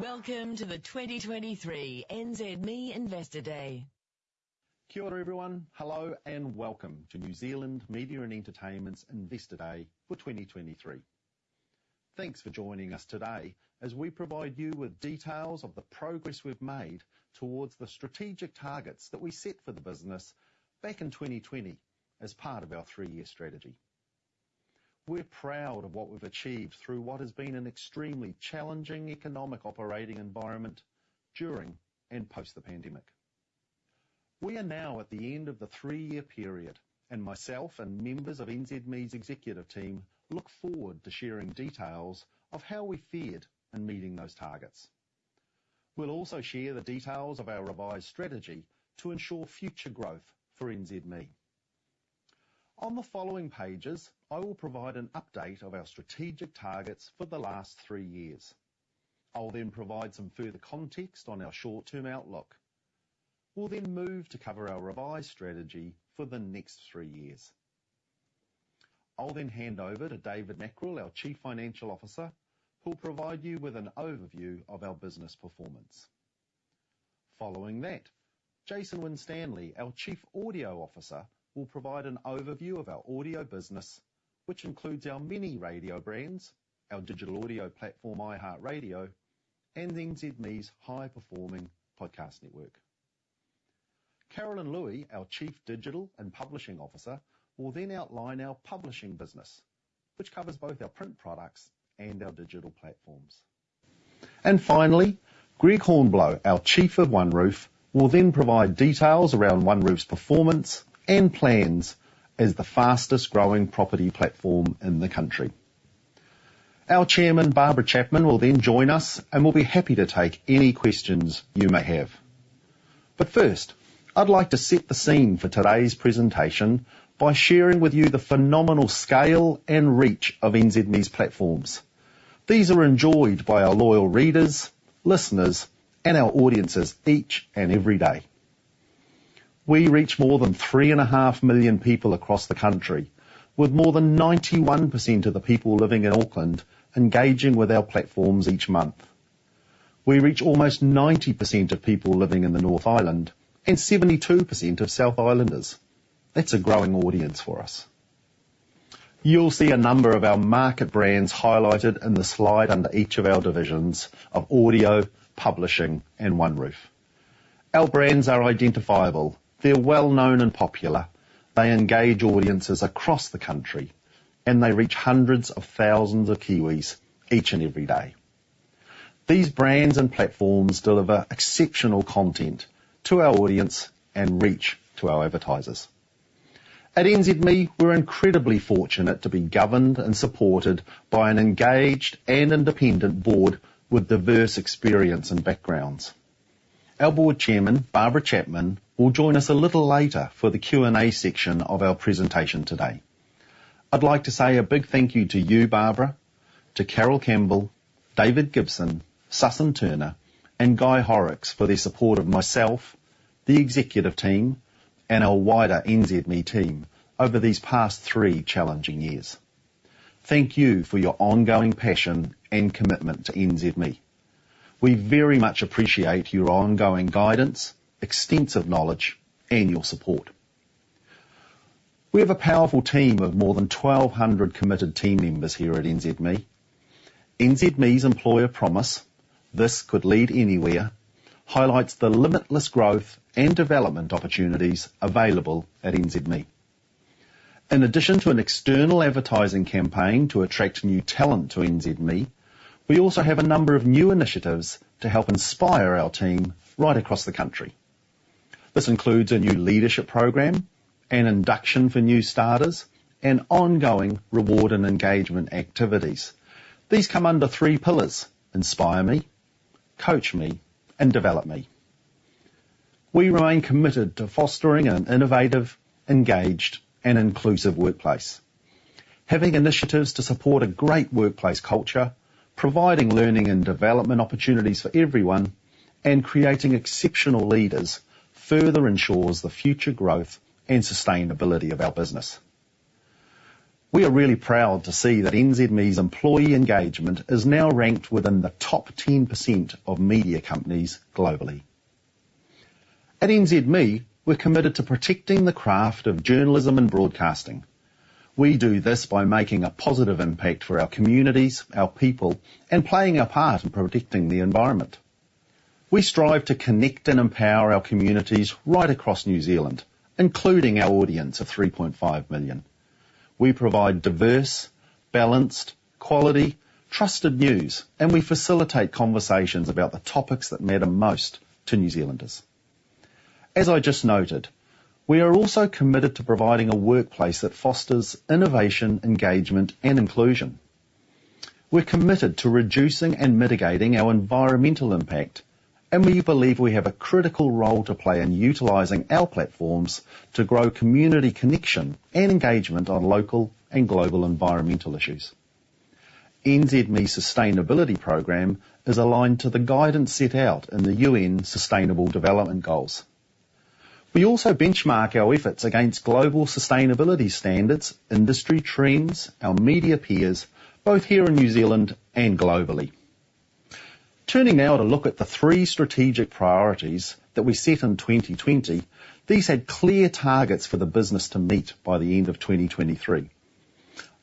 Welcome to the 2023 NZME Investor Day. Kia ora, everyone. Hello, and welcome to New Zealand Media and Entertainment's Investor Day for 2023. Thanks for joining us today as we provide you with details of the progress we've made towards the strategic targets that we set for the business back in 2020 as part of our three-year strategy. We're proud of what we've achieved through what has been an extremely challenging economic operating environment during and post the pandemic. We are now at the end of the three-year period, and myself and members of NZME's executive team look forward to sharing details of how we fared in meeting those targets. We'll also share the details of our revised strategy to ensure future growth for NZME. On the following pages, I will provide an update of our strategic targets for the last three years. I'll then provide some further context on our short-term outlook. We'll then move to cover our revised strategy for the next three years. I'll then hand over to David Mackrell, our Chief Financial Officer, who'll provide you with an overview of our business performance. Following that, Jason Winstanley, our Chief Audio Officer, will provide an overview of our audio business, which includes our many radio brands, our digital audio platform, iHeartRadio, and NZME's high-performing podcast network. Carolyn Luey, our Chief Digital and Publishing Officer, will then outline our publishing business, which covers both our print products and our digital platforms. And finally, Greg Hornblow, our Chief of OneRoof, will then provide details around OneRoof's performance and plans as the fastest-growing property platform in the country. Our chairman, Barbara Chapman, will then join us and will be happy to take any questions you may have. First, I'd like to set the scene for today's presentation by sharing with you the phenomenal scale and reach of NZME's platforms. These are enjoyed by our loyal readers, listeners, and our audiences each and every day. We reach more than 3.5 million people across the country, with more than 91% of the people living in Auckland engaging with our platforms each month. We reach almost 90% of people living in the North Island and 72% of South Islanders. That's a growing audience for us. You'll see a number of our market brands highlighted in the slide under each of our divisions of audio, publishing, and OneRoof. Our brands are identifiable. They're well known and popular. They engage audiences across the country, and they reach hundreds of thousands of Kiwis each and every day. These brands and platforms deliver exceptional content to our audience and reach to our advertisers. At NZME, we're incredibly fortunate to be governed and supported by an engaged and independent board with diverse experience and backgrounds. Our Board Chairman, Barbara Chapman, will join us a little later for the Q&A section of our presentation today. I'd like to say a big thank you to you, Barbara, to Carol Campbell, David Gibson, Sussan Turner, and Guy Horrocks for their support of myself, the executive team, and our wider NZME team over these past three challenging years. Thank you for your ongoing passion and commitment to NZME. We very much appreciate your ongoing guidance, extensive knowledge, and your support. We have a powerful team of more than 1,200 committed team members here at NZME. NZME's employer promise, "This could lead anywhere," highlights the limitless growth and development opportunities available at NZME. In addition to an external advertising campaign to attract new talent to NZME, we also have a number of new initiatives to help inspire our team right across the country. This includes a new leadership program, an induction for new starters, and ongoing reward and engagement activities. These come under three pillars: IInspire Me, Coach Me, and Develop Me. We remain committed to fostering an innovative, engaged, and inclusive workplace. Having initiatives to support a great workplace culture, providing learning and development opportunities for everyone, and creating exceptional leaders further ensures the future growth and sustainability of our business. We are really proud to see that NZME's employee engagement is now ranked within the top 10% of media companies globally. At NZME, we're committed to protecting the craft of journalism and broadcasting. We do this by making a positive impact for our communities, our people, and playing our part in protecting the environment. We strive to connect and empower our communities right across New Zealand, including our audience of 3.5 million. We provide diverse, balanced, quality, trusted news, and we facilitate conversations about the topics that matter most to New Zealanders. As I just noted, we are also committed to providing a workplace that fosters innovation, engagement, and inclusion. We're committed to reducing and mitigating our environmental impact, and we believe we have a critical role to play in utilizing our platforms to grow community connection and engagement on local and global environmental issues. NZME sustainability program is aligned to the guidance set out in the UN Sustainable Development Goals. We also benchmark our efforts against global sustainability standards, industry trends, our media peers, both here in New Zealand and globally. Turning now to look at the three strategic priorities that we set in 2020, these had clear targets for the business to meet by the end of 2023.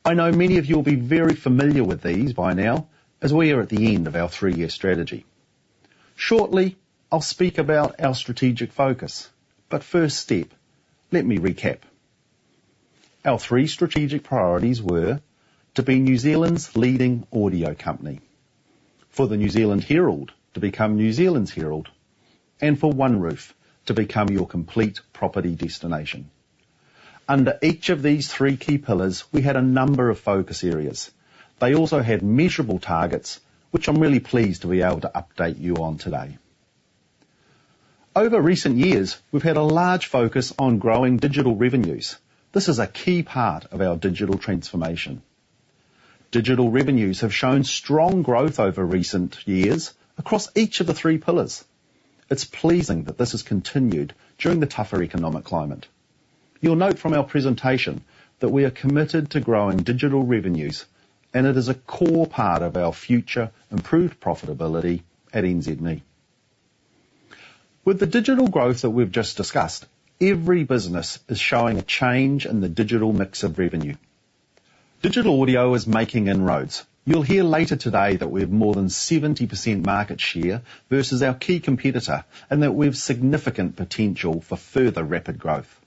I know many of you will be very familiar with these by now, as we are at the end of our three-year strategy. Shortly, I'll speak about our strategic focus, but first step, let me recap. Our three strategic priorities were: to be New Zealand's leading audio company, for the New Zealand Herald to become New Zealand's Herald, and for OneRoof to become your complete property destination. Under each of these three key pillars, we had a number of focus areas. They also had measurable targets, which I'm really pleased to be able to update you on today. Over recent years, we've had a large focus on growing digital revenues. This is a key part of our digital transformation. Digital revenues have shown strong growth over recent years across each of the three pillars. It's pleasing that this has continued during the tougher economic climate. You'll note from our presentation that we are committed to growing digital revenues, and it is a core part of our future improved profitability at NZME. With the digital growth that we've just discussed, every business is showing a change in the digital mix of revenue. Digital audio is making inroads. You'll hear later today that we have more than 70% market share versus our key competitor, and that we have significant potential for further rapid growth.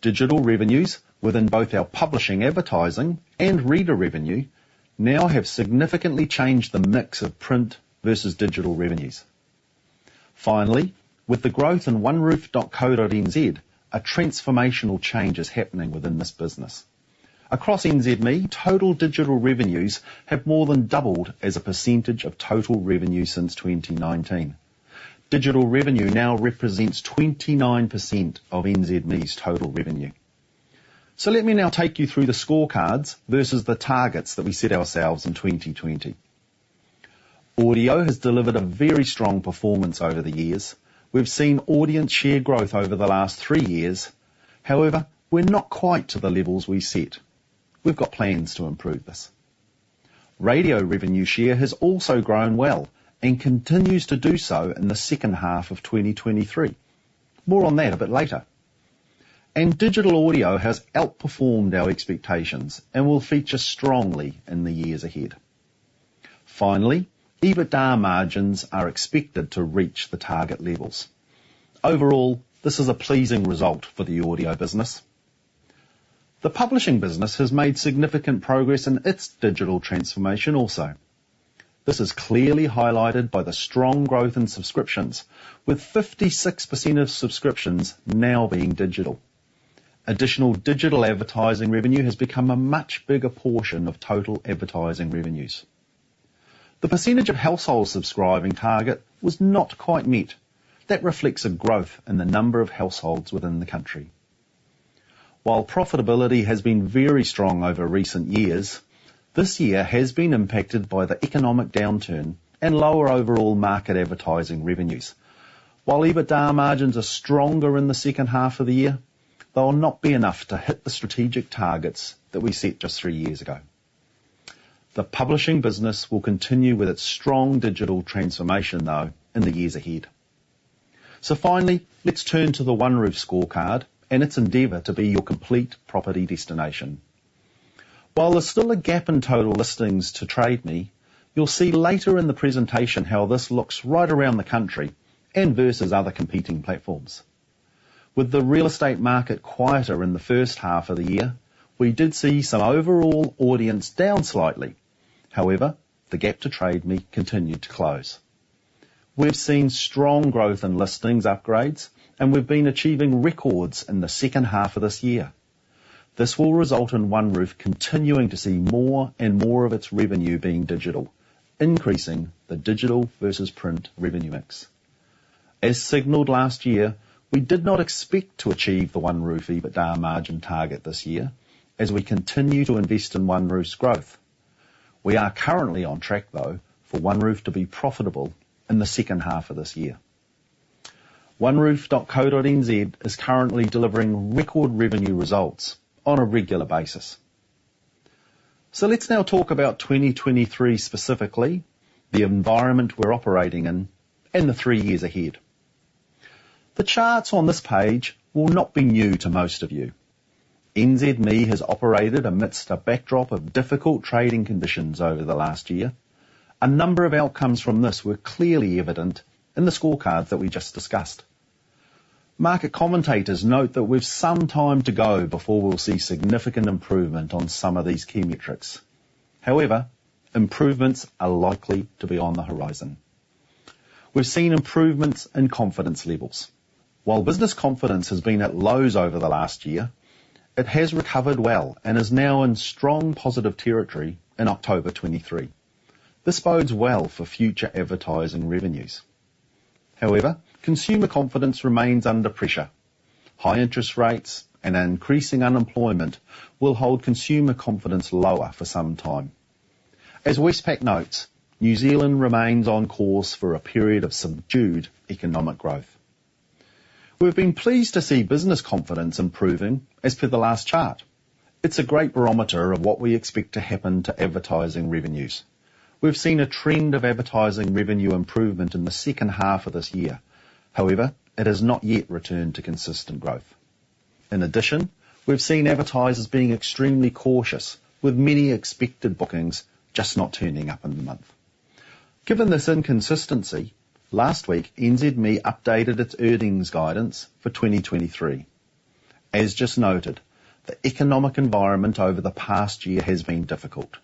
Digital revenues within both our publishing, advertising, and reader revenue now have significantly changed the mix of print versus digital revenues. Finally, with the growth in OneRoof.co.nz, a transformational change is happening within this business. Across NZME, total digital revenues have more than doubled as a percentage of total revenue since 2019. Digital revenue now represents 29% of NZME's total revenue. So let me now take you through the scorecards versus the targets that we set ourselves in 2020. Audio has delivered a very strong performance over the years. We've seen audience share growth over the last three years. However, we're not quite to the levels we set. We've got plans to improve this. Radio revenue share has also grown well and continues to do so in the second half of 2023. More on that a bit later. And digital audio has outperformed our expectations and will feature strongly in the years ahead. Finally, EBITDA margins are expected to reach the target levels. Overall, this is a pleasing result for the audio business. The publishing business has made significant progress in its digital transformation also. This is clearly highlighted by the strong growth in subscriptions, with 56% of subscriptions now being digital. Additional digital advertising revenue has become a much bigger portion of total advertising revenues. The percentage of household subscribing target was not quite met. That reflects a growth in the number of households within the country. While profitability has been very strong over recent years, this year has been impacted by the economic downturn and lower overall market advertising revenues. While EBITDA margins are stronger in the second half of the year, they will not be enough to hit the strategic targets that we set just three years ago. The publishing business will continue with its strong digital transformation, though, in the years ahead. So finally, let's turn to the OneRoof scorecard and its endeavor to be your complete property destination. While there's still a gap in total listings to Trade Me, you'll see later in the presentation how this looks right around the country and versus other competing platforms. With the real estate market quieter in the first half of the year, we did see some overall audience down slightly. However, the gap to Trade Me continued to close. We've seen strong growth in listings upgrades, and we've been achieving records in the second half of this year. This will result in OneRoof continuing to see more and more of its revenue being digital, increasing the digital versus print revenue mix. As signaled last year, we did not expect to achieve the OneRoof EBITDA margin target this year, as we continue to invest in OneRoof's growth. We are currently on track, though, for OneRoof to be profitable in the second half of this year. OneRoof.co.nz is currently delivering record revenue results on a regular basis. So let's now talk about 2023 specifically, the environment we're operating in, and the three years ahead. The charts on this page will not be new to most of you. NZME has operated amidst a backdrop of difficult trading conditions over the last year. A number of outcomes from this were clearly evident in the scorecard that we just discussed. Market commentators note that we've some time to go before we'll see significant improvement on some of these key metrics. However, improvements are likely to be on the horizon. We've seen improvements in confidence levels. While business confidence has been at lows over the last year, it has recovered well and is now in strong positive territory in October 2023. This bodes well for future advertising revenues. However, consumer confidence remains under pressure. High interest rates and increasing unemployment will hold consumer confidence lower for some time. As Westpac notes, New Zealand remains on course for a period of subdued economic growth. We've been pleased to see business confidence improving, as per the last chart. It's a great barometer of what we expect to happen to advertising revenues. We've seen a trend of advertising revenue improvement in the second half of this year. However, it has not yet returned to consistent growth. In addition, we've seen advertisers being extremely cautious, with many expected bookings just not turning up in the month. Given this inconsistency, last week, NZME updated its earnings guidance for 2023. As just noted, the economic environment over the past year has been difficult.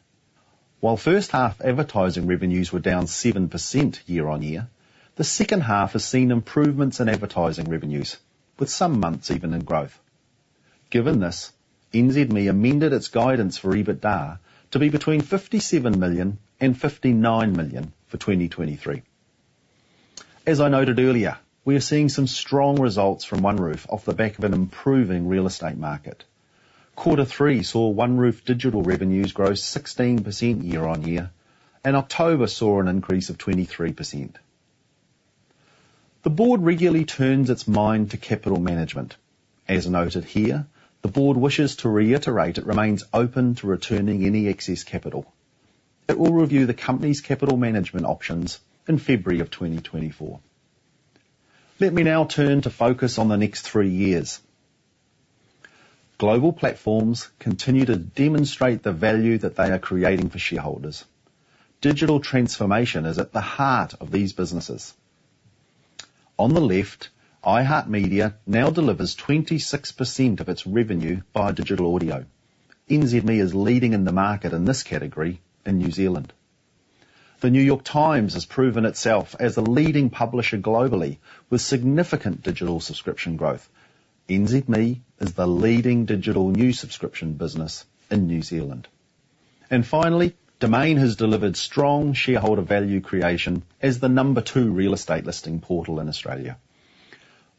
While first half advertising revenues were down 7% year-on-year, the second half has seen improvements in advertising revenues, with some months even in growth. Given this, NZME amended its guidance for EBITDA to be between 57 million and 59 million for 2023. As I noted earlier, we are seeing some strong results from OneRoof off the back of an improving real estate market. Quarter 3 saw OneRoof digital revenues grow 16% year-on-year, and October saw an increase of 23%. The board regularly turns its mind to capital management. As noted here, the board wishes to reiterate it remains open to returning any excess capital. It will review the company's capital management options in February of 2024. Let me now turn to focus on the next three years. Global platforms continue to demonstrate the value that they are creating for shareholders. Digital transformation is at the heart of these businesses. On the left, iHeartMedia now delivers 26% of its revenue via digital audio. NZME is leading in the market in this category in New Zealand. The New York Times has proven itself as a leading publisher globally, with significant digital subscription growth. NZME is the leading digital news subscription business in New Zealand. And finally, Domain has delivered strong shareholder value creation as the number two real estate listing portal in Australia.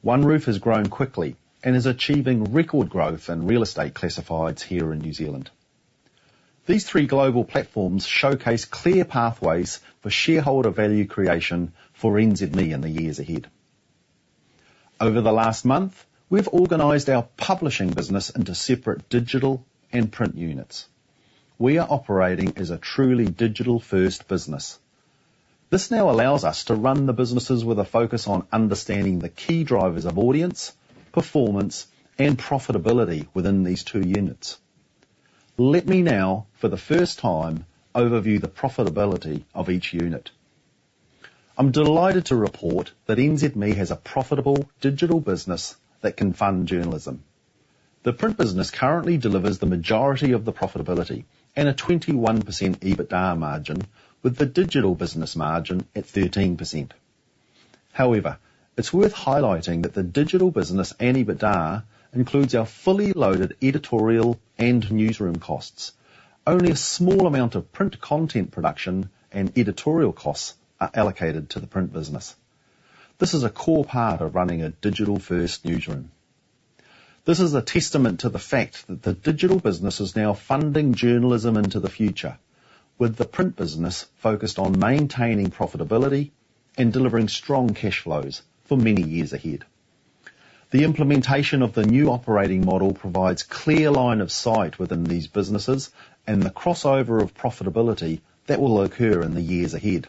OneRoof has grown quickly and is achieving record growth in real estate classifieds here in New Zealand. These three global platforms showcase clear pathways for shareholder value creation for NZME in the years ahead. Over the last month, we've organized our publishing business into separate digital and print units. We are operating as a truly digital-first business. This now allows us to run the businesses with a focus on understanding the key drivers of audience, performance, and profitability within these two units. Let me now, for the first time, overview the profitability of each unit. I'm delighted to report that NZME has a profitable digital business that can fund journalism. The print business currently delivers the majority of the profitability and a 21% EBITDA margin, with the digital business margin at 13%. However, it's worth highlighting that the digital business and EBITDA includes our fully loaded editorial and newsroom costs. Only a small amount of print content production and editorial costs are allocated to the print business. This is a core part of running a digital-first newsroom. This is a testament to the fact that the digital business is now funding journalism into the future, with the print business focused on maintaining profitability and delivering strong cash flows for many years ahead. The implementation of the new operating model provides clear line of sight within these businesses and the crossover of profitability that will occur in the years ahead.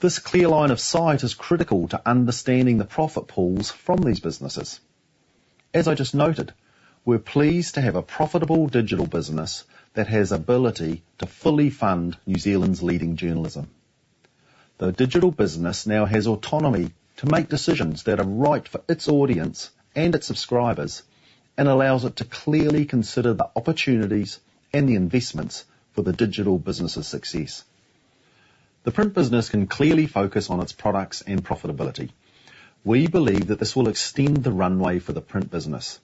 This clear line of sight is critical to understanding the profit pools from these businesses. As I just noted, we're pleased to have a profitable digital business that has ability to fully fund New Zealand's leading journalism. The digital business now has autonomy to make decisions that are right for its audience and its subscribers and allows it to clearly consider the opportunities and the investments for the digital business's success. The print business can clearly focus on its products and profitability. We believe that this will extend the runway for the print business.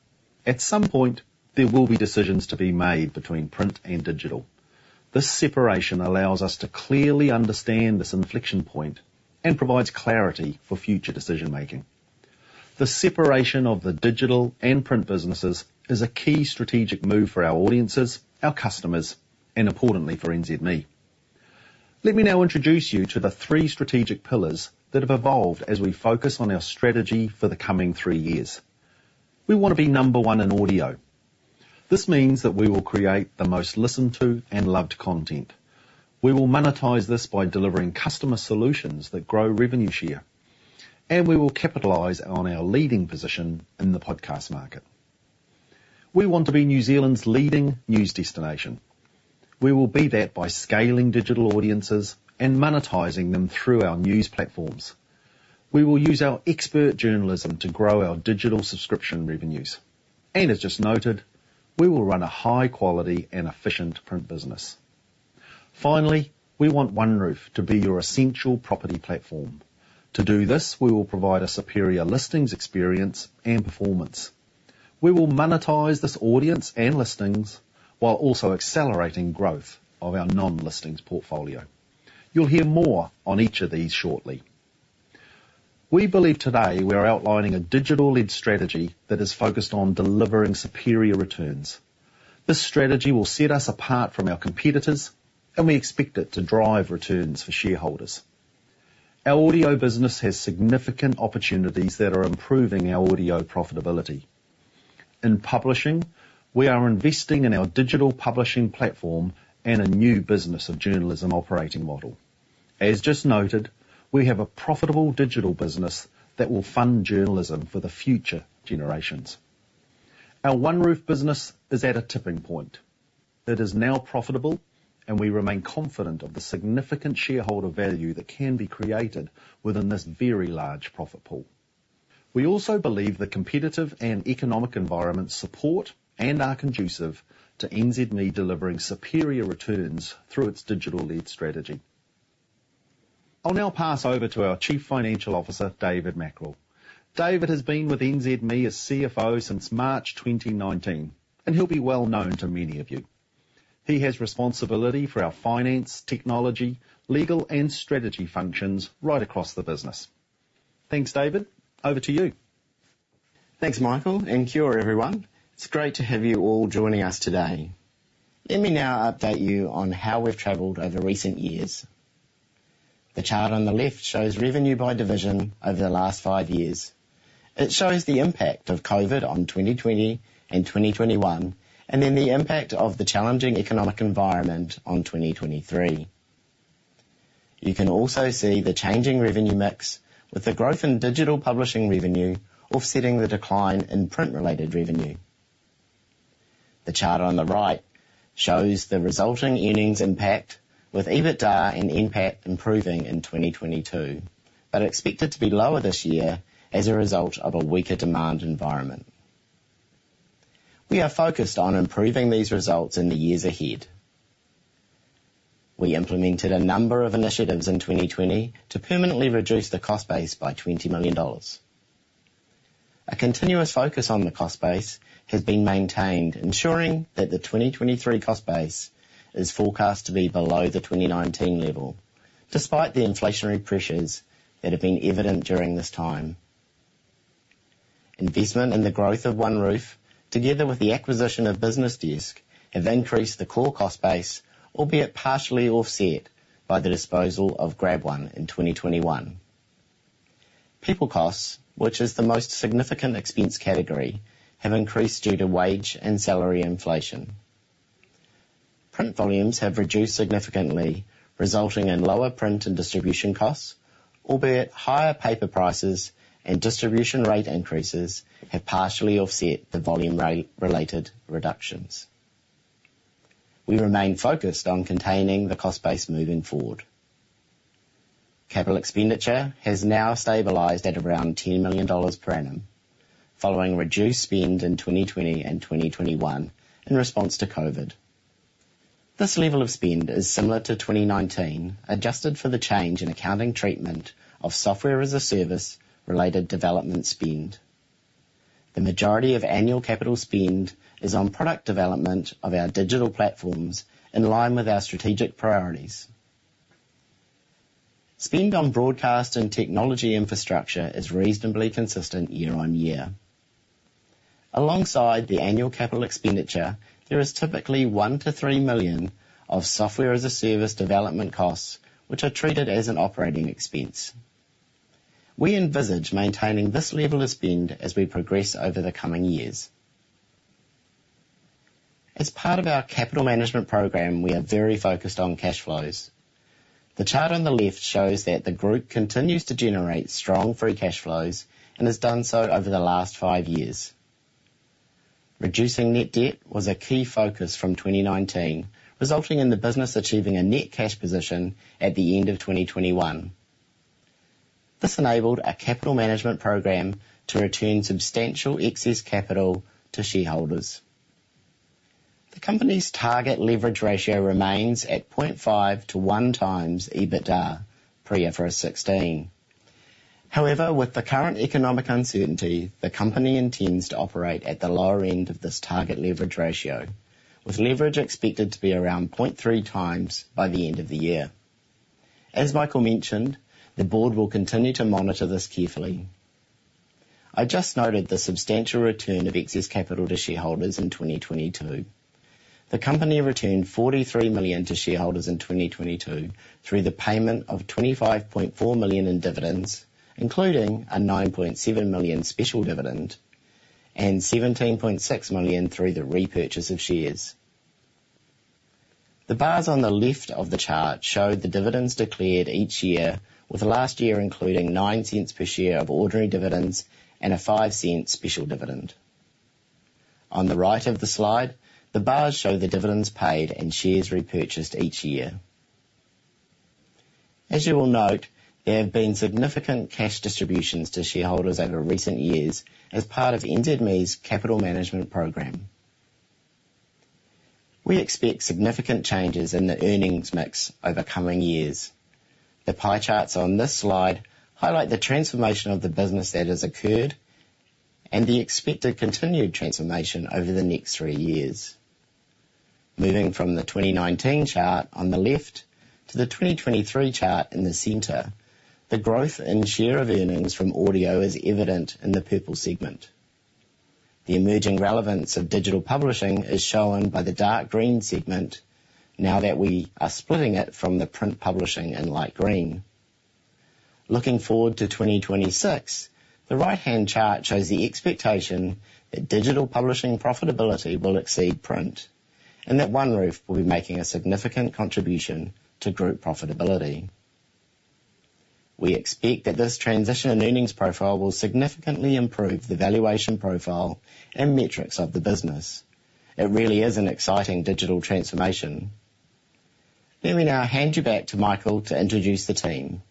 At some point, there will be decisions to be made between print and digital. This separation allows us to clearly understand this inflection point and provides clarity for future decision making. The separation of the digital and print businesses is a key strategic move for our audiences, our customers, and importantly, for NZME. Let me now introduce you to the three strategic pillars that have evolved as we focus on our strategy for the coming three years. We want to be number one in audio. This means that we will create the most listened to and loved content. We will monetize this by delivering customer solutions that grow revenue share, and we will capitalize on our leading position in the podcast market. We want to be New Zealand's leading news destination. We will be that by scaling digital audiences and monetizing them through our news platforms. We will use our expert journalism to grow our digital subscription revenues, and as just noted, we will run a high quality and efficient print business. Finally, we want OneRoof to be your essential property platform. To do this, we will provide a superior listings experience and performance. We will monetize this audience and listings while also accelerating growth of our non-listings portfolio. You'll hear more on each of these shortly. We believe today we are outlining a digital-led strategy that is focused on delivering superior returns. This strategy will set us apart from our competitors, and we expect it to drive returns for shareholders. Our audio business has significant opportunities that are improving our audio profitability. In publishing, we are investing in our digital publishing platform and a new business of journalism operating model. As just noted, we have a profitable digital business that will fund journalism for the future generations. Our OneRoof business is at a tipping point. It is now profitable, and we remain confident of the significant shareholder value that can be created within this very large profit pool. We also believe the competitive and economic environment support and are conducive to NZME delivering superior returns through its digital-led strategy. I'll now pass over to our Chief Financial Officer, David Mackrell. David has been with NZME as CFO since March 2019, and he'll be well known to many of you. He has responsibility for our finance, technology, legal, and strategy functions right across the business. Thanks, David. Over to you. Thanks, Michael, and kia ora, everyone. It's great to have you all joining us today. Let me now update you on how we've traveled over recent years. The chart on the left shows revenue by division over the last 5 years. It shows the impact of COVID on 2020 and 2021, and then the impact of the challenging economic environment on 2023. You can also see the changing revenue mix, with the growth in digital publishing revenue offsetting the decline in print-related revenue. The chart on the right shows the resulting earnings impact, with EBITDA and NPAT improving in 2022, but expected to be lower this year as a result of a weaker demand environment. We are focused on improving these results in the years ahead. We implemented a number of initiatives in 2020 to permanently reduce the cost base by 20 million dollars. A continuous focus on the cost base has been maintained, ensuring that the 2023 cost base is forecast to be below the 2019 level, despite the inflationary pressures that have been evident during this time. Investment in the growth of OneRoof, together with the acquisition of BusinessDesk, have increased the core cost base, albeit partially offset by the disposal of GrabOne in 2021. People costs, which is the most significant expense category, have increased due to wage and salary inflation. Print volumes have reduced significantly, resulting in lower print and distribution costs, albeit higher paper prices and distribution rate increases have partially offset the volume rate related reductions. We remain focused on containing the cost base moving forward. Capital expenditure has now stabilized at around 10 million dollars per annum, following reduced spend in 2020 and 2021 in response to COVID. This level of spend is similar to 2019, adjusted for the change in accounting treatment of software as a service related development spend. The majority of annual capital spend is on product development of our digital platforms, in line with our strategic priorities. Spend on broadcast and technology infrastructure is reasonably consistent year-over-year. Alongside the annual capital expenditure, there is typically 1-3 million of software-as-a-service development costs, which are treated as an operating expense. We envisage maintaining this level of spend as we progress over the coming years. As part of our capital management program, we are very focused on cash flows. The chart on the left shows that the group continues to generate strong free cash flows and has done so over the last 5 years. Reducing net debt was a key focus from 2019, resulting in the business achieving a net cash position at the end of 2021. This enabled our capital management program to return substantial excess capital to shareholders. The company's target leverage ratio remains at 0.5 to 1 times EBITDA, pre-IFRS 16. However, with the current economic uncertainty, the company intends to operate at the lower end of this target leverage ratio, with leverage expected to be around 0.3 times by the end of the year. As Michael mentioned, the board will continue to monitor this carefully. I just noted the substantial return of excess capital to shareholders in 2022. The company returned NZD 43 million to shareholders in 2022 through the payment of NZD 25.4 million in dividends, including a NZD 9.7 million special dividend and NZD 17.6 million through the repurchase of shares. The bars on the left of the chart show the dividends declared each year, with last year including 0.09 per share of ordinary dividends and a 0.05 special dividend. On the right of the slide, the bars show the dividends paid and shares repurchased each year. As you will note, there have been significant cash distributions to shareholders over recent years as part of NZME's capital management program. We expect significant changes in the earnings mix over coming years. The pie charts on this slide highlight the transformation of the business that has occurred and the expected continued transformation over the next three years. Moving from the 2019 chart on the left to the 2023 chart in the center, the growth and share of earnings from audio is evident in the purple segment. The emerging relevance of digital publishing is shown by the dark green segment now that we are splitting it from the print publishing in light green. Looking forward to 2026, the right-hand chart shows the expectation that digital publishing profitability will exceed print, and that OneRoof will be making a significant contribution to group profitability. We expect that this transition and earnings profile will significantly improve the valuation profile and metrics of the business. It really is an exciting digital transformation. Let me now hand you back to Michael to introduce the team.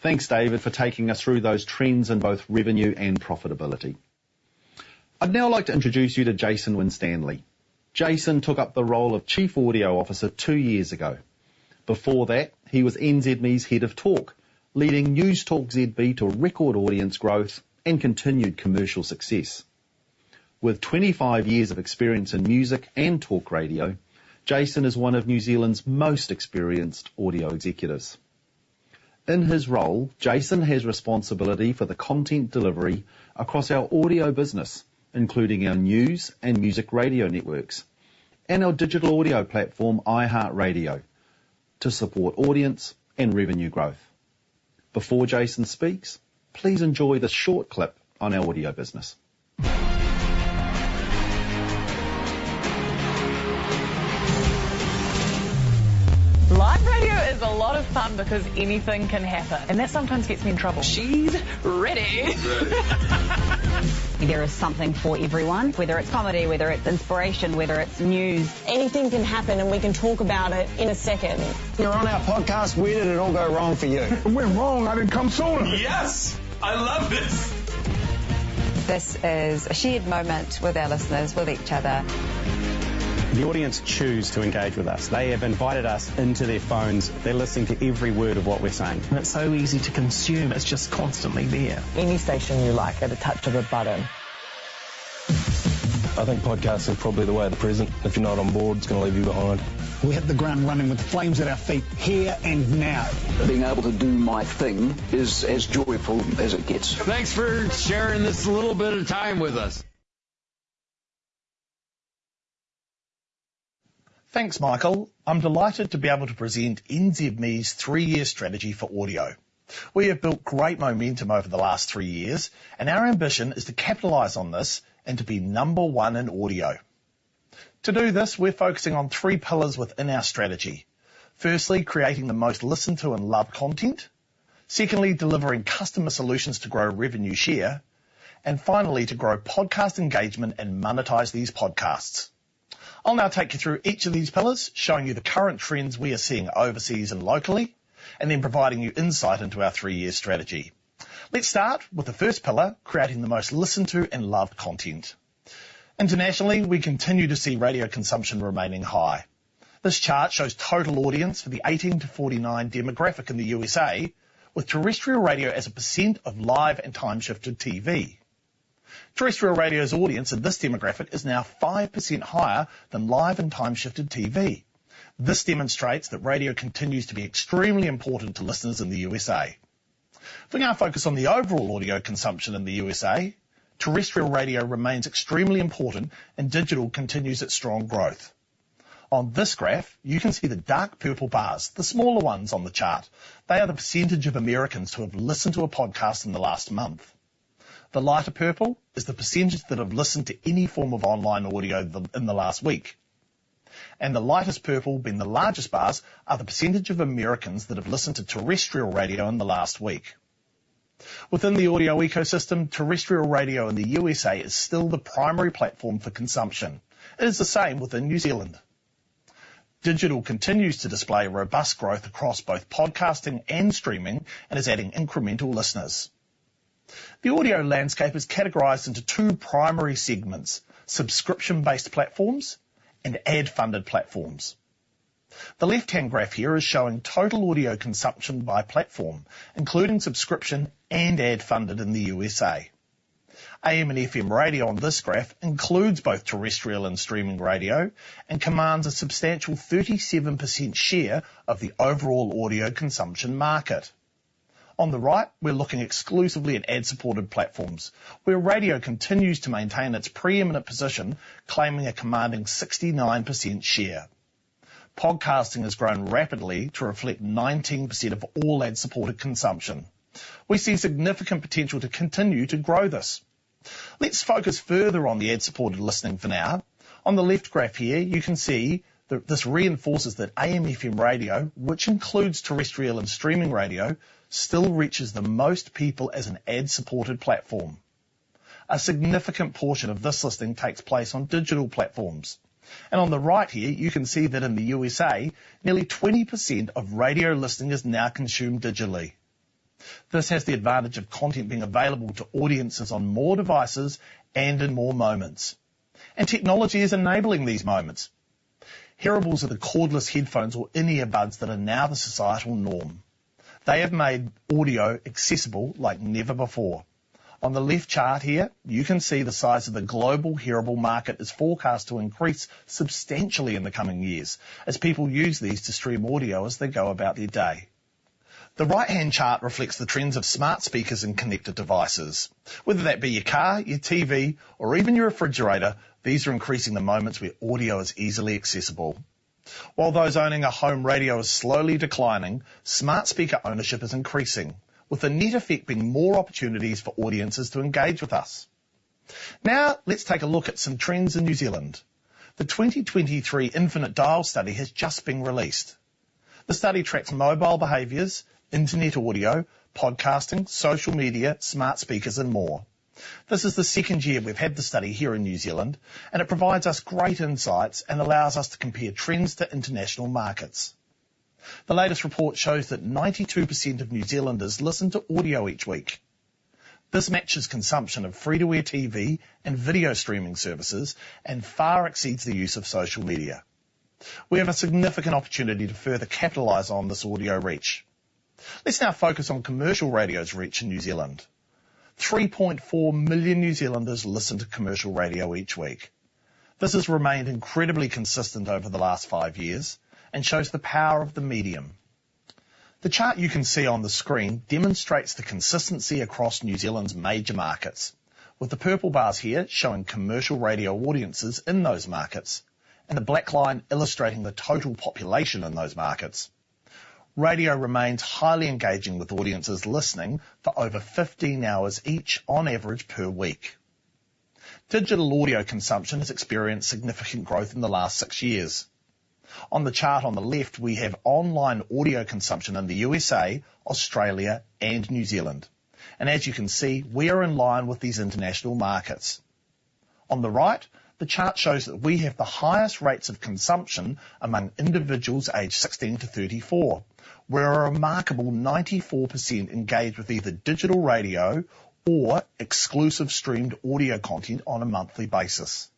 Thanks, David, for taking us through those trends in both revenue and profitability. I'd now like to introduce you to Jason Winstanley. Jason took up the role of Chief Audio Officer two years ago. Before that, he was NZME's Head of Talk, leading Newstalk ZB to a record audience growth and continued commercial success. With 25 years of experience in music and talk radio, Jason is one of New Zealand's most experienced audio executives. In his role, Jason has responsibility for the content delivery across our audio business, including our news and music radio networks, and our digital audio platform, iHeartRadio, to support audience and revenue growth. Before Jason speaks, please enjoy this short clip on our audio business. Live radio is a lot of fun because anything can happen, and that sometimes gets me in trouble. She's ready. There is something for everyone, whether it's comedy, whether it's inspiration, whether it's news. Anything can happen, and we can talk about it in a second. You're on our podcast. Where did it all go wrong for you? It went wrong. I didn't come sooner. Yes, I love this. This is a shared moment with our listeners, with each other. The audience choose to engage with us. They have invited us into their phones. They're listening to every word of what we're saying. It's so easy to consume. It's just constantly there. Any station you like, at the touch of a button. I think podcasts are probably the way of the present. If you're not on board, it's gonna leave you behind. We hit the ground running with flames at our feet here and now. Being able to do my thing is as joyful as it gets. Thanks for sharing this little bit of time with us. Thanks, Michael. I'm delighted to be able to present NZME's three-year strategy for audio. We have built great momentum over the last three years, and our ambition is to capitalize on this and to be number one in audio. To do this, we're focusing on three pillars within our strategy. Firstly, creating the most listened to and loved content. Secondly, delivering customer solutions to grow revenue share. Finally, to grow podcast engagement and monetize these podcasts. I'll now take you through each of these pillars, showing you the current trends we are seeing overseas and locally, and then providing you insight into our three-year strategy. Let's start with the first pillar, creating the most listened to and loved content. Internationally, we continue to see radio consumption remaining high. This chart shows total audience for the 18-49 demographic in the USA, with terrestrial radio as a percent of live and time-shifted TV. Terrestrial radio's audience in this demographic is now 5% higher than live and time-shifted TV. This demonstrates that radio continues to be extremely important to listeners in the USA. If we now focus on the overall audio consumption in the USA, terrestrial radio remains extremely important, and digital continues its strong growth. On this graph, you can see the dark purple bars, the smaller ones on the chart. They are the percentage of Americans who have listened to a podcast in the last month. The lighter purple is the percentage that have listened to any form of online audio, in the last week, and the lightest purple, being the largest bars, are the percentage of Americans that have listened to terrestrial radio in the last week. Within the audio ecosystem, terrestrial radio in the USA is still the primary platform for consumption. It is the same within New Zealand. Digital continues to display robust growth across both podcasting and streaming and is adding incremental listeners. The audio landscape is categorized into two primary segments, subscription-based platforms and ad-funded platforms. The left-hand graph here is showing total audio consumption by platform, including subscription and ad-funded in the USA. AM and FM radio on this graph includes both terrestrial and streaming radio and commands a substantial 37% share of the overall audio consumption market. On the right, we're looking exclusively at ad-supported platforms, where radio continues to maintain its preeminent position, claiming a commanding 69% share. Podcasting has grown rapidly to reflect 19% of all ad-supported consumption. We see significant potential to continue to grow this. Let's focus further on the ad-supported listening for now. On the left graph here, you can see that this reinforces that AM/FM radio, which includes terrestrial and streaming radio, still reaches the most people as an ad-supported platform. A significant portion of this listening takes place on digital platforms. On the right here, you can see that in the USA, nearly 20% of radio listening is now consumed digitally. This has the advantage of content being available to audiences on more devices and in more moments, and technology is enabling these moments. Hearables are the cordless headphones or in-ear buds that are now the societal norm.... They have made audio accessible like never before. On the left chart here, you can see the size of the global hearable market is forecast to increase substantially in the coming years, as people use these to stream audio as they go about their day. The right-hand chart reflects the trends of smart speakers and connected devices, whether that be your car, your TV, or even your refrigerator; these are increasing the moments where audio is easily accessible. While those owning a home radio is slowly declining, smart speaker ownership is increasing, with the net effect being more opportunities for audiences to engage with us. Now, let's take a look at some trends in New Zealand. The 2023 Infinite Dial study has just been released. The study tracks mobile behaviors, internet audio, podcasting, social media, smart speakers, and more. This is the second year we've had the study here in New Zealand, and it provides us great insights and allows us to compare trends to international markets. The latest report shows that 92% of New Zealanders listen to audio each week. This matches consumption of free-to-air TV and video streaming services and far exceeds the use of social media. We have a significant opportunity to further capitalize on this audio reach. Let's now focus on commercial radio's reach in New Zealand. 3.4 million New Zealanders listen to commercial radio each week. This has remained incredibly consistent over the last 5 years and shows the power of the medium. The chart you can see on the screen demonstrates the consistency across New Zealand's major markets, with the purple bars here showing commercial radio audiences in those markets and the black line illustrating the total population in those markets. Radio remains highly engaging, with audiences listening for over 15 hours each on average per week. Digital audio consumption has experienced significant growth in the last 6 years. On the chart on the left, we have online audio consumption in the USA, Australia, and New Zealand, and as you can see, we are in line with these international markets. On the right, the chart shows that we have the highest rates of consumption among individuals aged 16-34, where a remarkable 94% engage with either digital radio or exclusive streamed audio content on a monthly basis.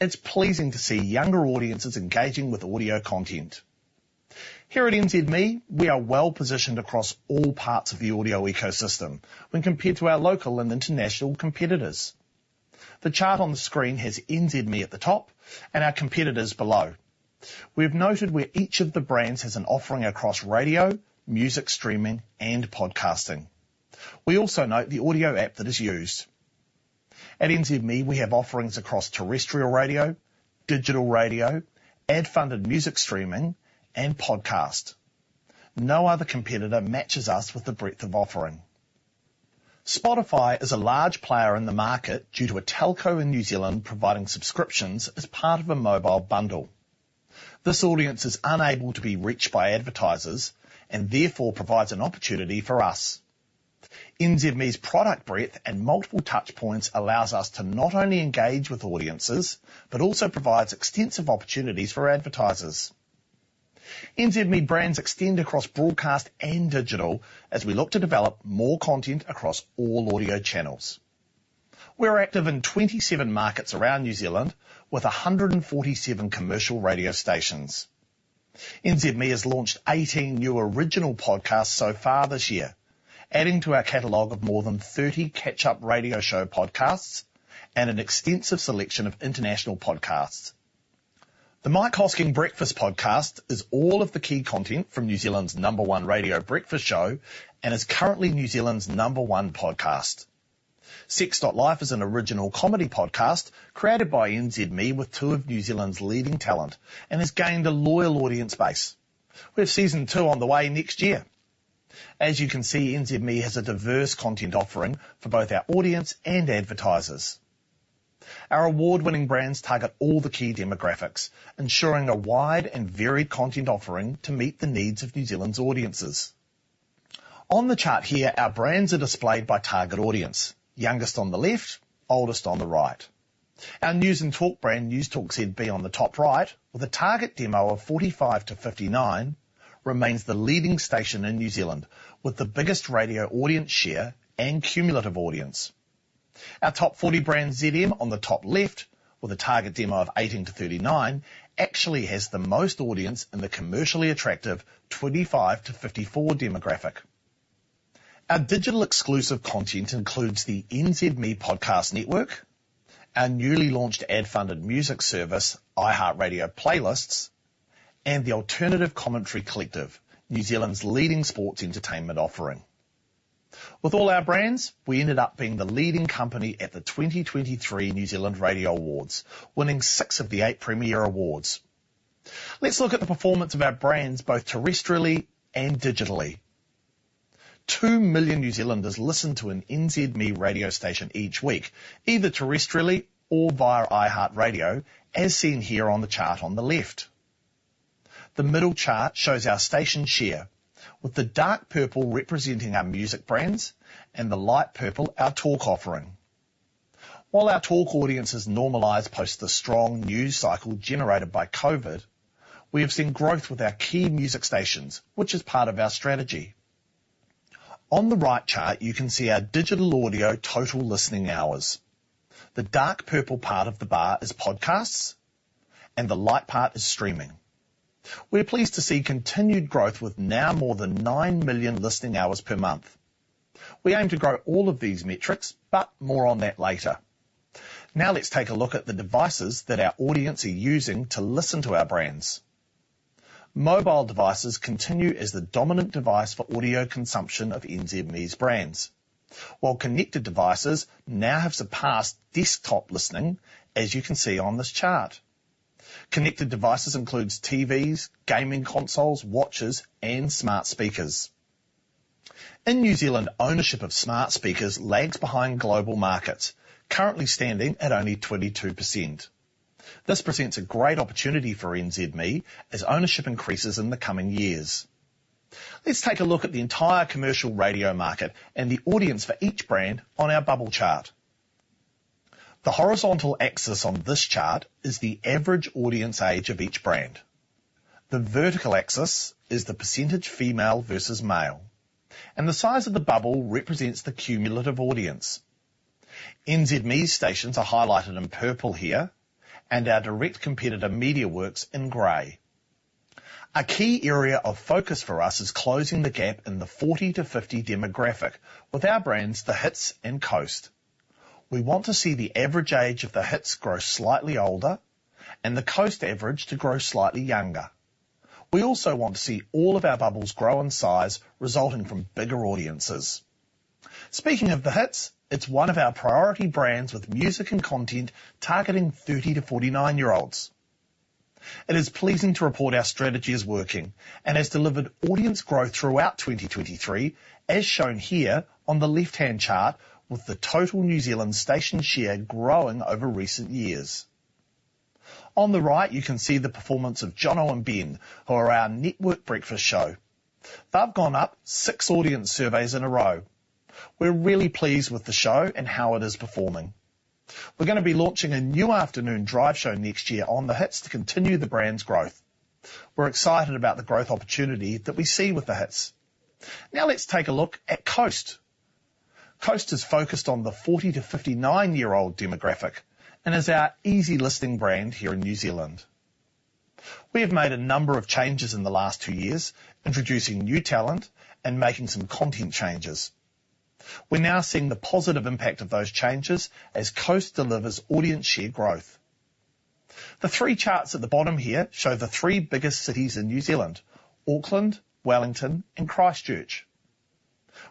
It's pleasing to see younger audiences engaging with audio content. Here at NZME, we are well-positioned across all parts of the audio ecosystem when compared to our local and international competitors. The chart on the screen has NZME at the top and our competitors below. We have noted where each of the brands has an offering across radio, music streaming, and podcasting. We also note the audio app that is used. At NZME, we have offerings across terrestrial radio, digital radio, ad-funded music streaming, and podcast. No other competitor matches us with the breadth of offering. Spotify is a large player in the market due to a telco in New Zealand providing subscriptions as part of a mobile bundle. This audience is unable to be reached by advertisers and therefore provides an opportunity for us. NZME's product breadth and multiple touchpoints allows us to not only engage with audiences, but also provides extensive opportunities for advertisers. NZME brands extend across broadcast and digital as we look to develop more content across all audio channels. We're active in 27 markets around New Zealand, with 147 commercial radio stations. NZME has launched 18 new original podcasts so far this year, adding to our catalog of more than 30 catch-up radio show podcasts and an extensive selection of international podcasts. The Mike Hosking Breakfast podcast is all of the key content from New Zealand's number one radio breakfast show and is currently New Zealand's number one podcast. Sex.Life is an original comedy podcast created by NZME with two of New Zealand's leading talent and has gained a loyal audience base. We have Season Two on the way next year. As you can see, NZME has a diverse content offering for both our audience and advertisers. Our award-winning brands target all the key demographics, ensuring a wide and varied content offering to meet the needs of New Zealand's audiences. On the chart here, our brands are displayed by target audience, youngest on the left, oldest on the right. Our news and talk brand, Newstalk ZB, on the top right, with a target demo of 45-59, remains the leading station in New Zealand, with the biggest radio audience share and cumulative audience. Our top forty brand, ZM, on the top left, with a target demo of 18-39, actually has the most audience in the commercially attractive 25-54 demographic. Our digital-exclusive content includes the NZME Podcast Network, our newly launched ad-funded music service, iHeartRadio Playlists, and the Alternative Commentary Collective, New Zealand's leading sports entertainment offering. With all our brands, we ended up being the leading company at the 2023 New Zealand Radio Awards, winning six of the eight premier awards. Let's look at the performance of our brands, both terrestrially and digitally. Two million New Zealanders listen to an NZME radio station each week, either terrestrially or via iHeartRadio, as seen here on the chart on the left. The middle chart shows our station share, with the dark purple representing our music brands and the light purple our talk offering. While our talk audience has normalized post the strong news cycle generated by COVID, we have seen growth with our key music stations, which is part of our strategy. On the right chart, you can see our digital audio total listening hours. The dark purple part of the bar is podcasts, and the light part is streaming. We're pleased to see continued growth with now more than 9 million listening hours per month. We aim to grow all of these metrics, but more on that later. Now let's take a look at the devices that our audience are using to listen to our brands. Mobile devices continue as the dominant device for audio consumption of NZME's brands, while connected devices now have surpassed desktop listening, as you can see on this chart. Connected devices includes TVs, gaming consoles, watches, and smart speakers. In New Zealand, ownership of smart speakers lags behind global markets, currently standing at only 22%. This presents a great opportunity for NZME as ownership increases in the coming years. Let's take a look at the entire commercial radio market and the audience for each brand on our bubble chart. The horizontal axis on this chart is the average audience age of each brand. The vertical axis is the percentage female versus male, and the size of the bubble represents the cumulative audience. NZME stations are highlighted in purple here, and our direct competitor, MediaWorks, in gray. A key area of focus for us is closing the gap in the 40-50 demographic with our brands, The Hits and Coast. We want to see the average age of The Hits grow slightly older and the Coast average to grow slightly younger. We also want to see all of our bubbles grow in size, resulting from bigger audiences. Speaking of The Hits, it's one of our priority brands with music and content targeting 30-49-year-olds. It is pleasing to report our strategy is working and has delivered audience growth throughout 2023, as shown here on the left-hand chart, with the total New Zealand station share growing over recent years. On the right, you can see the performance of Jono and Ben, who are our network breakfast show. They've gone up six audience surveys in a row. We're really pleased with the show and how it is performing. We're gonna be launching a new afternoon drive show next year on The Hits to continue the brand's growth. We're excited about the growth opportunity that we see with The Hits. Now let's take a look at Coast. Coast is focused on the 40-59-year-old demographic and is our easy listening brand here in New Zealand. We have made a number of changes in the last two years, introducing new talent and making some content changes. We're now seeing the positive impact of those changes as Coast delivers audience share growth. The three charts at the bottom here show the three biggest cities in New Zealand: Auckland, Wellington, and Christchurch.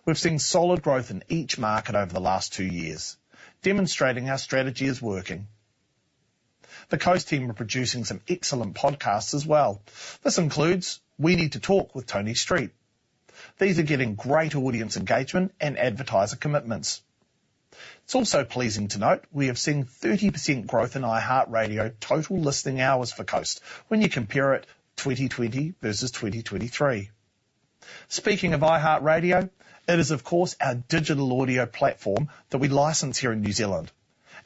We've seen solid growth in each market over the last two years, demonstrating our strategy is working. The Coast team are producing some excellent podcasts as well. This includes We Need to Talk with Toni Street. These are getting great audience engagement and advertiser commitments. It's also pleasing to note we have seen 30% growth in iHeartRadio total listening hours for Coast when you compare it 2020 versus 2023. Speaking of iHeartRadio, it is, of course, our digital audio platform that we license here in New Zealand.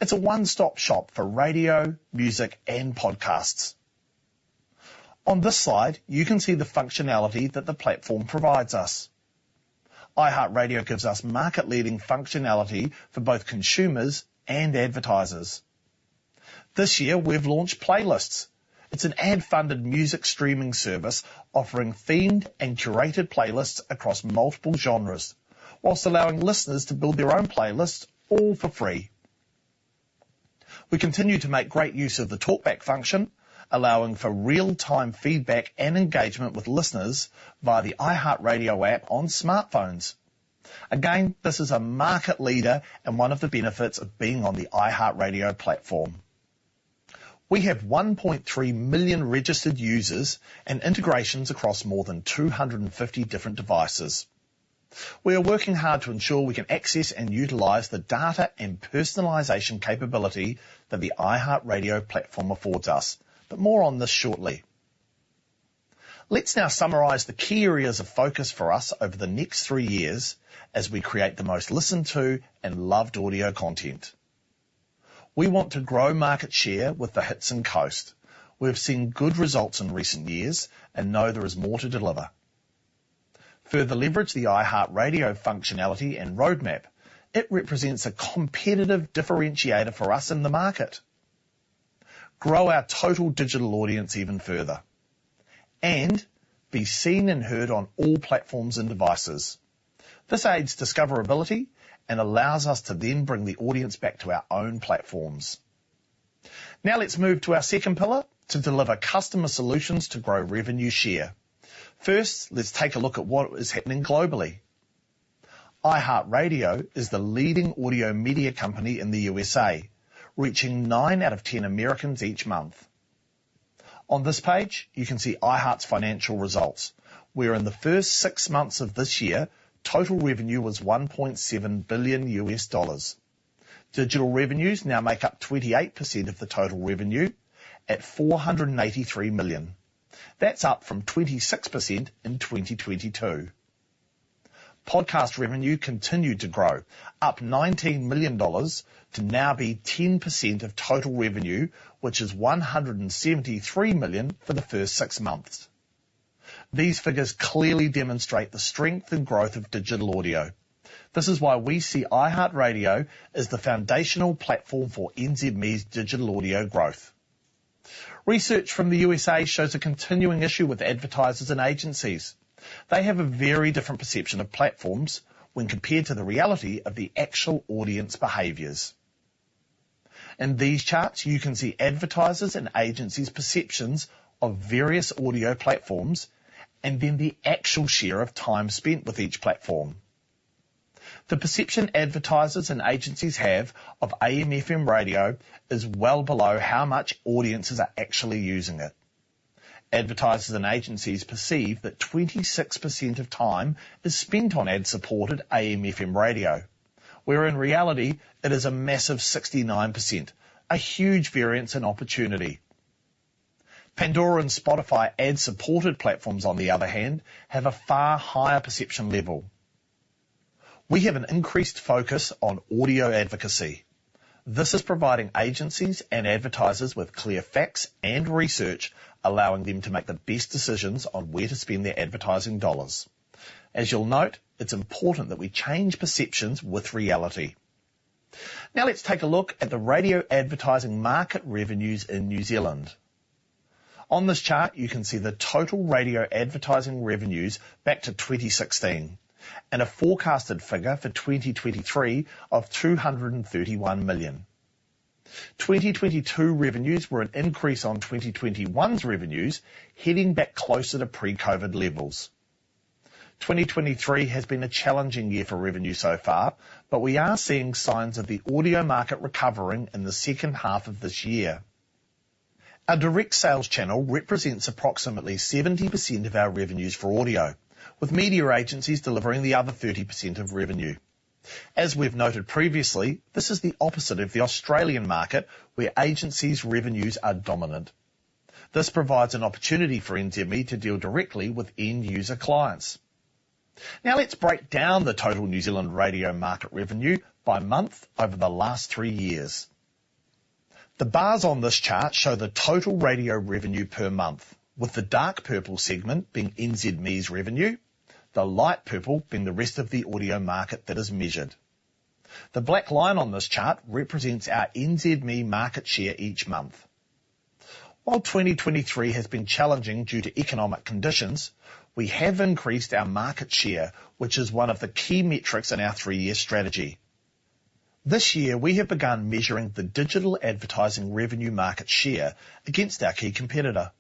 It's a one-stop shop for radio, music, and podcasts. On this slide, you can see the functionality that the platform provides us. iHeartRadio gives us market-leading functionality for both consumers and advertisers. This year, we've launched Playlists. It's an ad-funded music streaming service offering themed and curated playlists across multiple genres, while allowing listeners to build their own playlists, all for free. We continue to make great use of the talkback function, allowing for real-time feedback and engagement with listeners via the iHeartRadio app on smartphones. Again, this is a market leader and one of the benefits of being on the iHeartRadio platform. We have 1.3 million registered users and integrations across more than 250 different devices. We are working hard to ensure we can access and utilize the data and personalization capability that the iHeartRadio platform affords us, but more on this shortly. Let's now summarize the key areas of focus for us over the next three years as we create the most listened to and loved audio content. We want to grow market share with The Hits and Coast. We've seen good results in recent years and know there is more to deliver. Further leverage the iHeartRadio functionality and roadmap. It represents a competitive differentiator for us in the market. Grow our total digital audience even further, and be seen and heard on all platforms and devices. This aids discoverability and allows us to then bring the audience back to our own platforms. Now let's move to our second pillar: to deliver customer solutions to grow revenue share. First, let's take a look at what is happening globally. iHeartRadio is the leading audio media company in the USA, reaching nine out of ten Americans each month. On this page, you can see iHeart's financial results, where in the first six months of this year, total revenue was $1.7 billion. Digital revenues now make up 28% of the total revenue at NZD 483 million. That's up from 26% in 2022. Podcast revenue continued to grow, up 19 million dollars to now be 10% of total revenue, which is 173 million for the first six months. These figures clearly demonstrate the strength and growth of digital audio. This is why we see iHeartRadio as the foundational platform for NZME's digital audio growth. Research from the USA shows a continuing issue with advertisers and agencies. They have a very different perception of platforms when compared to the reality of the actual audience behaviors. In these charts, you can see advertisers' and agencies' perceptions of various audio platforms, and then the actual share of time spent with each platform. The perception advertisers and agencies have of AM/FM radio is well below how much audiences are actually using it. Advertisers and agencies perceive that 26% of time is spent on ad-supported AM/FM radio, where in reality it is a massive 69%, a huge variance in opportunity. Pandora and Spotify ad-supported platforms, on the other hand, have a far higher perception level. We have an increased focus on audio advocacy. This is providing agencies and advertisers with clear facts and research, allowing them to make the best decisions on where to spend their advertising dollars. As you'll note, it's important that we change perceptions with reality. Now let's take a look at the radio advertising market revenues in New Zealand. On this chart, you can see the total radio advertising revenues back to 2016, and a forecasted figure for 2023 of 231 million. 2022 revenues were an increase on 2021's revenues, heading back closer to pre-COVID levels. 2023 has been a challenging year for revenue so far, but we are seeing signs of the audio market recovering in the second half of this year. Our direct sales channel represents approximately 70% of our revenues for audio, with media agencies delivering the other 30% of revenue. As we've noted previously, this is the opposite of the Australian market, where agencies' revenues are dominant. This provides an opportunity for NZME to deal directly with end user clients. Now, let's break down the total New Zealand radio market revenue by month over the last three years. The bars on this chart show the total radio revenue per month, with the dark purple segment being NZME's revenue, the light purple being the rest of the audio market that is measured. The black line on this chart represents our NZME market share each month. While 2023 has been challenging due to economic conditions, we have increased our market share, which is one of the key metrics in our three-year strategy. This year, we have begun measuring the digital advertising revenue market share against our key competitor.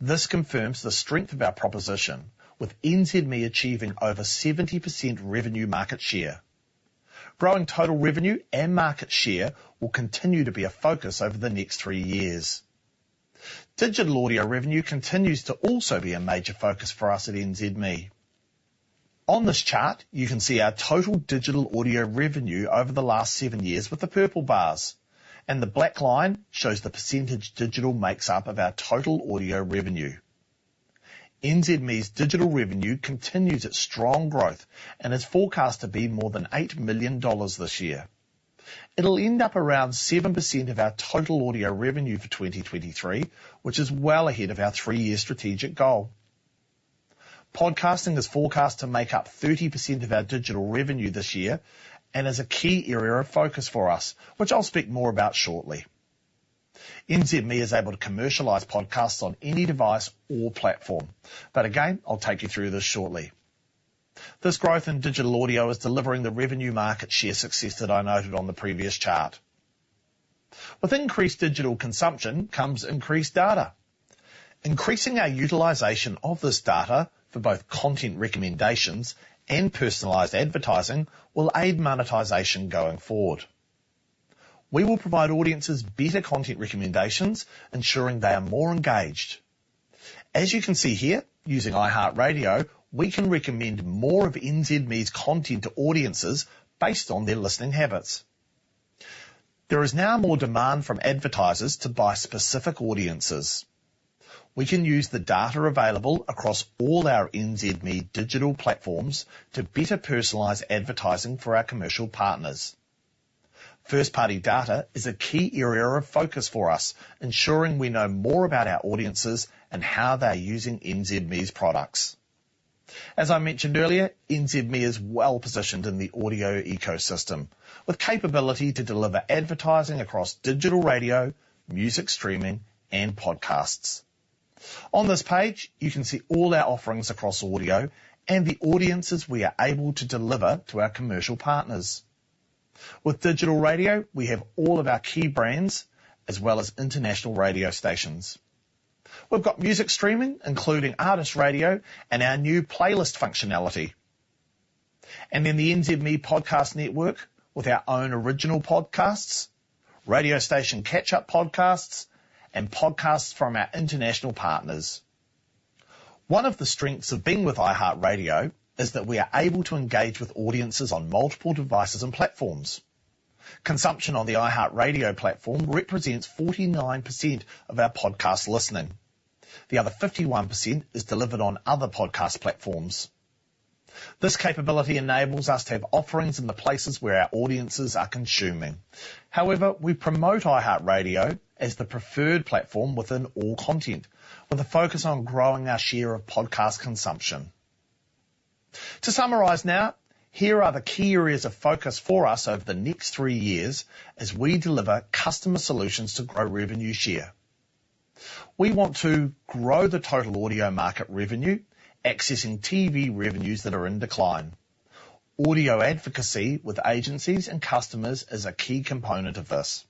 This confirms the strength of our proposition, with NZME achieving over 70% revenue market share. Growing total revenue and market share will continue to be a focus over the next three years. Digital audio revenue continues to also be a major focus for us at NZME. On this chart, you can see our total digital audio revenue over the last seven years with the purple bars, and the black line shows the percentage digital makes up of our total audio revenue. NZME's digital revenue continues its strong growth and is forecast to be more than 8 million dollars this year. It'll end up around 7% of our total audio revenue for 2023, which is well ahead of our 3-year strategic goal. Podcasting is forecast to make up 30% of our digital revenue this year and is a key area of focus for us, which I'll speak more about shortly. NZME is able to commercialize podcasts on any device or platform, but again, I'll take you through this shortly. This growth in digital audio is delivering the revenue market share success that I noted on the previous chart. With increased digital consumption comes increased data. Increasing our utilization of this data for both content recommendations and personalized advertising will aid monetization going forward. We will provide audiences better content recommendations, ensuring they are more engaged. As you can see here, using iHeartRadio, we can recommend more of NZME's content to audiences based on their listening habits. There is now more demand from advertisers to buy specific audiences. We can use the data available across all our NZME digital platforms to better personalize advertising for our commercial partners. First-party data is a key area of focus for us, ensuring we know more about our audiences and how they're using NZME's products. As I mentioned earlier, NZME is well positioned in the audio ecosystem, with capability to deliver advertising across digital radio, music streaming, and podcasts. On this page, you can see all our offerings across audio and the audiences we are able to deliver to our commercial partners. With digital radio, we have all of our key brands, as well as international radio stations. We've got music streaming, including artist radio and our new playlist functionality, and then the NZME Podcast Network, with our own original podcasts, radio station catch-up podcasts, and podcasts from our international partners. One of the strengths of being with iHeartRadio is that we are able to engage with audiences on multiple devices and platforms. Consumption on the iHeartRadio platform represents 49% of our podcast listening. The other 51% is delivered on other podcast platforms. This capability enables us to have offerings in the places where our audiences are consuming. However, we promote iHeartRadio as the preferred platform within all content, with a focus on growing our share of podcast consumption. To summarize now, here are the key areas of focus for us over the next three years as we deliver customer solutions to grow revenue share. We want to grow the total audio market revenue, accessing TV revenues that are in decline. Audio advocacy with agencies and customers is a key component of this.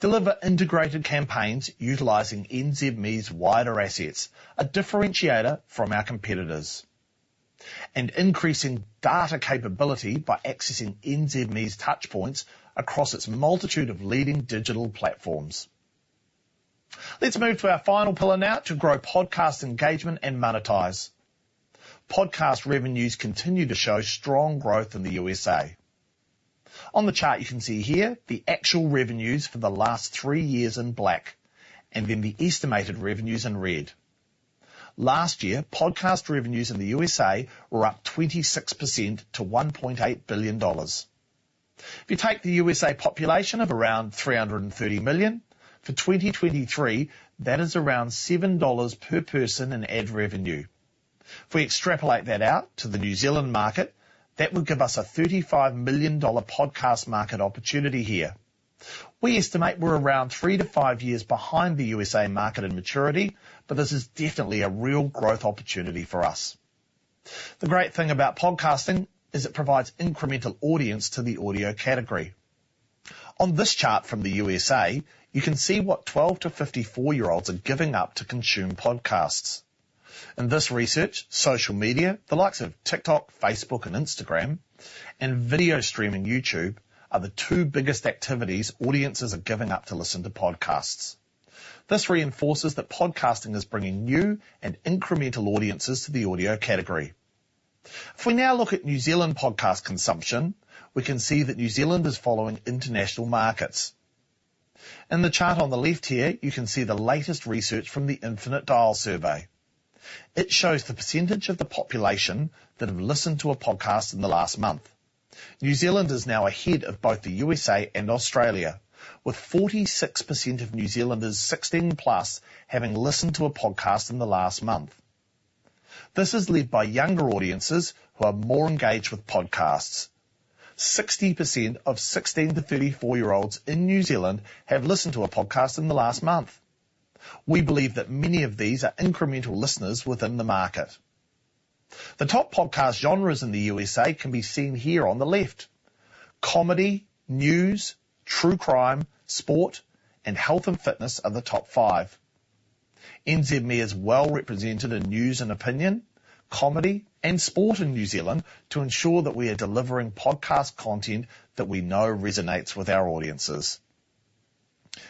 Deliver integrated campaigns utilizing NZME's wider assets, a differentiator from our competitors. And increasing data capability by accessing NZME's touchpoints across its multitude of leading digital platforms. Let's move to our final pillar now to grow podcast engagement and monetize. Podcast revenues continue to show strong growth in the USA. On the chart, you can see here the actual revenues for the last three years in black, and then the estimated revenues in red. Last year, podcast revenues in the USA were up 26% to $1.8 billion. If you take the USA population of around 330 million, for 2023, that is around $7 per person in ad revenue. If we extrapolate that out to the New Zealand market, that would give us a $35 million podcast market opportunity here. We estimate we're around 3-5 years behind the USA market in maturity, but this is definitely a real growth opportunity for us. The great thing about podcasting is it provides incremental audience to the audio category. On this chart from the USA, you can see what 12- to 54-year-olds are giving up to consume podcasts. In this research, social media, the likes of TikTok, Facebook and Instagram, and video streaming, YouTube, are the two biggest activities audiences are giving up to listen to podcasts. This reinforces that podcasting is bringing new and incremental audiences to the audio category. If we now look at New Zealand podcast consumption, we can see that New Zealand is following international markets. In the chart on the left here, you can see the latest research from the Infinite Dial Survey. It shows the percentage of the population that have listened to a podcast in the last month. New Zealand is now ahead of both the USA and Australia, with 46% of New Zealanders 16+ having listened to a podcast in the last month. This is led by younger audiences who are more engaged with podcasts. 60% of 16-34-year-olds in New Zealand have listened to a podcast in the last month. We believe that many of these are incremental listeners within the market. The top podcast genres in the USA can be seen here on the left. Comedy, news, true crime, sport, and health and fitness are the top five. NZME is well represented in news and opinion, comedy, and sport in New Zealand to ensure that we are delivering podcast content that we know resonates with our audiences.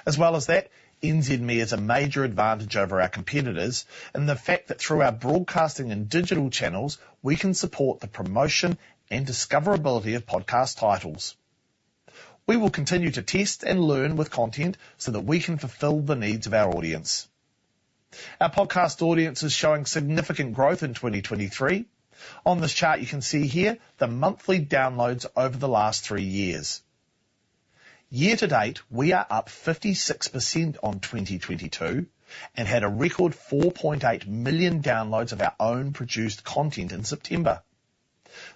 As well as that, NZME has a major advantage over our competitors, and the fact that through our broadcasting and digital channels, we can support the promotion and discoverability of podcast titles. We will continue to test and learn with content so that we can fulfill the needs of our audience. Our podcast audience is showing significant growth in 2023. On this chart, you can see here the monthly downloads over the last three years. Year to date, we are up 56% on 2022 and had a record 4.8 million downloads of our own produced content in September.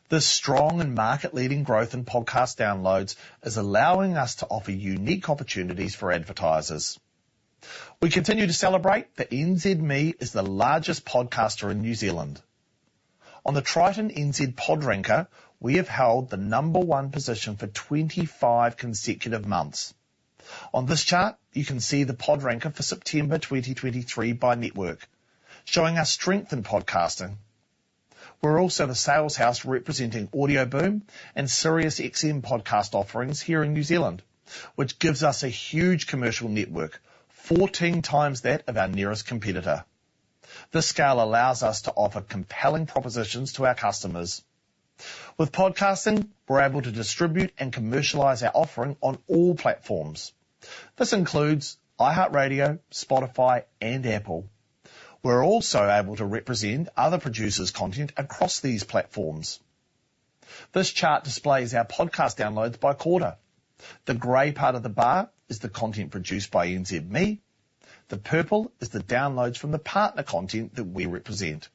This strong and market-leading growth in podcast downloads is allowing us to offer unique opportunities for advertisers. We continue to celebrate that NZME is the largest podcaster in New Zealand. On the Triton NZ PodRanker, we have held the number 1 position for 25 consecutive months. On this chart, you can see the PodRanker for September 2023 by network, showing our strength in podcasting. We're also the sales house representing Audioboom and SiriusXM podcast offerings here in New Zealand, which gives us a huge commercial network, 14 times that of our nearest competitor. This scale allows us to offer compelling propositions to our customers. With podcasting, we're able to distribute and commercialize our offering on all platforms. This includes iHeartRadio, Spotify, and Apple. We're also able to represent other producers' content across these platforms. This chart displays our podcast downloads by quarter. The gray part of the bar is the content produced by NZME. The purple is the downloads from the partner content that we represent.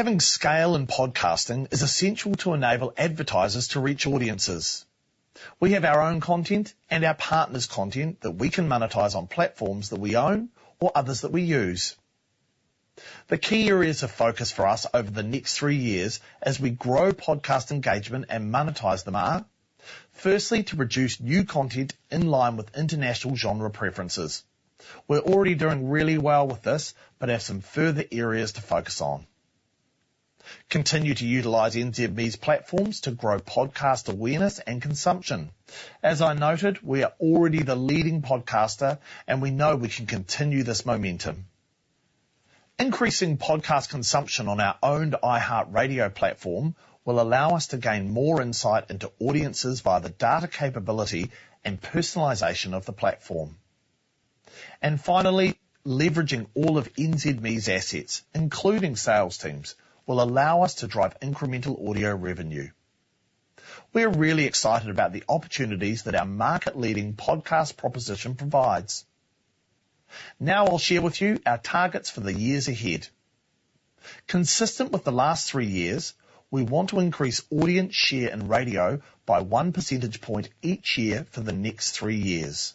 Having scale in podcasting is essential to enable advertisers to reach audiences. We have our own content and our partners' content that we can monetize on platforms that we own or others that we use. The key areas of focus for us over the next 3 years as we grow podcast engagement and monetize them are: firstly, to produce new content in line with international genre preferences. We're already doing really well with this, but have some further areas to focus on. Continue to utilize NZME's platforms to grow podcast awareness and consumption. As I noted, we are already the leading podcaster, and we know we can continue this momentum. Increasing podcast consumption on our owned iHeartRadio platform will allow us to gain more insight into audiences via the data capability and personalization of the platform. Finally, leveraging all of NZME's assets, including sales teams, will allow us to drive incremental audio revenue. We are really excited about the opportunities that our market-leading podcast proposition provides. Now I'll share with you our targets for the years ahead. Consistent with the last 3 years, we want to increase audience share in radio by 1 percentage point each year for the next 3 years.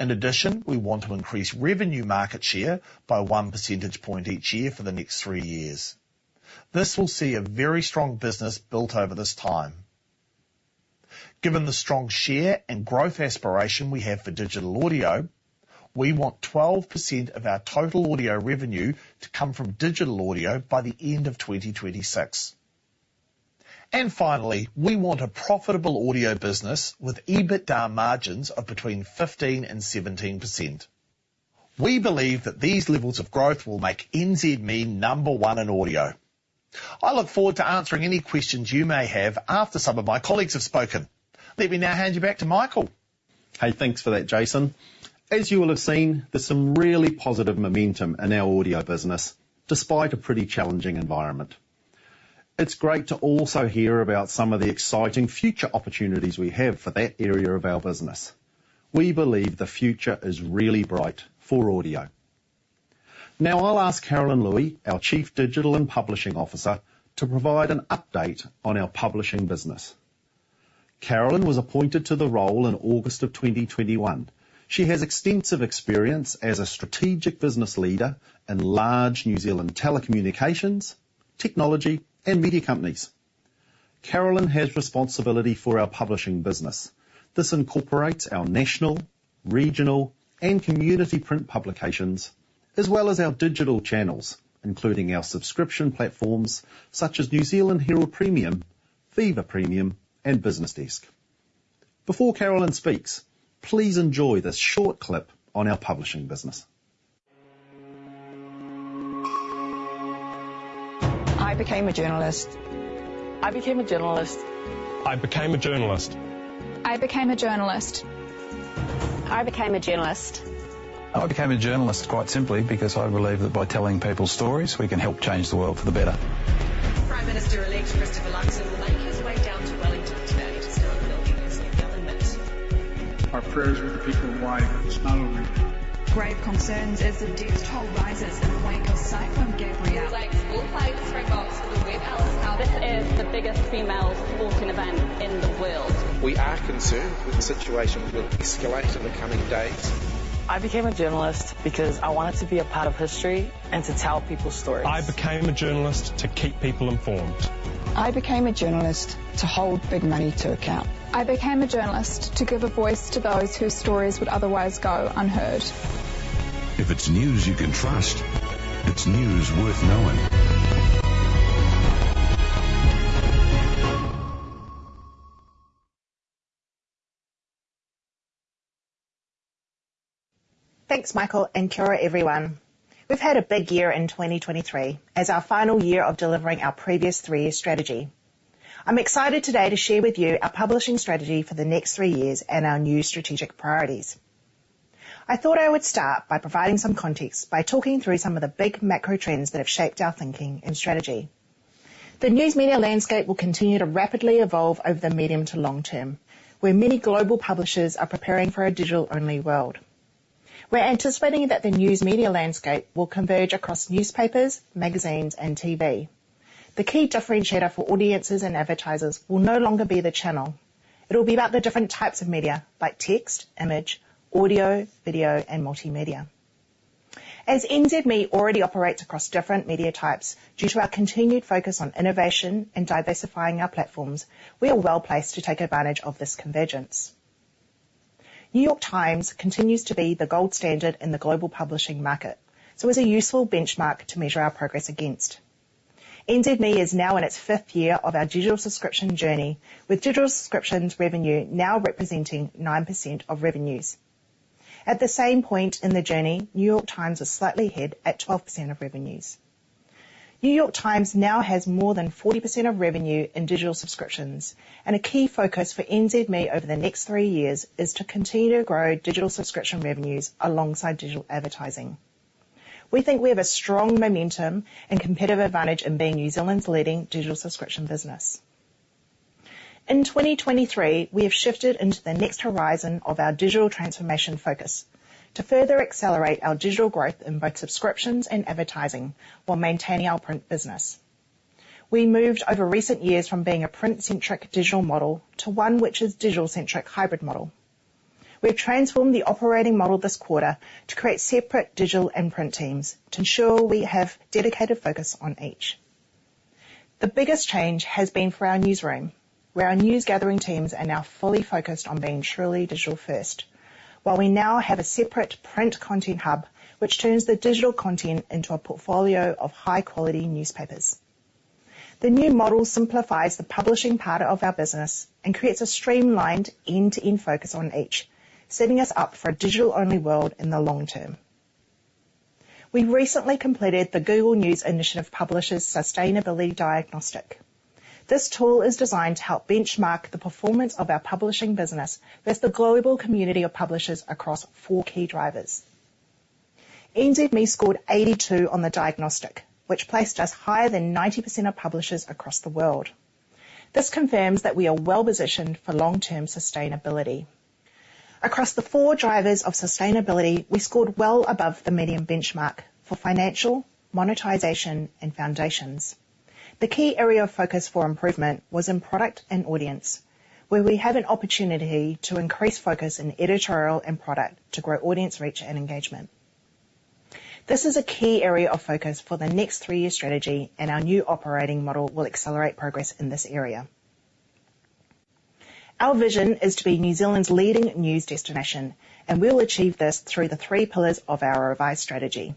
In addition, we want to increase revenue market share by 1 percentage point each year for the next 3 years. This will see a very strong business built over this time. Given the strong share and growth aspiration we have for digital audio, we want 12% of our total audio revenue to come from digital audio by the end of 2026. Finally, we want a profitable audio business with EBITDA margins of between 15%-17%. We believe that these levels of growth will make NZME number one in audio. I look forward to answering any questions you may have after some of my colleagues have spoken. Let me now hand you back to Michael. Hey, thanks for that, Jason. As you will have seen, there's some really positive momentum in our audio business, despite a pretty challenging environment. It's great to also hear about some of the exciting future opportunities we have for that area of our business. We believe the future is really bright for audio. Now I'll ask Carolyn Luey, our Chief Digital and Publishing Officer, to provide an update on our publishing business. Carolyn was appointed to the role in August of 2021. She has extensive experience as a strategic business leader in large New Zealand telecommunications, technology, and media companies. Carolyn has responsibility for our publishing business. This incorporates our national, regional, and community print publications, as well as our digital channels, including our subscription platforms, such as New Zealand Herald Premium, Viva Premium, and BusinessDesk. Before Carolyn speaks, please enjoy this short clip on our publishing business. I became a journalist. I became a journalist. I became a journalist. I became a journalist. I became a journalist. I became a journalist, quite simply, because I believe that by telling people's stories, we can help change the world for the better. Prime Minister-elect Christopher Luxon will make his way down to Wellington today to start building his new government. Our prayers are with the people of Hawaii, it's not over. Grave concerns as the death toll rises in the wake of Cyclone Gabrielle. Like all players, Springboks will wear Alice- This is the biggest female sporting event in the world. We are concerned with the situation will escalate in the coming days. I became a journalist because I wanted to be a part of history and to tell people's stories. I became a journalist to keep people informed. I became a journalist to hold big money to account. I became a journalist to give a voice to those whose stories would otherwise go unheard. If it's news you can trust, it's news worth knowing. Thanks, Michael, and kia ora, everyone. We've had a big year in 2023 as our final year of delivering our previous 3-year strategy. I'm excited today to share with you our publishing strategy for the next 3 years and our new strategic priorities. I thought I would start by providing some context by talking through some of the big macro trends that have shaped our thinking and strategy. The news media landscape will continue to rapidly evolve over the medium to long term, where many global publishers are preparing for a digital-only world. We're anticipating that the news media landscape will converge across newspapers, magazines, and TV. The key differentiator for audiences and advertisers will no longer be the channel, it'll be about the different types of media, like text, image, audio, video, and multimedia. As NZME already operates across different media types, due to our continued focus on innovation and diversifying our platforms, we are well placed to take advantage of this convergence. New York Times continues to be the gold standard in the global publishing market, so is a useful benchmark to measure our progress against. NZME is now in its 5th year of our digital subscription journey, with digital subscriptions revenue now representing 9% of revenues. At the same point in the journey, New York Times is slightly ahead at 12% of revenues. New York Times now has more than 40% of revenue in digital subscriptions, and a key focus for NZME over the next 3 years is to continue to grow digital subscription revenues alongside digital advertising. We think we have a strong momentum and competitive advantage in being New Zealand's leading digital subscription business. In 2023, we have shifted into the next horizon of our digital transformation focus to further accelerate our digital growth in both subscriptions and advertising while maintaining our print business. We moved over recent years from being a print-centric digital model to one which is digital-centric hybrid model. We've transformed the operating model this quarter to create separate digital and print teams to ensure we have dedicated focus on each. The biggest change has been for our newsroom, where our news gathering teams are now fully focused on being truly digital-first. While we now have a separate print content hub, which turns the digital content into a portfolio of high-quality newspapers. The new model simplifies the publishing part of our business and creates a streamlined end-to-end focus on each, setting us up for a digital-only world in the long term. We recently completed the Google News Initiative Publishers Sustainability Diagnostic. This tool is designed to help benchmark the performance of our publishing business with the global community of publishers across four key drivers. NZME scored 82 on the diagnostic, which placed us higher than 90% of publishers across the world. This confirms that we are well-positioned for long-term sustainability. Across the four drivers of sustainability, we scored well above the median benchmark for financial, monetization, and foundations. The key area of focus for improvement was in product and audience, where we have an opportunity to increase focus in editorial and product to grow audience reach and engagement. This is a key area of focus for the next three-year strategy, and our new operating model will accelerate progress in this area. Our vision is to be New Zealand's leading news destination, and we'll achieve this through the three pillars of our revised strategy: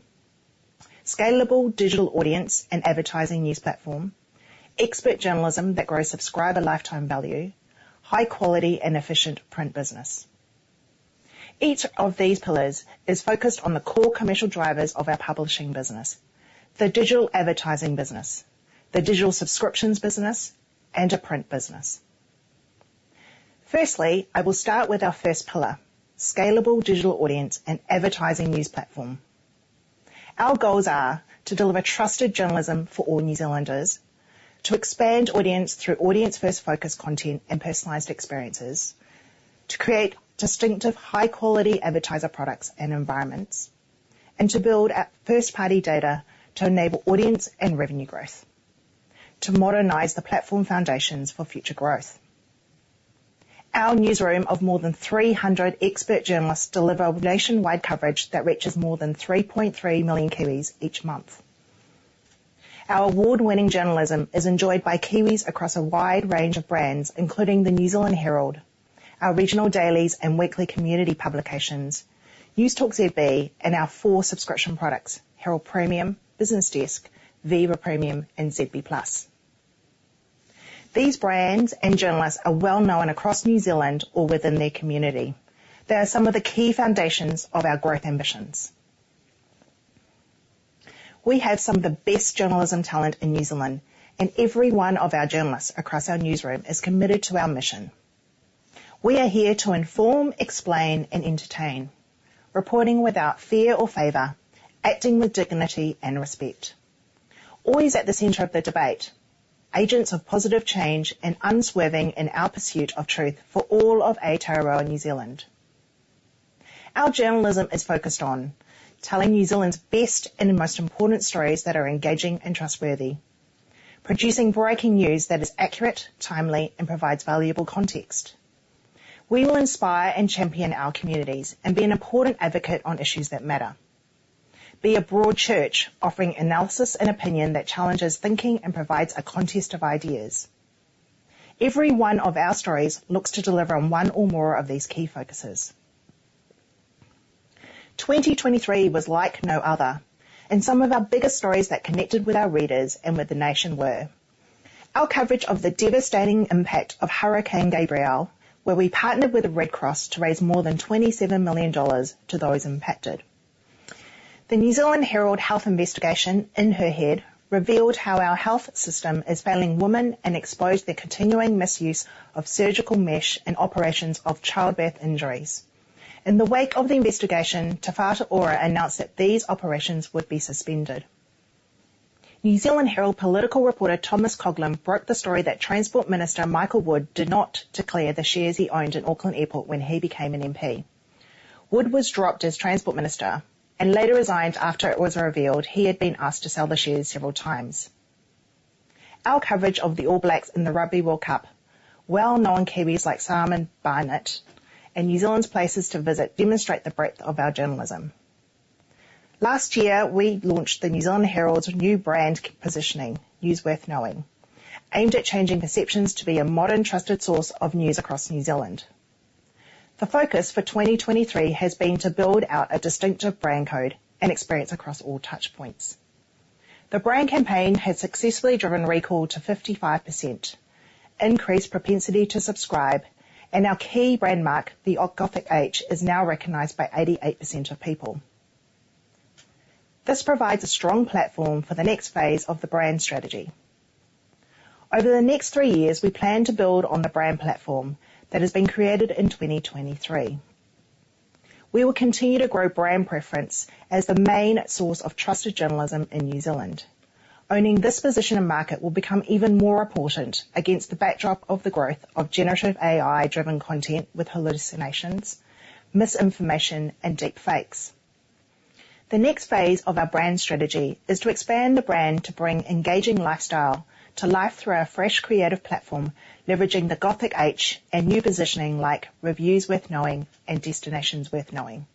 scalable digital audience and advertising news platform, expert journalism that grows subscriber lifetime value, high quality and efficient print business. Each of these pillars is focused on the core commercial drivers of our publishing business, the digital advertising business, the digital subscriptions business, and a print business. Firstly, I will start with our first pillar, scalable digital audience and advertising news platform. Our goals are to deliver trusted journalism for all New Zealanders, to expand audience through audience-first focused content and personalized experiences, to create distinctive, high-quality advertiser products and environments, and to build our first-party data to enable audience and revenue growth, to modernize the platform foundations for future growth. Our newsroom of more than 300 expert journalists deliver nationwide coverage that reaches more than 3.3 million Kiwis each month. Our award-winning journalism is enjoyed by Kiwis across a wide range of brands, including the New Zealand Herald, our regional dailies and weekly community publications, Newstalk ZB, and our four subscription products, Herald Premium, Business Desk, Viva Premium, and ZB Plus. These brands and journalists are well known across New Zealand or within their community. They are some of the key foundations of our growth ambitions. We have some of the best journalism talent in New Zealand, and every one of our journalists across our newsroom is committed to our mission. We are here to inform, explain, and entertain, reporting without fear or favor, acting with dignity and respect, always at the center of the debate, agents of positive change, and unswerving in our pursuit of truth for all of Aotearoa, New Zealand. Our journalism is focused on telling New Zealand's best and most important stories that are engaging and trustworthy, producing breaking news that is accurate, timely, and provides valuable context. We will inspire and champion our communities and be an important advocate on issues that matter. Be a broad church, offering analysis and opinion that challenges thinking and provides a contest of ideas. Every one of our stories looks to deliver on one or more of these key focuses. 2023 was like no other, and some of our biggest stories that connected with our readers and with the nation were: our coverage of the devastating impact of Cyclone Gabrielle, where we partnered with the Red Cross to raise more than 27 million dollars to those impacted. The New Zealand Herald Health Investigation, In Her Head, revealed how our health system is failing women and exposed the continuing misuse of surgical mesh in operations of childbirth injuries. In the wake of the investigation, Te Whatu Ora announced that these operations would be suspended. New Zealand Herald political reporter Thomas Coughlan broke the story that Transport Minister Michael Wood did not declare the shares he owned in Auckland Airport when he became an MP. Wood was dropped as Transport Minister and later resigned after it was revealed he had been asked to sell the shares several times. Our coverage of the All Blacks in the Rugby World Cup, well-known Kiwis like Simon Barnett, and New Zealand's places to visit demonstrate the breadth of our journalism. Last year, we launched the New Zealand Herald's new brand positioning, News Worth Knowing, aimed at changing perceptions to be a modern, trusted source of news across New Zealand. The focus for 2023 has been to build out a distinctive brand code and experience across all touchpoints. The brand campaign has successfully driven recall to 55%, increased propensity to subscribe, and our key brand mark, the Gothic H, is now recognized by 88% of people. This provides a strong platform for the next phase of the brand strategy. Over the next 3 years, we plan to build on the brand platform that has been created in 2023. We will continue to grow brand preference as the main source of trusted journalism in New Zealand. Owning this position in market will become even more important against the backdrop of the growth of generative AI-driven content with hallucinations, misinformation, and deepfakes. The next phase of our brand strategy is to expand the brand to bring engaging lifestyle to life through our fresh, creative platform, leveraging the Gothic H and new positioning like Reviews Worth Knowing and Destinations Worth Knowing.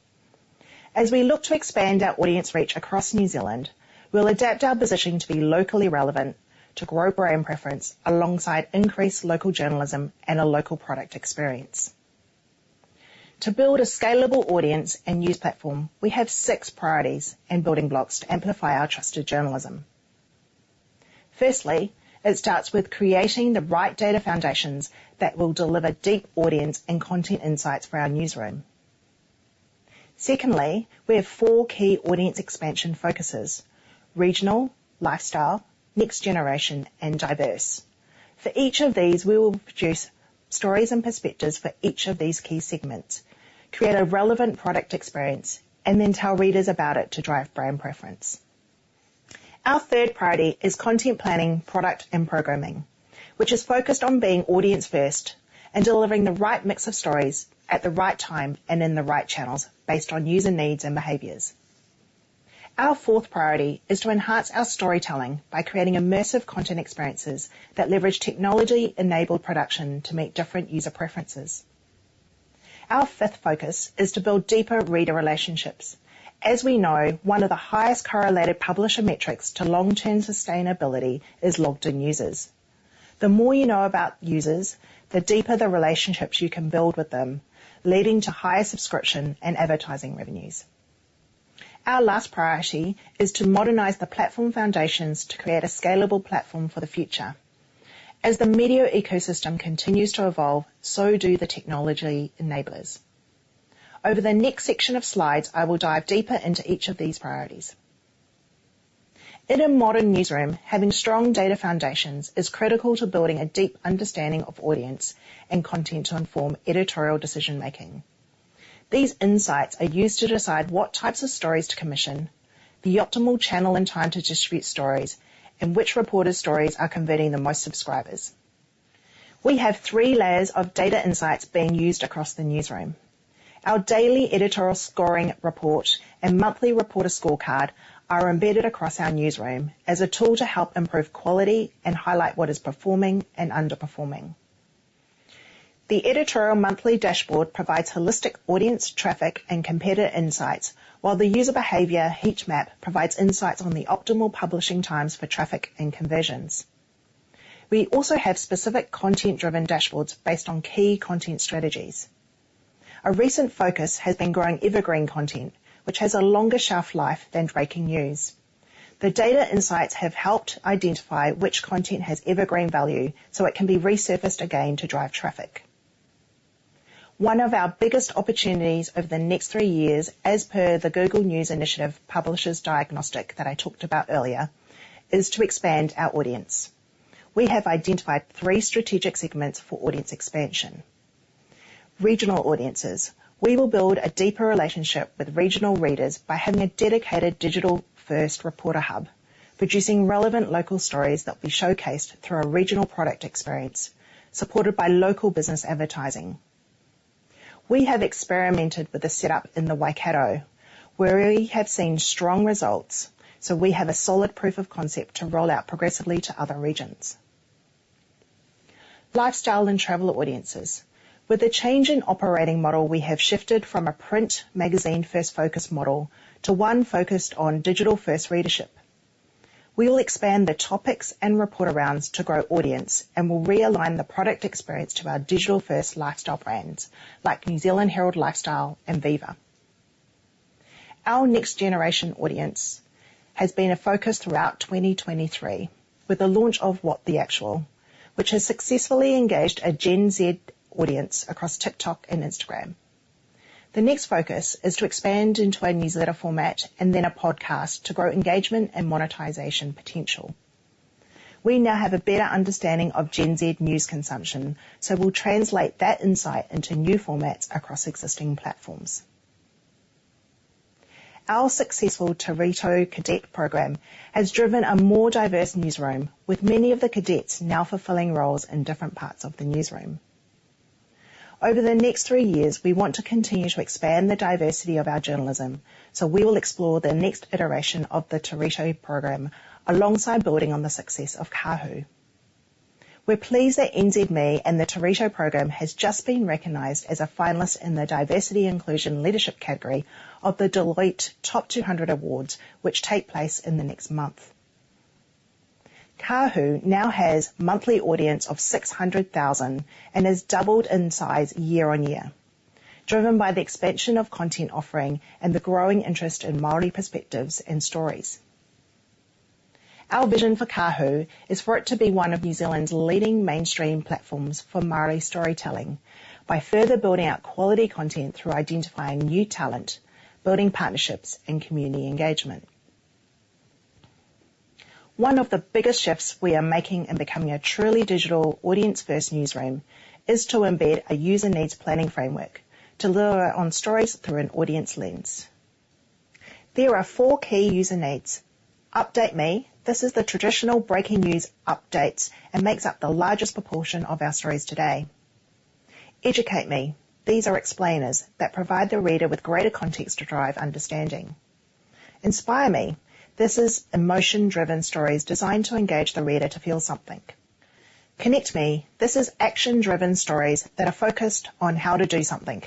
As we look to expand our audience reach across New Zealand, we'll adapt our positioning to be locally relevant, to grow brand preference alongside increased local journalism and a local product experience. To build a scalable audience and news platform, we have six priorities and building blocks to amplify our trusted journalism. Firstly, it starts with creating the right data foundations that will deliver deep audience and content insights for our newsroom. Secondly, we have four key audience expansion focuses: regional, lifestyle, next generation, and diverse. For each of these, we will produce stories and perspectives for each of these key segments, create a relevant product experience, and then tell readers about it to drive brand preference. Our third priority is content planning, product and programming, which is focused on being audience first and delivering the right mix of stories at the right time and in the right channels based on user needs and behaviors. Our fourth priority is to enhance our storytelling by creating immersive content experiences that leverage technology-enabled production to meet different user preferences. Our fifth focus is to build deeper reader relationships. As we know, one of the highest correlated publisher metrics to long-term sustainability is logged-in users. The more you know about users, the deeper the relationships you can build with them, leading to higher subscription and advertising revenues. Our last priority is to modernize the platform foundations to create a scalable platform for the future. As the media ecosystem continues to evolve, so do the technology enablers. Over the next section of slides, I will dive deeper into each of these priorities. In a modern newsroom, having strong data foundations is critical to building a deep understanding of audience and content to inform editorial decision making. These insights are used to decide what types of stories to commission, the optimal channel and time to distribute stories, and which reporter stories are converting the most subscribers. We have three layers of data insights being used across the newsroom. Our daily editorial scoring report and monthly reporter scorecard are embedded across our newsroom as a tool to help improve quality and highlight what is performing and underperforming. The editorial monthly dashboard provides holistic audience traffic and competitor insights, while the user behavior heat map provides insights on the optimal publishing times for traffic and conversions. We also have specific content-driven dashboards based on key content strategies. A recent focus has been growing evergreen content, which has a longer shelf life than breaking news. The data insights have helped identify which content has evergreen value, so it can be resurfaced again to drive traffic. One of our biggest opportunities over the next three years, as per the Google News Initiative Publishers Diagnostic that I talked about earlier, is to expand our audience. We have identified three strategic segments for audience expansion. Regional audiences. We will build a deeper relationship with regional readers by having a dedicated digital-first reporter hub, producing relevant local stories that will be showcased through our regional product experience, supported by local business advertising. We have experimented with the setup in the Waikato, where we have seen strong results, so we have a solid proof of concept to roll out progressively to other regions. Lifestyle and travel audiences. With the change in operating model, we have shifted from a print magazine-first focus model to one focused on digital-first readership. We will expand the topics and report-arounds to grow audience and will realign the product experience to our digital-first lifestyle brands, like New Zealand Herald Lifestyle and Viva. Our next generation audience has been a focus throughout 2023, with the launch of What the Actual, which has successfully engaged a Gen Z audience across TikTok and Instagram. The next focus is to expand into a newsletter format and then a podcast to grow engagement and monetization potential. We now have a better understanding of Gen Z news consumption, so we'll translate that insight into new formats across existing platforms. Our successful Te Rito Cadet program has driven a more diverse newsroom, with many of the cadets now fulfilling roles in different parts of the newsroom. Over the next three years, we want to continue to expand the diversity of our journalism, so we will explore the next iteration of the Te Rito program alongside building on the success of Kahu. We're pleased that NZME and the Te Rito program has just been recognized as a finalist in the Diversity Inclusion Leadership category of the Deloitte Top 200 Awards, which take place in the next month. Kahu now has monthly audience of 600,000 and has doubled in size year-over-year, driven by the expansion of content offering and the growing interest in Māori perspectives and stories. Our vision for Kahu is for it to be one of New Zealand's leading mainstream platforms for Māori storytelling by further building out quality content through identifying new talent, building partnerships, and community engagement. One of the biggest shifts we are making in becoming a truly digital audience-first newsroom is to embed a user needs planning framework to lure on stories through an audience lens. There are four key user needs. Update me: This is the traditional breaking news updates and makes up the largest proportion of our stories today. Educate me: These are explainers that provide the reader with greater context to drive understanding. Inspire me: This is emotion-driven stories designed to engage the reader to feel something. Connect me: This is action-driven stories that are focused on how to do something,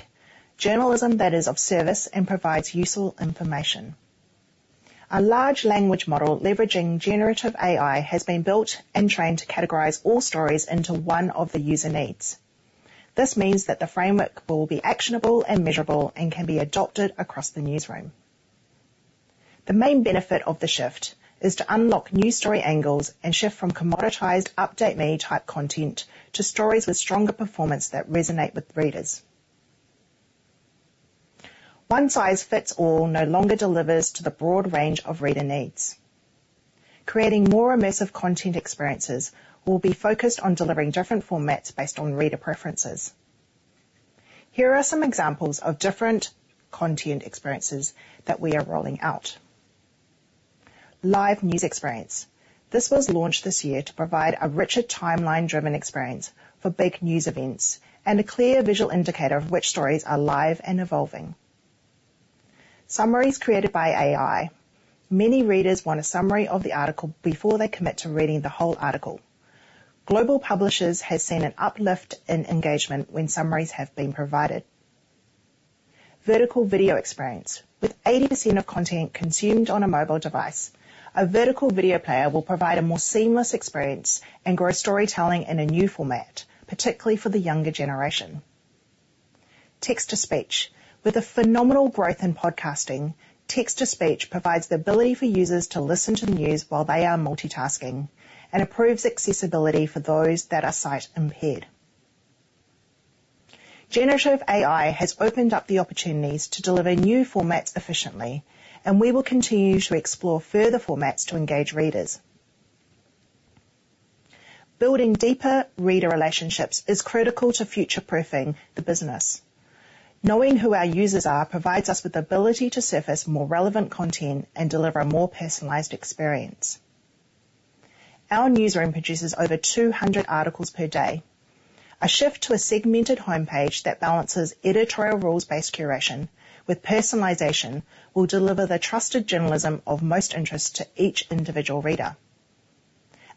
journalism that is of service and provides useful information. A large language model leveraging generative AI has been built and trained to categorize all stories into one of the user needs.... This means that the framework will be actionable and measurable and can be adopted across the newsroom. The main benefit of the shift is to unlock new story angles and shift from commoditized update-me type content to stories with stronger performance that resonate with readers. One size fits all no longer delivers to the broad range of reader needs. Creating more immersive content experiences will be focused on delivering different formats based on reader preferences. Here are some examples of different content experiences that we are rolling out. Live news experience. This was launched this year to provide a richer timeline-driven experience for big news events and a clear visual indicator of which stories are live and evolving. Summaries created by AI. Many readers want a summary of the article before they commit to reading the whole article. Global publishers have seen an uplift in engagement when summaries have been provided. Vertical video experience. With 80% of content consumed on a mobile device, a vertical video player will provide a more seamless experience and grow storytelling in a new format, particularly for the younger generation. Text-to-speech. With a phenomenal growth in podcasting, text-to-speech provides the ability for users to listen to the news while they are multitasking and improves accessibility for those that are sight-impaired. Generative AI has opened up the opportunities to deliver new formats efficiently, and we will continue to explore further formats to engage readers. Building deeper reader relationships is critical to future-proofing the business. Knowing who our users are provides us with the ability to surface more relevant content and deliver a more personalized experience. Our newsroom produces over 200 articles per day. A shift to a segmented homepage that balances editorial rules-based curation with personalization will deliver the trusted journalism of most interest to each individual reader.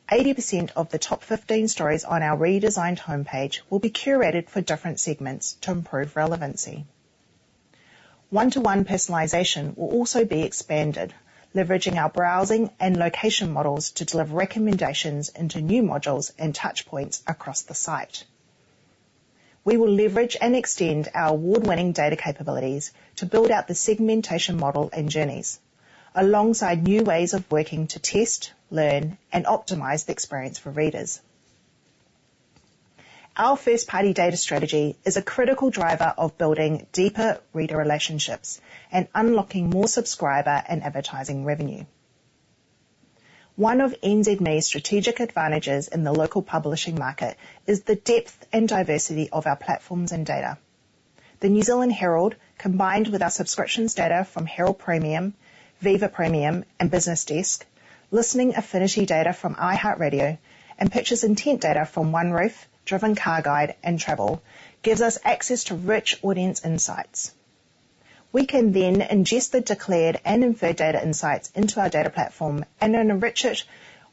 80% of the top 15 stories on our redesigned homepage will be curated for different segments to improve relevancy. One-to-one personalization will also be expanded, leveraging our browsing and location models to deliver recommendations into new modules and touchpoints across the site. We will leverage and extend our award-winning data capabilities to build out the segmentation model and journeys, alongside new ways of working to test, learn, and optimize the experience for readers. Our first-party data strategy is a critical driver of building deeper reader relationships and unlocking more subscriber and advertising revenue. One of NZME's strategic advantages in the local publishing market is the depth and diversity of our platforms and data. The New Zealand Herald, combined with our subscriptions data from Herald Premium, Viva Premium, and BusinessDesk, listening affinity data from iHeartRadio, and pictures intent data from OneRoof, Driven Car Guide, and Travel, gives us access to rich audience insights. We can then ingest the declared and inferred data insights into our data platform and then enrich it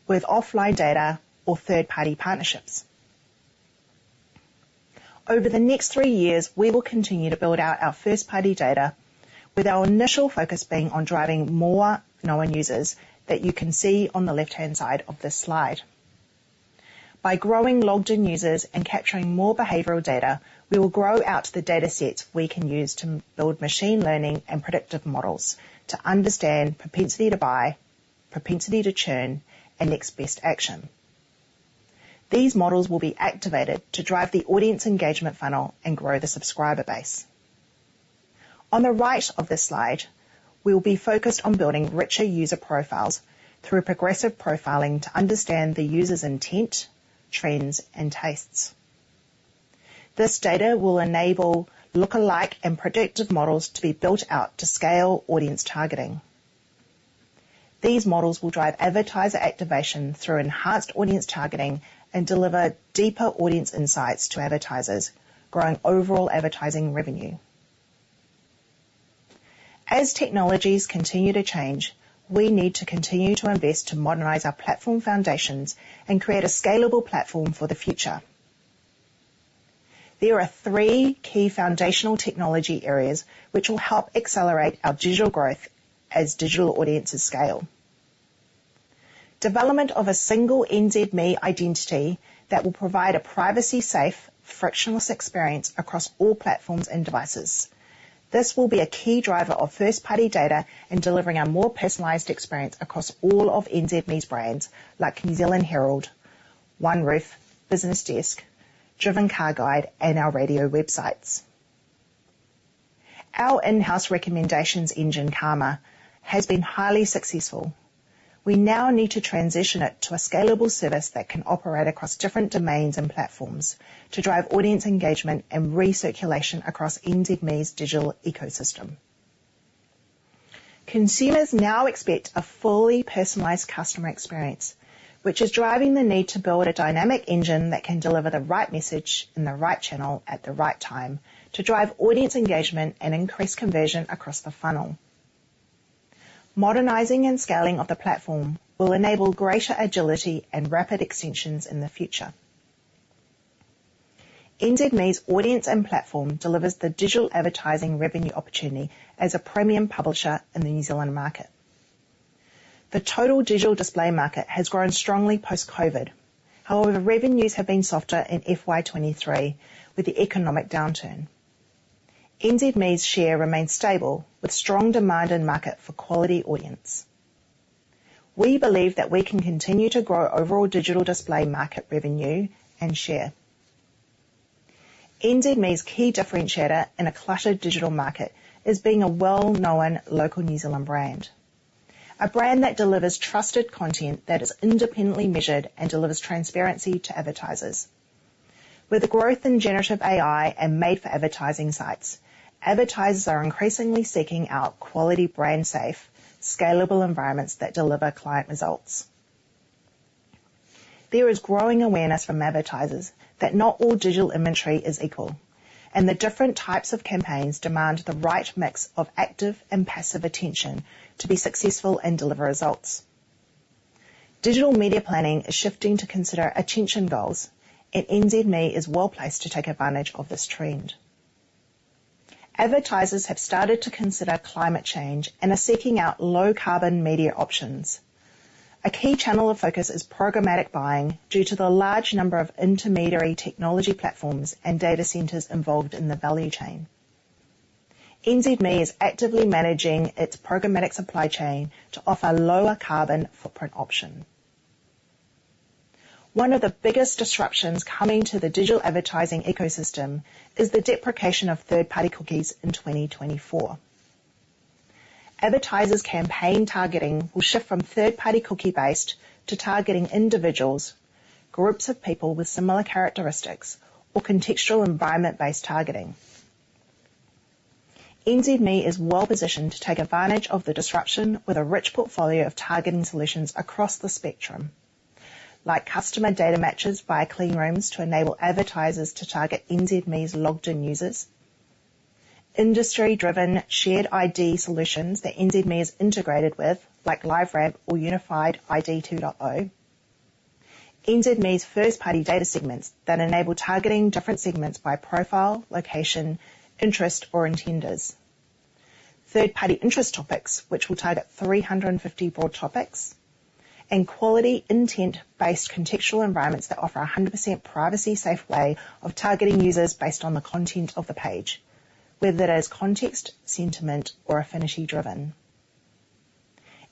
with offline data or third-party partnerships. Over the next three years, we will continue to build out our first-party data, with our initial focus being on driving more known users that you can see on the left-hand side of this slide. By growing logged-in users and capturing more behavioral data, we will grow out the datasets we can use to build machine learning and predictive models to understand propensity to buy, propensity to churn, and next best action. These models will be activated to drive the audience engagement funnel and grow the subscriber base. On the right of this slide, we will be focused on building richer user profiles through progressive profiling to understand the user's intent, trends, and tastes. This data will enable look-alike and predictive models to be built out to scale audience targeting. These models will drive advertiser activation through enhanced audience targeting and deliver deeper audience insights to advertisers, growing overall advertising revenue. As technologies continue to change, we need to continue to invest to modernize our platform foundations and create a scalable platform for the future. There are three key foundational technology areas which will help accelerate our digital growth as digital audiences scale. Development of a single NZME identity that will provide a privacy-safe, frictionless experience across all platforms and devices. This will be a key driver of first-party data in delivering a more personalized experience across all of NZME's brands like New Zealand Herald, OneRoof, BusinessDesk, Driven Car Guide, and our radio websites. Our in-house recommendations engine, Karma, has been highly successful. We now need to transition it to a scalable service that can operate across different domains and platforms to drive audience engagement and recirculation across NZME's digital ecosystem. Consumers now expect a fully personalized customer experience, which is driving the need to build a dynamic engine that can deliver the right message in the right channel at the right time to drive audience engagement and increase conversion across the funnel. Modernizing and scaling of the platform will enable greater agility and rapid extensions in the future. NZME's audience and platform delivers the digital advertising revenue opportunity as a premium publisher in the New Zealand market. The total digital display market has grown strongly post-COVID. However, revenues have been softer in FY 2023 with the economic downturn. NZME's share remains stable, with strong demand and market for quality audience. We believe that we can continue to grow overall digital display market revenue and share. NZME's key differentiator in a cluttered digital market is being a well-known local New Zealand brand, a brand that delivers trusted content that is independently measured and delivers transparency to advertisers. With the growth in generative AI and made-for-advertising sites, advertisers are increasingly seeking out quality, brand-safe, scalable environments that deliver client results. There is growing awareness from advertisers that not all digital inventory is equal, and that different types of campaigns demand the right mix of active and passive attention to be successful and deliver results. Digital media planning is shifting to consider attention goals, and NZME is well-placed to take advantage of this trend. Advertisers have started to consider climate change and are seeking out low-carbon media options. A key channel of focus is programmatic buying due to the large number of intermediary technology platforms and data centers involved in the value chain. NZME is actively managing its programmatic supply chain to offer lower carbon footprint option. One of the biggest disruptions coming to the digital advertising ecosystem is the deprecation of third-party cookies in 2024. Advertisers' campaign targeting will shift from third-party cookie-based to targeting individuals, groups of people with similar characteristics, or contextual environment-based targeting. NZME is well positioned to take advantage of the disruption with a rich portfolio of targeting solutions across the spectrum, like customer data matches via clean rooms to enable advertisers to target NZME's logged-in users. Industry-driven shared ID solutions that NZME is integrated with, like LiveRamp or Unified ID 2.0. NZME's first-party data segments that enable targeting different segments by profile, location, interest, or intenders. Third-party interest topics, which will target 350 board topics, and quality intent-based contextual environments that offer a 100% privacy-safe way of targeting users based on the content of the page, whether it is context, sentiment, or affinity driven.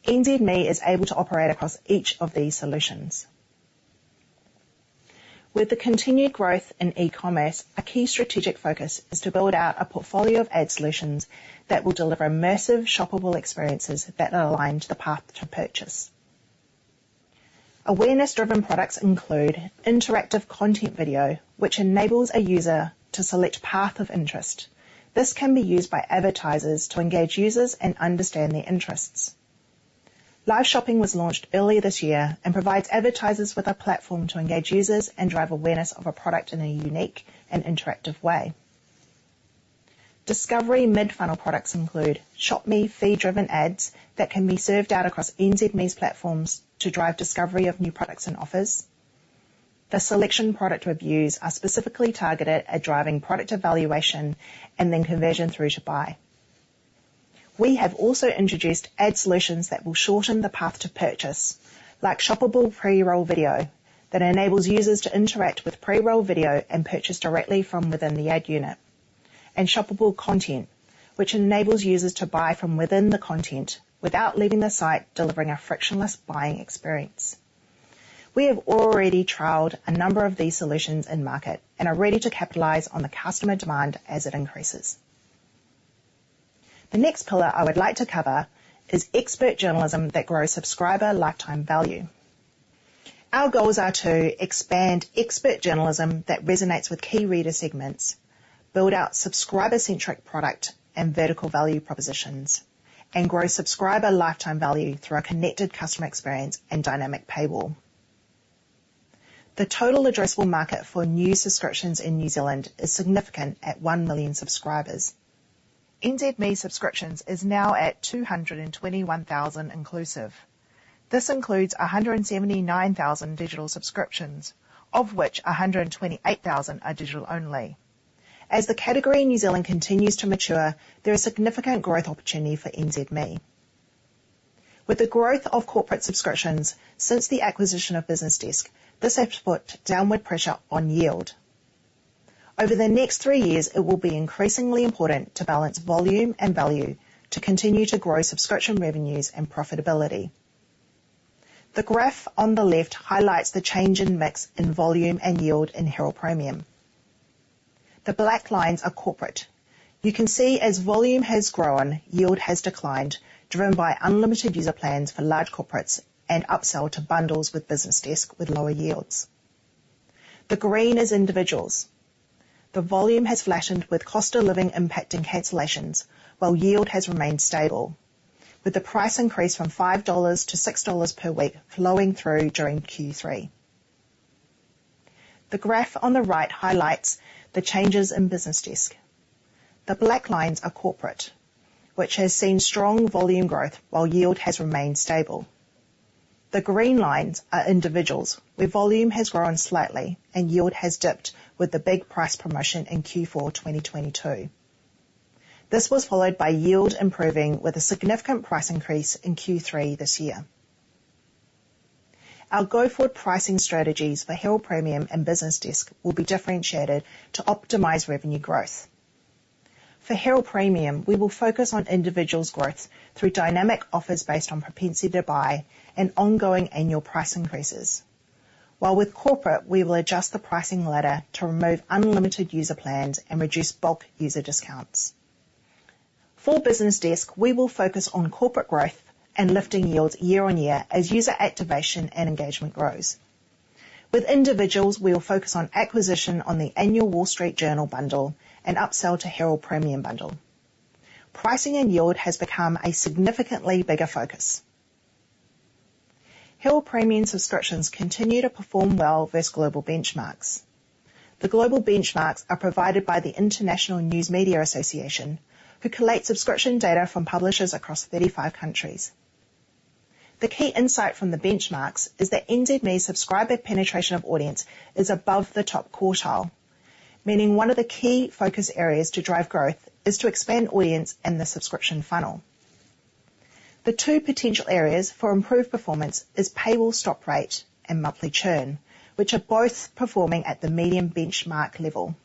NZME is able to operate across each of these solutions. With the continued growth in e-commerce, a key strategic focus is to build out a portfolio of ad solutions that will deliver immersive, shoppable experiences that are aligned to the path to purchase. Awareness-driven products include interactive content video, which enables a user to select path of interest. This can be used by advertisers to engage users and understand their interests. Live shopping was launched earlier this year and provides advertisers with a platform to engage users and drive awareness of a product in a unique and interactive way. Discovery mid-funnel products include Shopping feed-driven ads that can be served out across NZME's platforms to drive discovery of new products and offers. The selection product reviews are specifically targeted at driving product evaluation and then conversion through to buy. We have also introduced ad solutions that will shorten the path to purchase, like shoppable pre-roll video that enables users to interact with pre-roll video and purchase directly from within the ad unit. Shoppable content, which enables users to buy from within the content without leaving the site, delivering a frictionless buying experience. We have already trialed a number of these solutions in market and are ready to capitalize on the customer demand as it increases. The next pillar I would like to cover is expert journalism that grows subscriber lifetime value. Our goals are to expand expert journalism that resonates with key reader segments, build out subscriber-centric product and vertical value propositions, and grow subscriber lifetime value through our connected customer experience and dynamic paywall. The total addressable market for new subscriptions in New Zealand is significant at 1 million subscribers. NZME subscriptions is now at 221,000 inclusive. This includes 179,000 digital subscriptions, of which 128,000 are digital only. As the category in New Zealand continues to mature, there is significant growth opportunity for NZME. With the growth of corporate subscriptions since the acquisition of BusinessDesk, this has put downward pressure on yield. Over the next three years, it will be increasingly important to balance volume and value to continue to grow subscription revenues and profitability. The graph on the left highlights the change in mix in volume and yield in Herald Premium. The black lines are corporate. You can see as volume has grown, yield has declined, driven by unlimited user plans for large corporates and upsell to bundles with BusinessDesk with lower yields. The green is individuals. The volume has flattened, with cost of living impacting cancellations, while yield has remained stable, with the price increase from 5 dollars to 6 dollars per week flowing through during Q3. The graph on the right highlights the changes in BusinessDesk. The black lines are corporate, which has seen strong volume growth while yield has remained stable. The green lines are individuals, where volume has grown slightly and yield has dipped with the big price promotion in Q4 2022. This was followed by yield improving with a significant price increase in Q3 this year. Our go-forward pricing strategies for Herald Premium and BusinessDesk will be differentiated to optimize revenue growth. For Herald Premium, we will focus on individuals' growth through dynamic offers based on propensity to buy and ongoing annual price increases. While with corporate, we will adjust the pricing ladder to remove unlimited user plans and reduce bulk user discounts. For BusinessDesk, we will focus on corporate growth and lifting yields year-on-year as user activation and engagement grows. With individuals, we will focus on acquisition on the annual Wall Street Journal bundle and upsell to Herald Premium bundle. Pricing and yield has become a significantly bigger focus. Herald Premium subscriptions continue to perform well versus global benchmarks. The global benchmarks are provided by the International News Media Association, who collate subscription data from publishers across 35 countries. The key insight from the benchmarks is that NZME's subscriber penetration of audience is above the top quartile, meaning one of the key focus areas to drive growth is to expand audience and the subscription funnel. The two potential areas for improved performance is paywall stop rate and monthly churn, which are both performing at the medium benchmark level.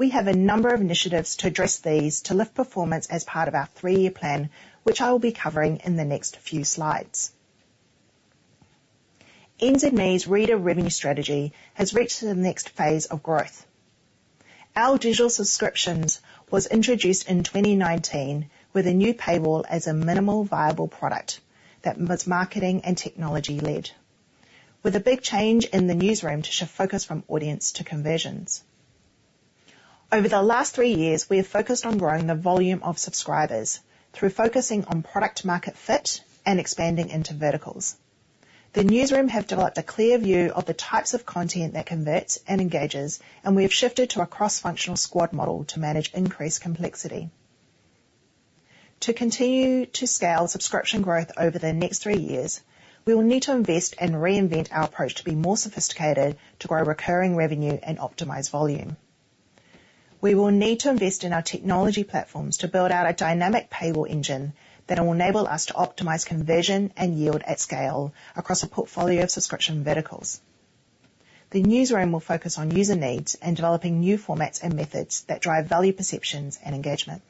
We have a number of initiatives to address these to lift performance as part of our three-year plan, which I will be covering in the next few slides. NZME's reader revenue strategy has reached the next phase of growth. Our digital subscriptions was introduced in 2019 with a new paywall as a minimal viable product that was marketing and technology-led, with a big change in the newsroom to shift focus from audience to conversions. Over the last three years, we have focused on growing the volume of subscribers through focusing on product market fit and expanding into verticals. The newsroom have developed a clear view of the types of content that converts and engages, and we have shifted to a cross-functional squad model to manage increased complexity. To continue to scale subscription growth over the next three years, we will need to invest and reinvent our approach to be more sophisticated, to grow recurring revenue and optimize volume. We will need to invest in our technology platforms to build out a dynamic paywall engine that will enable us to optimize conversion and yield at scale across a portfolio of subscription verticals. The newsroom will focus on user needs and developing new formats and methods that drive value perceptions and engagement.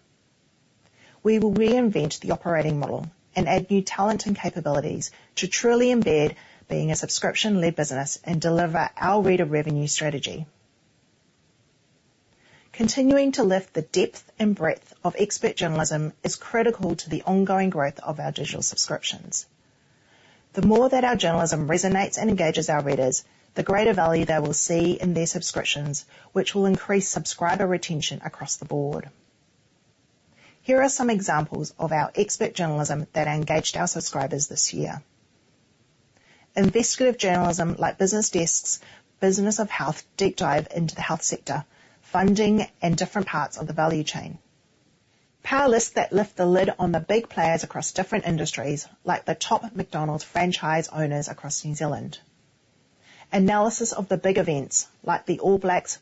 We will reinvent the operating model and add new talent and capabilities to truly embed being a subscription-led business and deliver our reader revenue strategy. Continuing to lift the depth and breadth of expert journalism is critical to the ongoing growth of our digital subscriptions. The more that our journalism resonates and engages our readers, the greater value they will see in their subscriptions, which will increase subscriber retention across the board. Here are some examples of our expert journalism that engaged our subscribers this year. Investigative journalism, like BusinessDesk's Business of Health, deep dive into the health sector, funding and different parts of the value chain. Power lists that lift the lid on the big players across different industries, like the top McDonald's franchise owners across New Zealand. Analysis of the big events like the All Blacks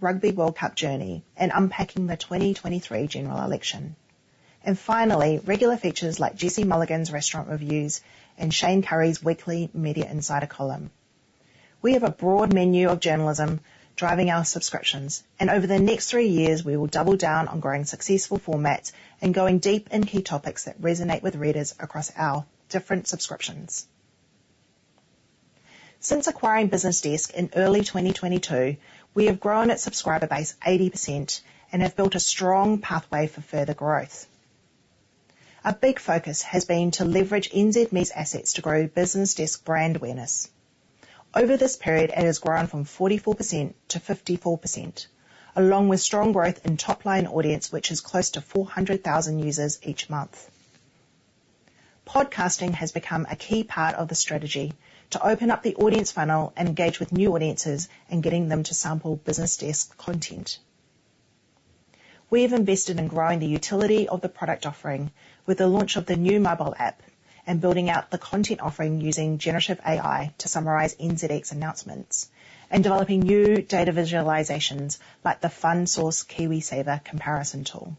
Rugby World Cup journey and unpacking the 2023 general election. Finally, regular features like Jesse Mulligan's restaurant reviews and Shayne Currie's weekly Media Insider column. We have a broad menu of journalism driving our subscriptions, and over the next three years, we will double down on growing successful formats and going deep in key topics that resonate with readers across our different subscriptions. Since acquiring BusinessDesk in early 2022, we have grown its subscriber base 80% and have built a strong pathway for further growth. Our big focus has been to leverage NZME's assets to grow BusinessDesk brand awareness. Over this period, it has grown from 44% to 54%, along with strong growth in top-line audience, which is close to 400,000 users each month. Podcasting has become a key part of the strategy to open up the audience funnel and engage with new audiences and getting them to sample BusinessDesk content. We have invested in growing the utility of the product offering with the launch of the new mobile app and building out the content offering using generative AI to summarize NZX announcements and developing new data visualizations like the FundSource KiwiSaver comparison tool.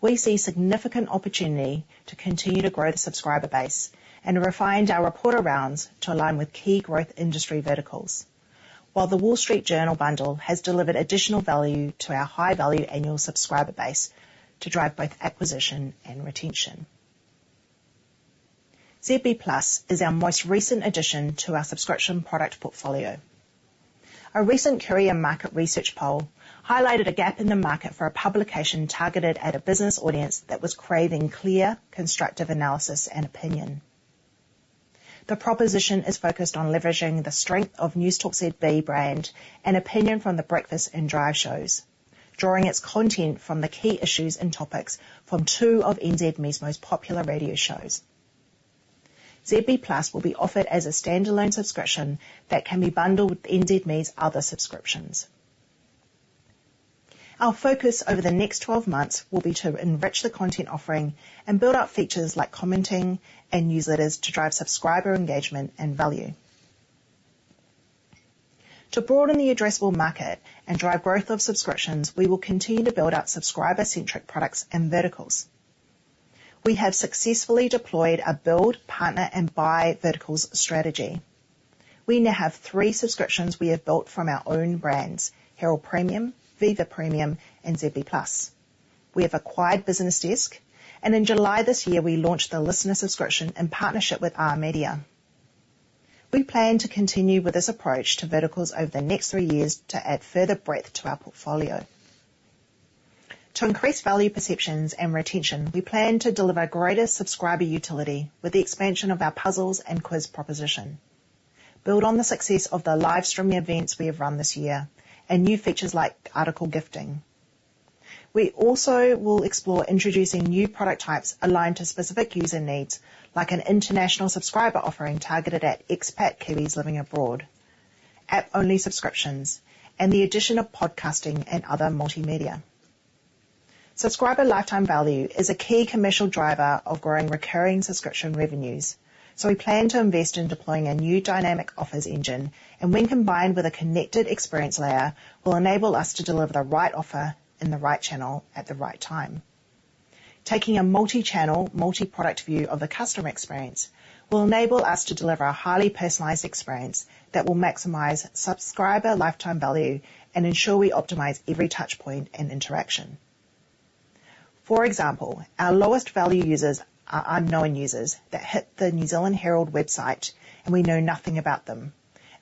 We see significant opportunity to continue to grow the subscriber base and refined our reporter rounds to align with key growth industry verticals. While the Wall Street Journal bundle has delivered additional value to our high-value annual subscriber base to drive both acquisition and retention. ZB Plus is our most recent addition to our subscription product portfolio. A recent Curia Market Research poll highlighted a gap in the market for a publication targeted at a business audience that was craving clear, constructive analysis and opinion. The proposition is focused on leveraging the strength of Newstalk ZB brand and opinion from the breakfast and drive shows, drawing its content from the key issues and topics from two of NZME's most popular radio shows. ZB Plus will be offered as a standalone subscription that can be bundled with NZME's other subscriptions. Our focus over the next 12 months will be to enrich the content offering and build out features like commenting and newsletters to drive subscriber engagement and value. To broaden the addressable market and drive growth of subscriptions, we will continue to build out subscriber-centric products and verticals. We have successfully deployed a build, partner, and buy verticals strategy. We now have three subscriptions we have built from our own brands: Herald Premium, Viva Premium, and ZB Plus. We have acquired BusinessDesk, and in July this year, we launched the Listener subscription in partnership with Are Media. We plan to continue with this approach to verticals over the next three years to add further breadth to our portfolio. To increase value perceptions and retention, we plan to deliver greater subscriber utility with the expansion of our puzzles and quiz proposition, build on the success of the live streaming events we have run this year, and new features like article gifting. We also will explore introducing new product types aligned to specific user needs, like an international subscriber offering targeted at expat Kiwis living abroad, app-only subscriptions, and the addition of podcasting and other multimedia. Subscriber lifetime value is a key commercial driver of growing recurring subscription revenues. So we plan to invest in deploying a new dynamic offers engine, and when combined with a connected experience layer, will enable us to deliver the right offer in the right channel at the right time. Taking a multi-channel, multi-product view of the customer experience will enable us to deliver a highly personalized experience that will maximize subscriber lifetime value and ensure we optimize every touch point and interaction. For example, our lowest value users are unknown users that hit the New Zealand Herald website, and we know nothing about them.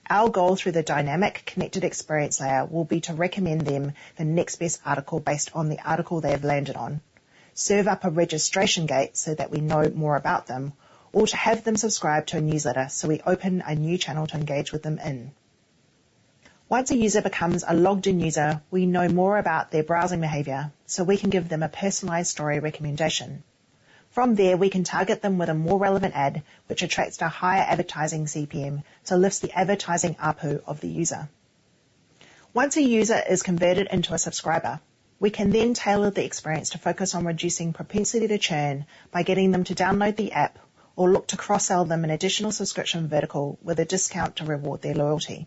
Our goal through the dynamic connected experience layer will be to recommend them the next best article based on the article they have landed on, serve up a registration gate so that we know more about them, or to have them subscribe to a newsletter, so we open a new channel to engage with them in. Once a user becomes a logged-in user, we know more about their browsing behavior, so we can give them a personalized story recommendation. From there, we can target them with a more relevant ad, which attracts the higher advertising CPM, so lifts the advertising ARPU of the user. Once a user is converted into a subscriber, we can then tailor the experience to focus on reducing propensity to churn by getting them to download the app or look to cross-sell them an additional subscription vertical with a discount to reward their loyalty.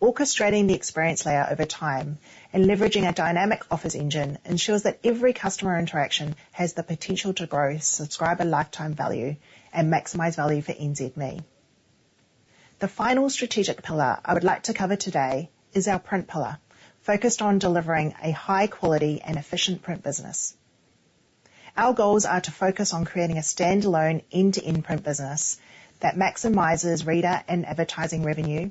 Orchestrating the experience layer over time and leveraging a dynamic offers engine ensures that every customer interaction has the potential to grow subscriber lifetime value and maximize value for NZME. The final strategic pillar I would like to cover today is our print pillar, focused on delivering a high quality and efficient print business. Our goals are to focus on creating a standalone end-to-end print business that maximizes reader and advertising revenue,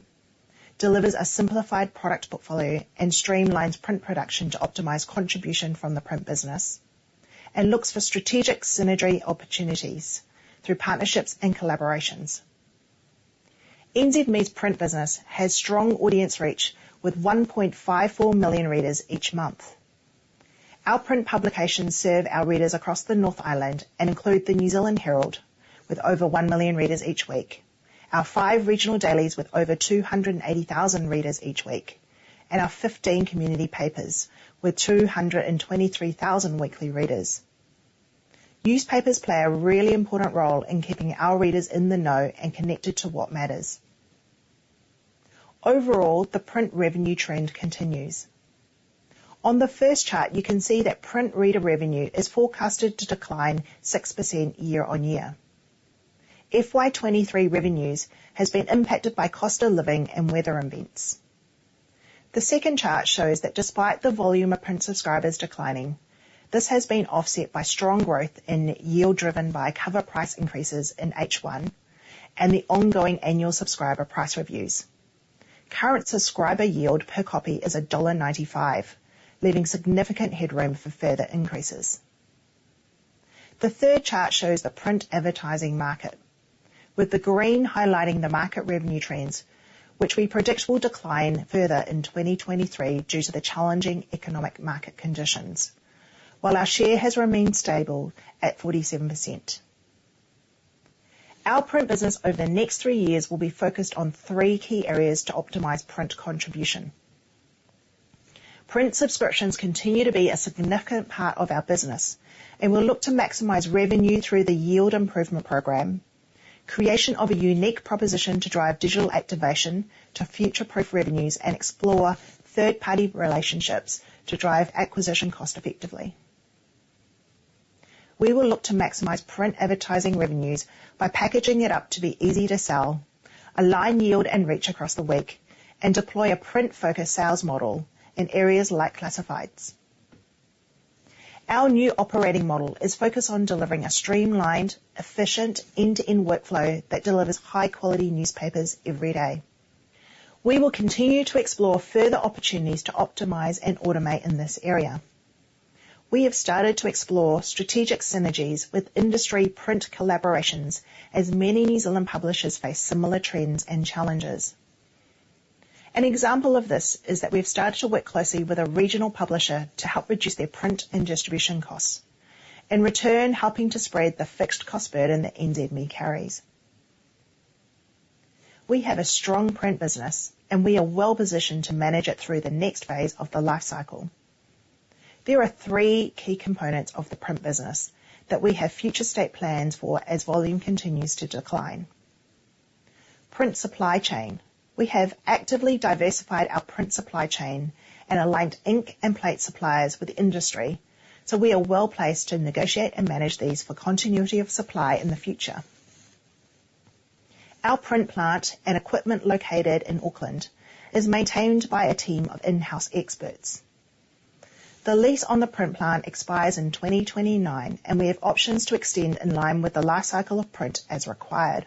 delivers a simplified product portfolio, and streamlines print production to optimize contribution from the print business, and looks for strategic synergy opportunities through partnerships and collaborations. NZME's print business has strong audience reach with 1.54 million readers each month. Our print publications serve our readers across the North Island and include the New Zealand Herald, with over 1 million readers each week, our five regional dailies with over 280,000 readers each week, and our 15 community papers with 223,000 weekly readers. Newspapers play a really important role in keeping our readers in the know and connected to what matters. Overall, the print revenue trend continues. On the first chart, you can see that print reader revenue is forecasted to decline 6% year-on-year. FY 2023 revenues has been impacted by cost of living and weather events. The second chart shows that despite the volume of print subscribers declining, this has been offset by strong growth in yield, driven by cover price increases in H1 and the ongoing annual subscriber price reviews. Current subscriber yield per copy is dollar 1.95, leaving significant headroom for further increases. The third chart shows the print advertising market, with the green highlighting the market revenue trends, which we predict will decline further in 2023 due to the challenging economic market conditions. While our share has remained stable at 47%. Our print business over the next 3 years will be focused on 3 key areas to optimize print contribution. Print subscriptions continue to be a significant part of our business, and we'll look to maximize revenue through the yield improvement program, creation of a unique proposition to drive digital activation to future-proof revenues, and explore third-party relationships to drive acquisition cost effectively. We will look to maximize print advertising revenues by packaging it up to be easy to sell, align, yield, and reach across the week, and deploy a print-focused sales model in areas like classifieds. Our new operating model is focused on delivering a streamlined, efficient, end-to-end workflow that delivers high-quality newspapers every day. We will continue to explore further opportunities to optimize and automate in this area. We have started to explore strategic synergies with industry print collaborations, as many New Zealand publishers face similar trends and challenges. An example of this is that we've started to work closely with a regional publisher to help reduce their print and distribution costs. In return, helping to spread the fixed cost burden that NZME carries. We have a strong print business, and we are well-positioned to manage it through the next phase of the life cycle. There are three key components of the print business that we have future state plans for as volume continues to decline. Print supply chain. We have actively diversified our print supply chain and aligned ink and plate suppliers with industry, so we are well-placed to negotiate and manage these for continuity of supply in the future. Our print plant and equipment located in Auckland is maintained by a team of in-house experts. The lease on the print plant expires in 2029, and we have options to extend in line with the life cycle of print as required.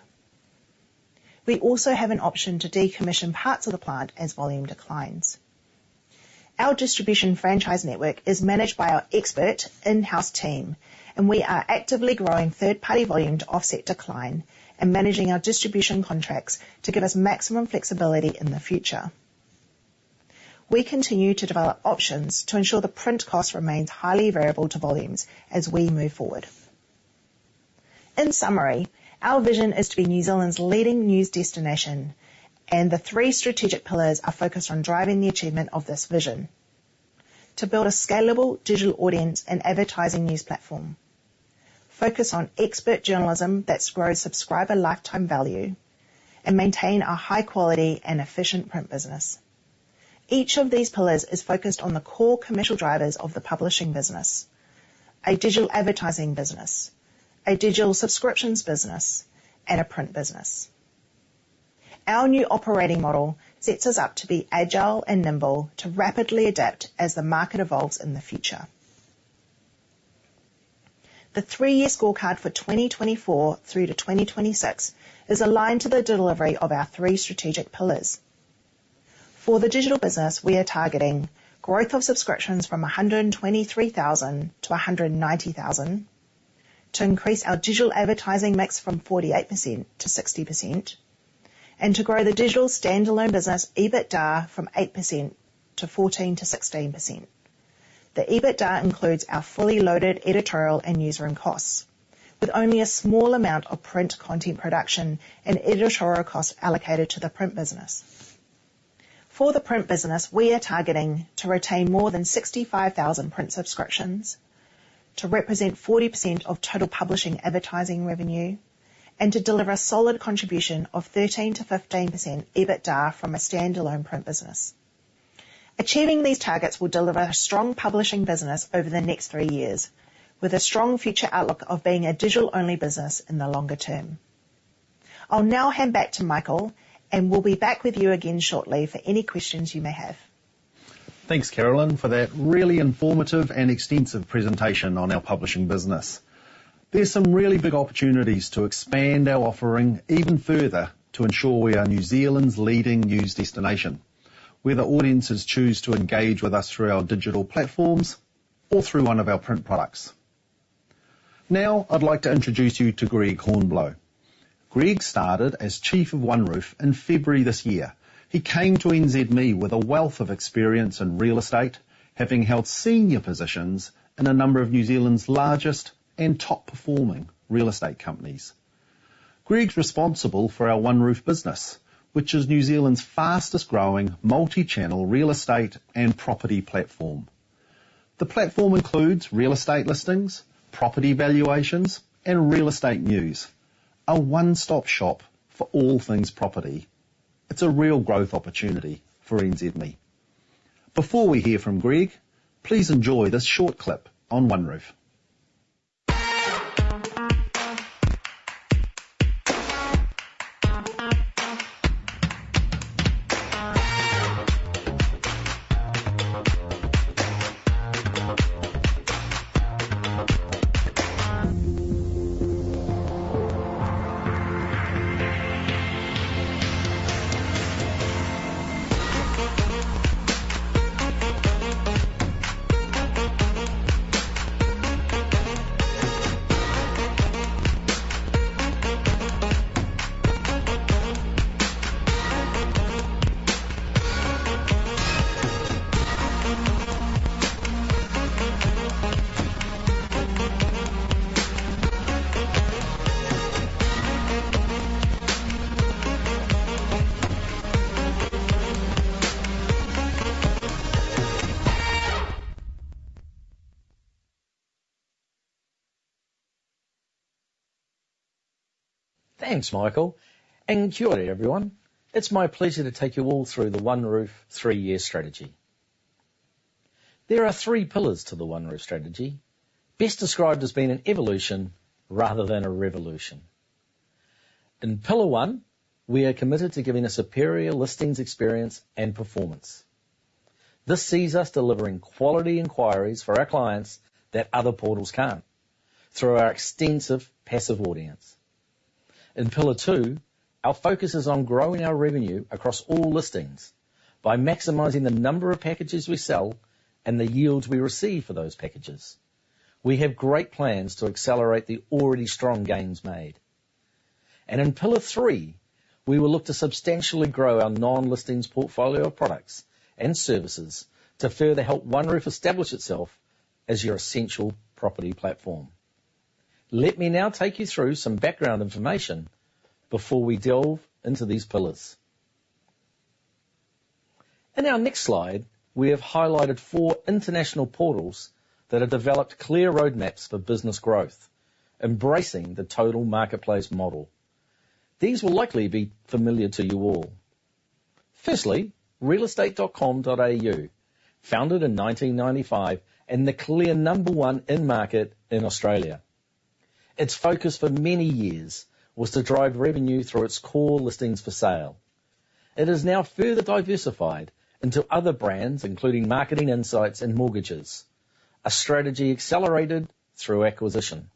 We also have an option to decommission parts of the plant as volume declines. Our distribution franchise network is managed by our expert in-house team, and we are actively growing third-party volume to offset decline and managing our distribution contracts to give us maximum flexibility in the future. We continue to develop options to ensure the print cost remains highly variable to volumes as we move forward. In summary, our vision is to be New Zealand's leading news destination, and the three strategic pillars are focused on driving the achievement of this vision: to build a scalable digital audience and advertising news platform, focus on expert journalism that grows subscriber lifetime value, and maintain a high quality and efficient print business. Each of these pillars is focused on the core commercial drivers of the publishing business, a digital advertising business, a digital subscriptions business, and a print business. Our new operating model sets us up to be agile and nimble to rapidly adapt as the market evolves in the future. The three-year scorecard for 2024 through to 2026 is aligned to the delivery of our three strategic pillars. For the digital business, we are targeting growth of subscriptions from 123,000 to 190,000, to increase our digital advertising mix from 48% to 60%, and to grow the digital standalone business EBITDA from 8% to 14%-16%. The EBITDA includes our fully loaded editorial and newsroom costs, with only a small amount of print content production and editorial costs allocated to the print business. For the print business, we are targeting to retain more than 65,000 print subscriptions, to represent 40% of total publishing advertising revenue, and to deliver a solid contribution of 13%-15% EBITDA from a standalone print business. Achieving these targets will deliver a strong publishing business over the next three years, with a strong future outlook of being a digital-only business in the longer term. I'll now hand back to Michael, and we'll be back with you again shortly for any questions you may have. Thanks, Carolyn, for that really informative and extensive presentation on our publishing business. There are some really big opportunities to expand our offering even further to ensure we are New Zealand's leading news destination, whether audiences choose to engage with us through our digital platforms or through one of our print products. Now, I'd like to introduce you to Greg Hornblow. Greg started as Chief of OneRoof in February this year. He came to NZME with a wealth of experience in real estate, having held senior positions in a number of New Zealand's largest and top-performing real estate companies. Greg's responsible for our OneRoof business, which is New Zealand's fastest growing multi-channel real estate and property platform. The platform includes real estate listings, property valuations, and real estate news, a one-stop shop for all things property. It's a real growth opportunity for NZME. Before we hear from Greg, please enjoy this short clip on OneRoof. Thanks, Michael, and kia ora, everyone. It's my pleasure to take you all through the OneRoof three-year strategy. There are three pillars to the OneRoof strategy, best described as being an evolution rather than a revolution. In pillar one, we are committed to giving a superior listings experience and performance. This sees us delivering quality inquiries for our clients that other portals can't, through our extensive passive audience. In pillar two, our focus is on growing our revenue across all listings by maximizing the number of packages we sell and the yield we receive for those packages. We have great plans to accelerate the already strong gains made. And in pillar three, we will look to substantially grow our non-listings portfolio of products and services to further help OneRoof establish itself as your essential property platform. Let me now take you through some background information before we delve into these pillars... In our next slide, we have highlighted four international portals that have developed clear roadmaps for business growth, embracing the total marketplace model. These will likely be familiar to you all. Firstly, realestate.com.au, founded in 1995, and the clear number 1 in market in Australia. Its focus for many years was to drive revenue through its core listings for sale. It has now further diversified into other brands, including marketing insights and mortgages, a strategy accelerated through acquisition.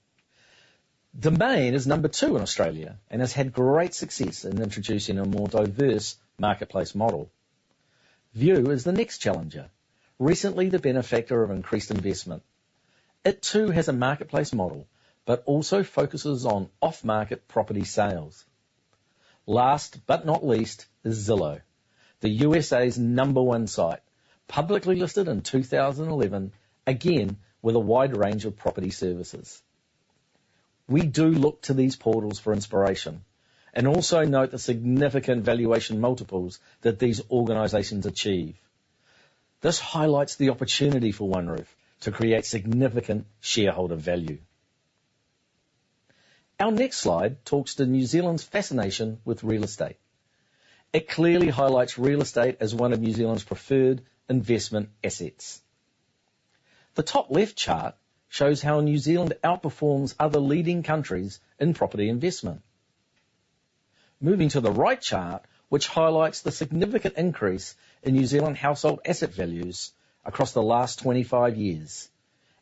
Domain is number 2 in Australia and has had great success in introducing a more diverse marketplace model. View is the next challenger, recently the benefactor of increased investment. It too has a marketplace model but also focuses on off-market property sales. Last but not least is Zillow, the USA's number one site, publicly listed in 2011, again, with a wide range of property services. We do look to these portals for inspiration and also note the significant valuation multiples that these organizations achieve. This highlights the opportunity for OneRoof to create significant shareholder value. Our next slide talks to New Zealand's fascination with real estate. It clearly highlights real estate as one of New Zealand's preferred investment assets. The top left chart shows how New Zealand outperforms other leading countries in property investment. Moving to the right chart, which highlights the significant increase in New Zealand household asset values across the last 25 years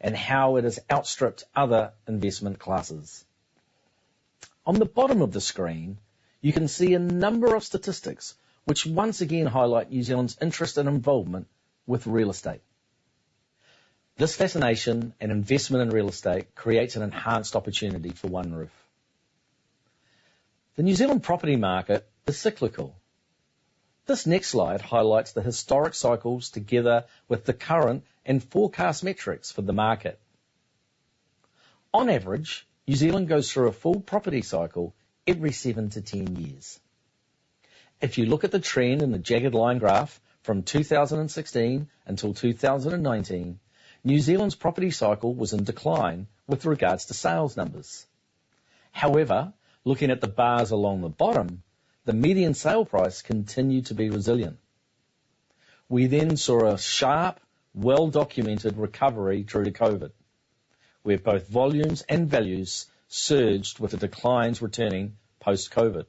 and how it has outstripped other investment classes. On the bottom of the screen, you can see a number of statistics which once again highlight New Zealand's interest and involvement with real estate. This fascination and investment in real estate creates an enhanced opportunity for OneRoof. The New Zealand property market is cyclical. This next slide highlights the historic cycles, together with the current and forecast metrics for the market. On average, New Zealand goes through a full property cycle every 7-10 years. If you look at the trend in the jagged line graph from 2016 until 2019, New Zealand's property cycle was in decline with regards to sales numbers. However, looking at the bars along the bottom, the median sale price continued to be resilient. We then saw a sharp, well-documented recovery through the COVID, where both volumes and values surged with the declines returning post-COVID.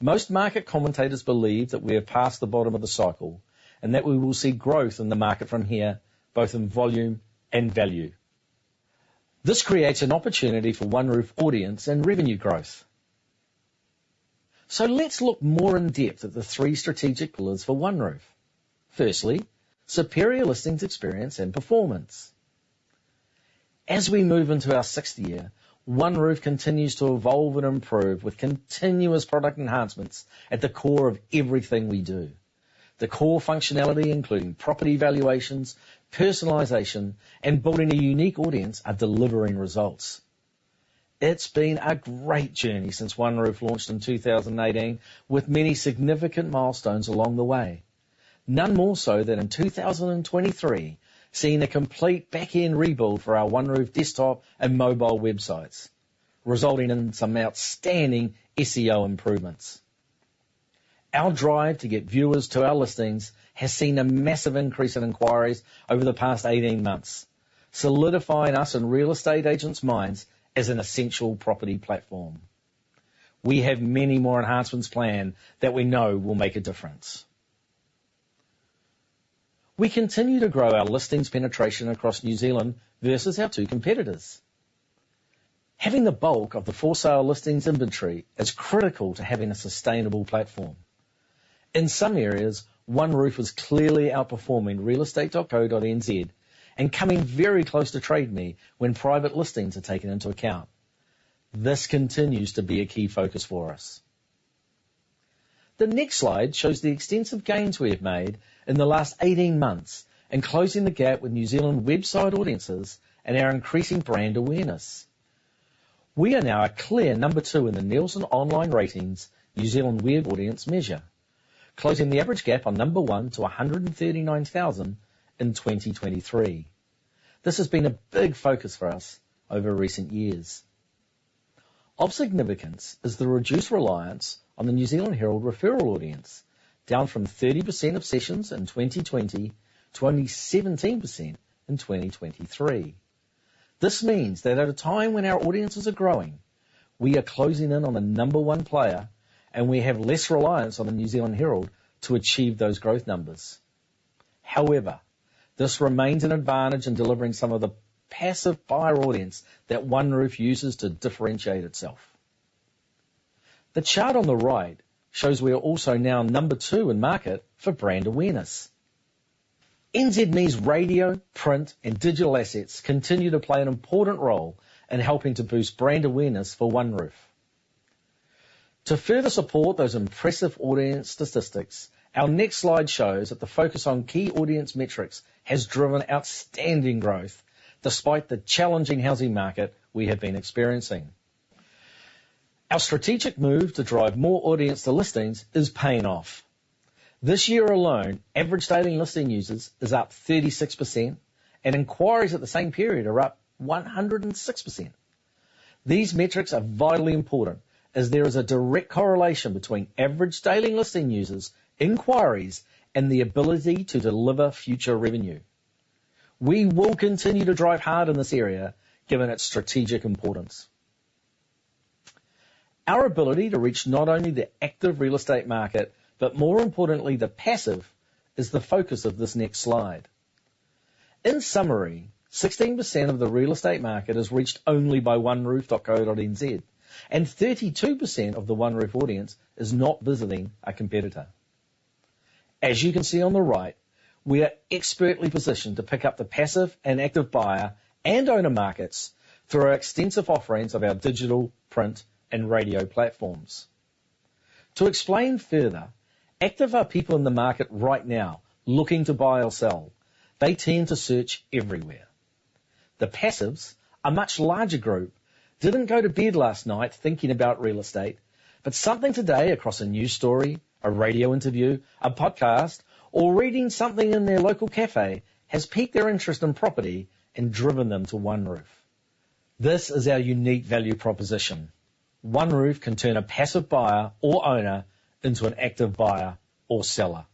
Most market commentators believe that we are past the bottom of the cycle and that we will see growth in the market from here, both in volume and value. This creates an opportunity for OneRoof audience and revenue growth. So let's look more in depth at the three strategic pillars for OneRoof. Firstly, superior listings, experience, and performance. As we move into our sixth year, OneRoof continues to evolve and improve, with continuous product enhancements at the core of everything we do. The core functionality, including property valuations, personalization, and building a unique audience, are delivering results. It's been a great journey since OneRoof launched in 2018, with many significant milestones along the way, none more so than in 2023, seeing a complete back-end rebuild for our OneRoof desktop and mobile websites, resulting in some outstanding SEO improvements. Our drive to get viewers to our listings has seen a massive increase in inquiries over the past 18 months, solidifying us in real estate agents' minds as an essential property platform. We have many more enhancements planned that we know will make a difference. We continue to grow our listings penetration across New Zealand versus our two competitors. Having the bulk of the for-sale listings inventory is critical to having a sustainable platform. In some areas, OneRoof is clearly outperforming realestate.co.nz and coming very close to Trade Me when private listings are taken into account. This continues to be a key focus for us. The next slide shows the extensive gains we have made in the last 18 months in closing the gap with New Zealand website audiences and our increasing brand awareness. We are now a clear number two in the Nielsen Online Ratings New Zealand web audience measure, closing the average gap on number one to 139,000 in 2023. This has been a big focus for us over recent years. Of significance is the reduced reliance on the New Zealand Herald referral audience, down from 30% of sessions in 2020 to only 17% in 2023. This means that at a time when our audiences are growing, we are closing in on the number one player, and we have less reliance on the New Zealand Herald to achieve those growth numbers. However, this remains an advantage in delivering some of the passive buyer audience that OneRoof uses to differentiate itself. The chart on the right shows we are also now number two in market for brand awareness. NZME's radio, print, and digital assets continue to play an important role in helping to boost brand awareness for OneRoof. To further support those impressive audience statistics, our next slide shows that the focus on key audience metrics has driven outstanding growth despite the challenging housing market we have been experiencing. Our strategic move to drive more audience to listings is paying off. This year alone, average daily listing users is up 36% and inquiries at the same period are up 106%. These metrics are vitally important as there is a direct correlation between average daily listing users, inquiries, and the ability to deliver future revenue. We will continue to drive hard in this area, given its strategic importance. Our ability to reach not only the active real estate market, but more importantly, the passive, is the focus of this next slide. In summary, 16% of the real estate market is reached only by OneRoof.co.nz, and 32% of the OneRoof audience is not visiting a competitor. As you can see on the right, we are expertly positioned to pick up the passive and active buyer and owner markets through our extensive offerings of our digital, print, and radio platforms. To explain further, active are people in the market right now looking to buy or sell. They tend to search everywhere. The passives, a much larger group, didn't go to bed last night thinking about real estate, but something today across a news story, a radio interview, a podcast, or reading something in their local cafe, has piqued their interest in property and driven them to OneRoof. This is our unique value proposition. OneRoof can turn a passive buyer or owner into an active buyer or seller.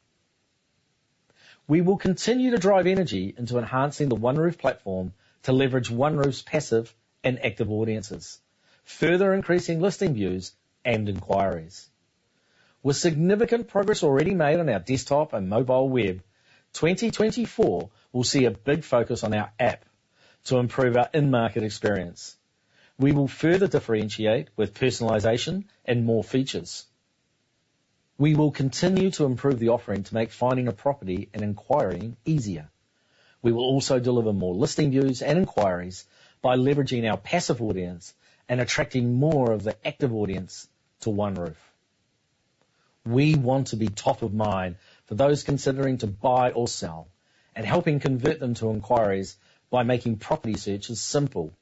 We will continue to drive energy into enhancing the OneRoof platform to leverage OneRoof's passive and active audiences, further increasing listing views and inquiries. With significant progress already made on our desktop and mobile web, 2024 will see a big focus on our app to improve our in-market experience. We will further differentiate with personalization and more features. We will continue to improve the offering to make finding a property and inquiring easier. We will also deliver more listing views and inquiries by leveraging our passive audience and attracting more of the active audience to OneRoof. We want to be top of mind for those considering to buy or sell, and helping convert them to inquiries by making property searches simple.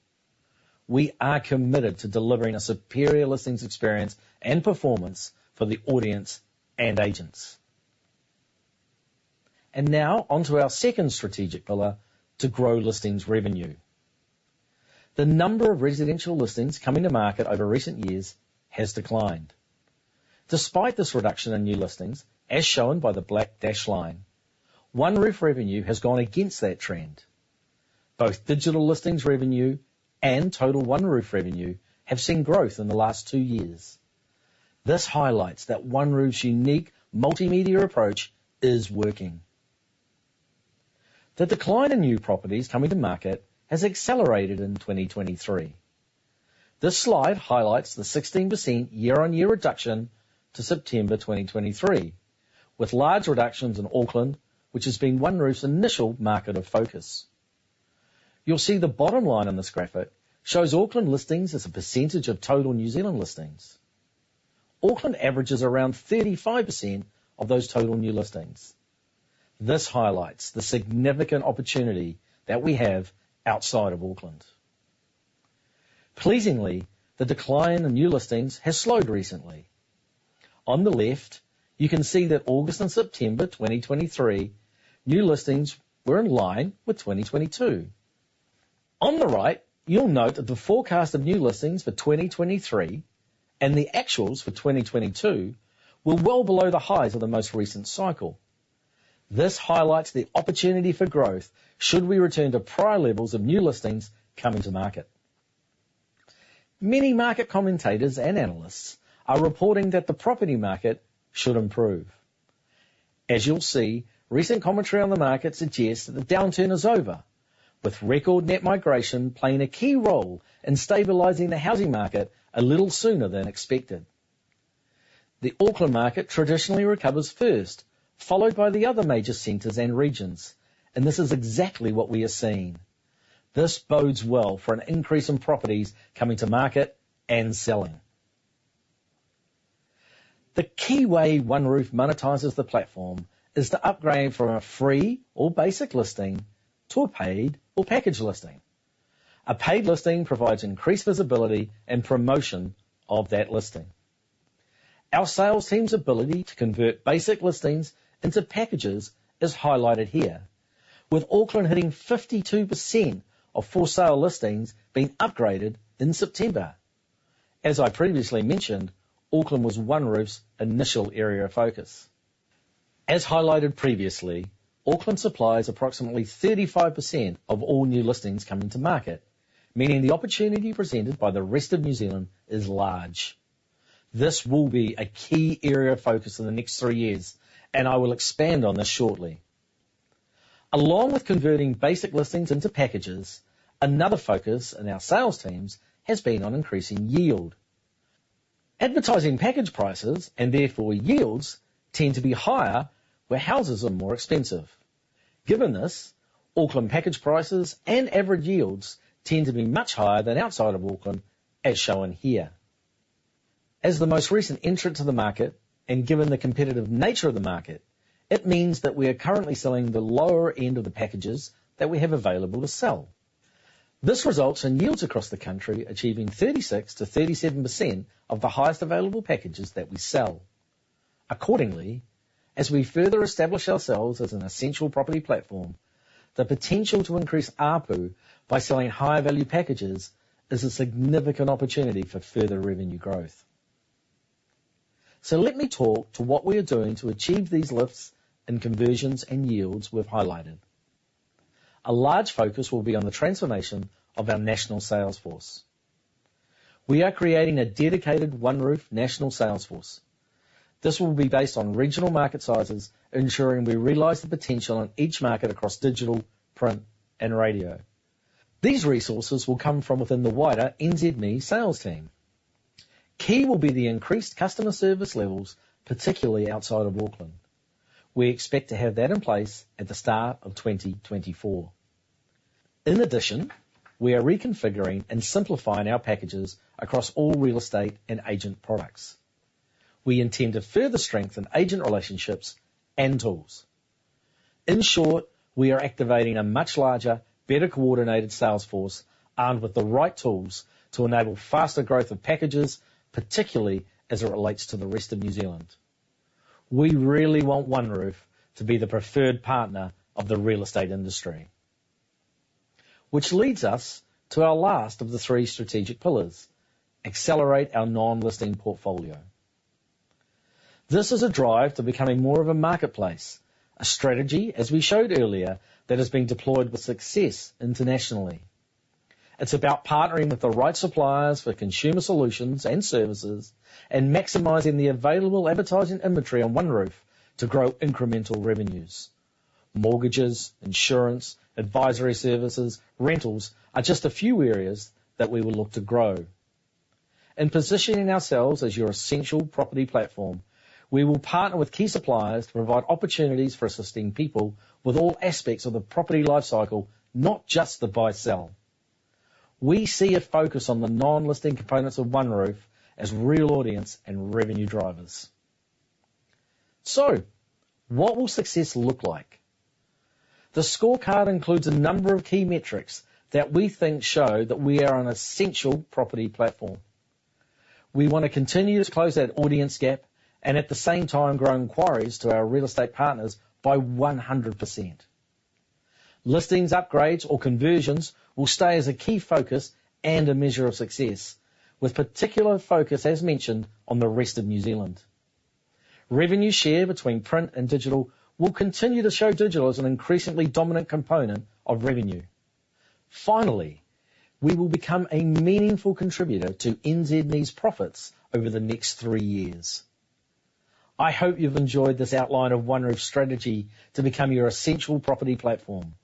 We are committed to delivering a superior listings experience and performance for the audience and agents. And now onto our second strategic pillar: to grow listings revenue. The number of residential listings coming to market over recent years has declined. Despite this reduction in new listings, as shown by the black dashed line, OneRoof revenue has gone against that trend. Both digital listings revenue and total OneRoof revenue have seen growth in the last two years. This highlights that OneRoof's unique multimedia approach is working. The decline in new properties coming to market has accelerated in 2023. This slide highlights the 16% year-on-year reduction to September 2023, with large reductions in Auckland, which has been OneRoof's initial market of focus. You'll see the bottom line in this graphic shows Auckland listings as a percentage of total New Zealand listings. Auckland averages around 35% of those total new listings. This highlights the significant opportunity that we have outside of Auckland. Pleasingly, the decline in new listings has slowed recently. On the left, you can see that August and September 2023, new listings were in line with 2022. On the right, you'll note that the forecast of new listings for 2023 and the actuals for 2022 were well below the highs of the most recent cycle. This highlights the opportunity for growth should we return to prior levels of new listings coming to market. Many market commentators and analysts are reporting that the property market should improve. As you'll see, recent commentary on the market suggests that the downturn is over, with record net migration playing a key role in stabilizing the housing market a little sooner than expected. The Auckland market traditionally recovers first, followed by the other major centers and regions, and this is exactly what we are seeing. This bodes well for an increase in properties coming to market and selling. The key way OneRoof monetizes the platform is to upgrade from a free or Basic listing to a paid or Package listing. A paid listing provides increased visibility and promotion of that listing. Our sales team's ability to convert Basic listings into Packages is highlighted here, with Auckland hitting 52% of for-sale listings being upgraded in September. As I previously mentioned, Auckland was OneRoof's initial area of focus. As highlighted previously, Auckland supplies approximately 35% of all new listings coming to market, meaning the opportunity presented by the rest of New Zealand is large. This will be a key area of focus in the next three years, and I will expand on this shortly. Along with converting Basic listings into Packages, another focus on our sales teams has been on increasing yield. Advertising Package prices, and therefore yields, tend to be higher where houses are more expensive. Given this, Auckland Package prices and average yields tend to be much higher than outside of Auckland, as shown here. As the most recent entrant to the market, and given the competitive nature of the market, it means that we are currently selling the lower end of the packages that we have available to sell. This results in yields across the country achieving 36%-37% of the highest available packages that we sell. Accordingly, as we further establish ourselves as an essential property platform, the potential to increase ARPU by selling higher value packages is a significant opportunity for further revenue growth. So let me talk to what we are doing to achieve these lifts in conversions and yields we've highlighted. A large focus will be on the transformation of our national sales force. We are creating a dedicated OneRoof national sales force. This will be based on regional market sizes, ensuring we realize the potential in each market across digital, print, and radio. These resources will come from within the wider NZME sales team. Key will be the increased customer service levels, particularly outside of Auckland. We expect to have that in place at the start of 2024. In addition, we are reconfiguring and simplifying our packages across all real estate and agent products. We intend to further strengthen agent relationships and tools. In short, we are activating a much larger, better coordinated sales force armed with the right tools to enable faster growth of packages, particularly as it relates to the rest of New Zealand. We really want OneRoof to be the preferred partner of the real estate industry. Which leads us to our last of the three strategic pillars: accelerate our non-listing portfolio. This is a drive to becoming more of a marketplace, a strategy, as we showed earlier, that has been deployed with success internationally. It's about partnering with the right suppliers for consumer solutions and services and maximizing the available advertising inventory on OneRoof to grow incremental revenues. Mortgages, insurance, advisory services, rentals are just a few areas that we will look to grow. In positioning ourselves as your essential property platform, we will partner with key suppliers to provide opportunities for assisting people with all aspects of the property life cycle, not just the buy/sell. We see a focus on the non-listing components of OneRoof as real audience and revenue drivers. So what will success look like? The scorecard includes a number of key metrics that we think show that we are an essential property platform. We want to continue to close that audience gap and, at the same time, grow inquiries to our real estate partners by 100%. Listings, upgrades, or conversions will stay as a key focus and a measure of success, with particular focus, as mentioned, on the rest of New Zealand. Revenue share between print and digital will continue to show digital as an increasingly dominant component of revenue. Finally, we will become a meaningful contributor to NZME's profits over the next three years. I hope you've enjoyed this outline of OneRoof's strategy to become your essential property platform.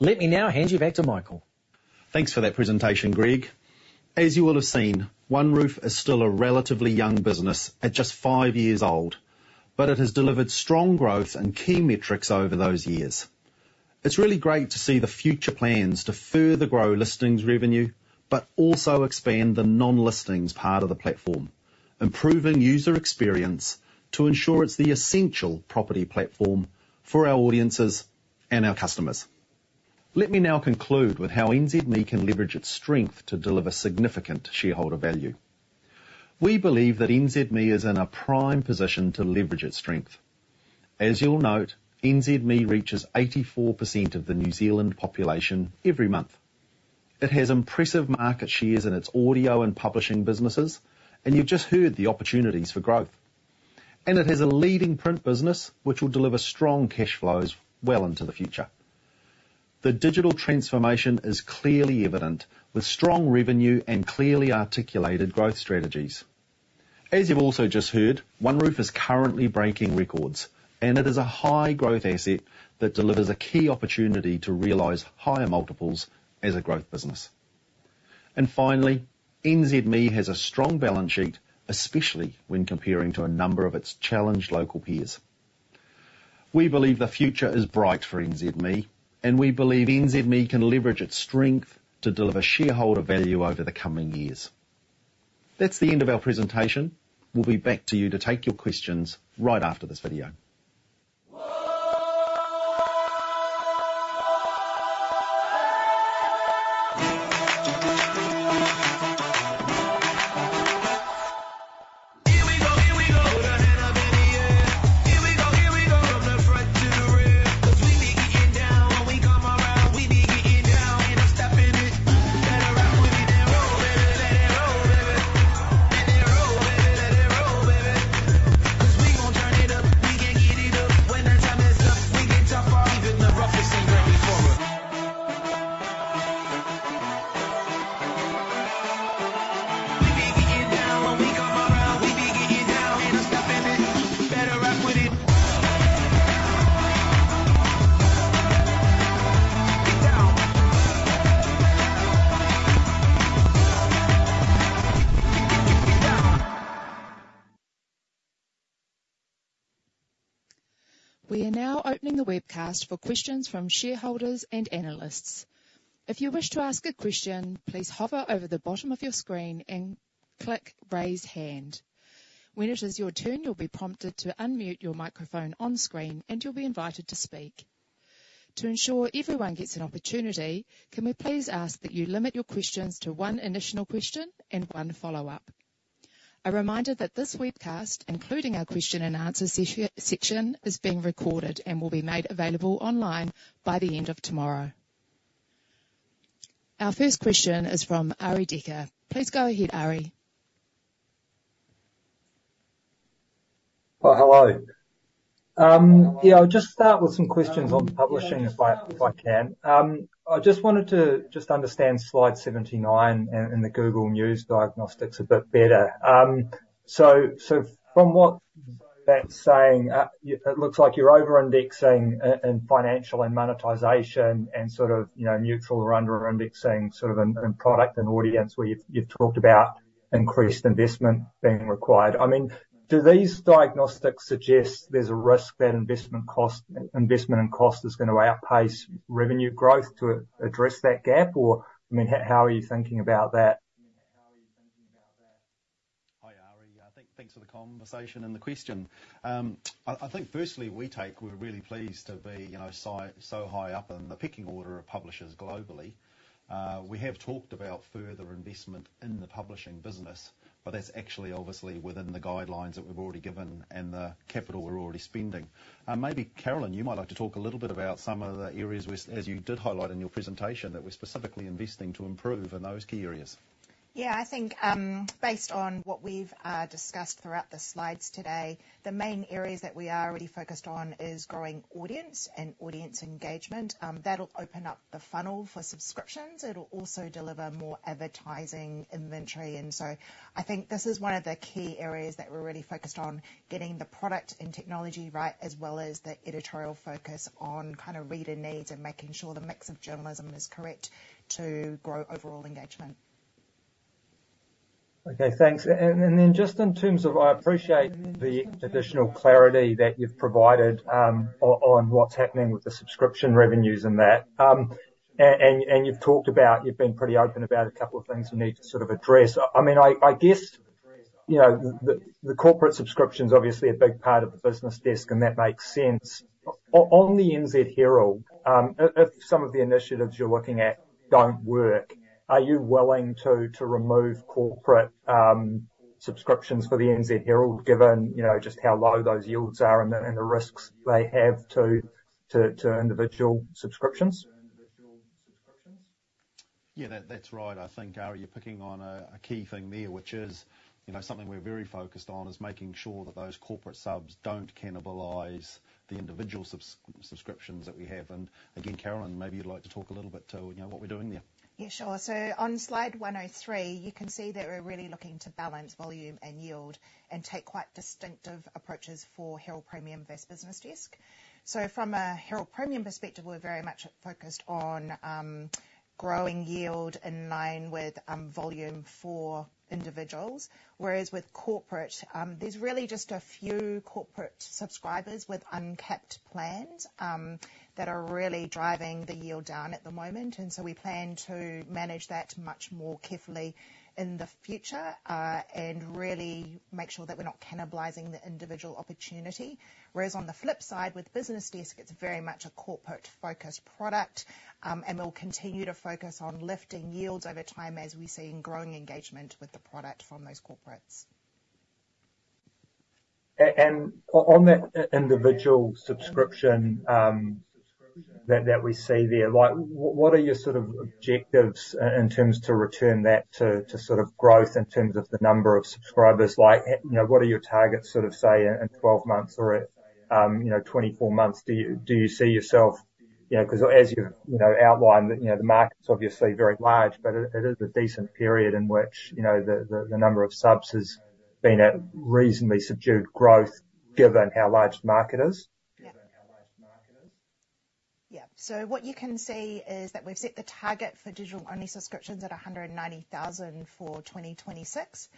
Let me now hand you back to Michael. Thanks for that presentation, Greg. As you will have seen, OneRoof is still a relatively young business at just 5 years old, but it has delivered strong growth and key metrics over those years. It's really great to see the future plans to further grow listings revenue, but also expand the non-listings part of the platform, improving user experience to ensure it's the essential property platform for our audiences and our customers. Let me now conclude with how NZME can leverage its strength to deliver significant shareholder value. We believe that NZME is in a prime position to leverage its strength. As you'll note, NZME reaches 84% of the New Zealand population every month. It has impressive market shares in its audio and publishing businesses, and you've just heard the opportunities for growth. It has a leading print business, which will deliver strong cash flows well into the future. The digital transformation is clearly evident, with strong revenue and clearly articulated growth strategies. As you've also just heard, OneRoof is currently breaking records, and it is a high-growth asset that delivers a key opportunity to realize higher multiples as a growth business. Finally, NZME has a strong balance sheet, especially when comparing to a number of its challenged local peers. We believe the future is bright for NZME, and we believe NZME can leverage its strength to deliver shareholder value over the coming years. That's the end of our presentation. We'll be back to you to take your questions right after this video. A reminder that this webcast, including our question and answer section, is being recorded and will be made available online by the end of tomorrow. Our first question is from Arie Dekker. Please go ahead, Ari. Well, hello. Yeah, I'll just start with some questions on publishing, if I, if I can. I just wanted to just understand slide 79 and, and the Google News diagnostics a bit better. So, so from what that's saying, it, it looks like you're over-indexing in financial and monetization and sort of, you know, neutral or under-indexing sort of in, in product and audience, where you've, you've talked about increased investment being required. I mean, do these diagnostics suggest there's a risk that investment cost, investment and cost is going to outpace revenue growth to address that gap? Or, I mean, how are you thinking about that? Hi, Arie. I think, thanks for the conversation and the question. I think firstly, we're really pleased to be, you know, so high up in the pecking order of publishers globally. We have talked about further investment in the publishing business, but that's actually obviously within the guidelines that we've already given and the capital we're already spending. Maybe, Carolyn, you might like to talk a little bit about some of the areas which, as you did highlight in your presentation, that we're specifically investing to improve in those key areas. Yeah, I think, based on what we've discussed throughout the slides today, the main areas that we are already focused on is growing audience and audience engagement. That'll open up the funnel for subscriptions. It'll also deliver more advertising inventory, and so I think this is one of the key areas that we're really focused on: getting the product and technology right, as well as the editorial focus on kind of reader needs and making sure the mix of journalism is correct to grow overall engagement. Okay, thanks. And then, just in terms of I appreciate the additional clarity that you've provided on what's happening with the subscription revenues and that. And you've talked about, you've been pretty open about a couple of things you need to sort of address. I mean, I guess, you know, the corporate subscription's obviously a big part of the BusinessDesk, and that makes sense. On the NZ Herald, if some of the initiatives you're looking at don't work, are you willing to remove corporate subscriptions for the NZ Herald, given, you know, just how low those yields are and the risks they have to individual subscriptions? Yeah, that, that's right. I think, Ari, you're picking on a, a key thing there, which is, you know, something we're very focused on, is making sure that those corporate subs don't cannibalize the individual subs- subscriptions that we have. And again, Carolyn, maybe you'd like to talk a little bit to, you know, what we're doing there. Yeah, sure. So on slide 103, you can see that we're really looking to balance volume and yield and take quite distinctive approaches for Herald Premium versus BusinessDesk. So from a Herald Premium perspective, we're very much focused on growing yield in line with volume for individuals, whereas with corporate, there's really just a few corporate subscribers with uncapped plans that are really driving the yield down at the moment, and so we plan to manage that much more carefully in the future, and really make sure that we're not cannibalizing the individual opportunity. Whereas on the flip side, with BusinessDesk, it's very much a corporate-focused product. And we'll continue to focus on lifting yields over time as we see in growing engagement with the product from those corporates. And on that individual subscription, that we see there, like, what are your sort of objectives in terms to return that to, to sort of growth in terms of the number of subscribers? Like, you know, what are your targets sort of, say, in 12 months or, you know, 24 months? Do you see yourself. You know, 'cause as you outlined that, you know, the market's obviously very large, but it is a decent period in which, you know, the number of subs has been at reasonably subdued growth given how large the market is. Yeah. Yeah, so what you can see is that we've set the target for digital-only subscriptions at 190,000 for 2026,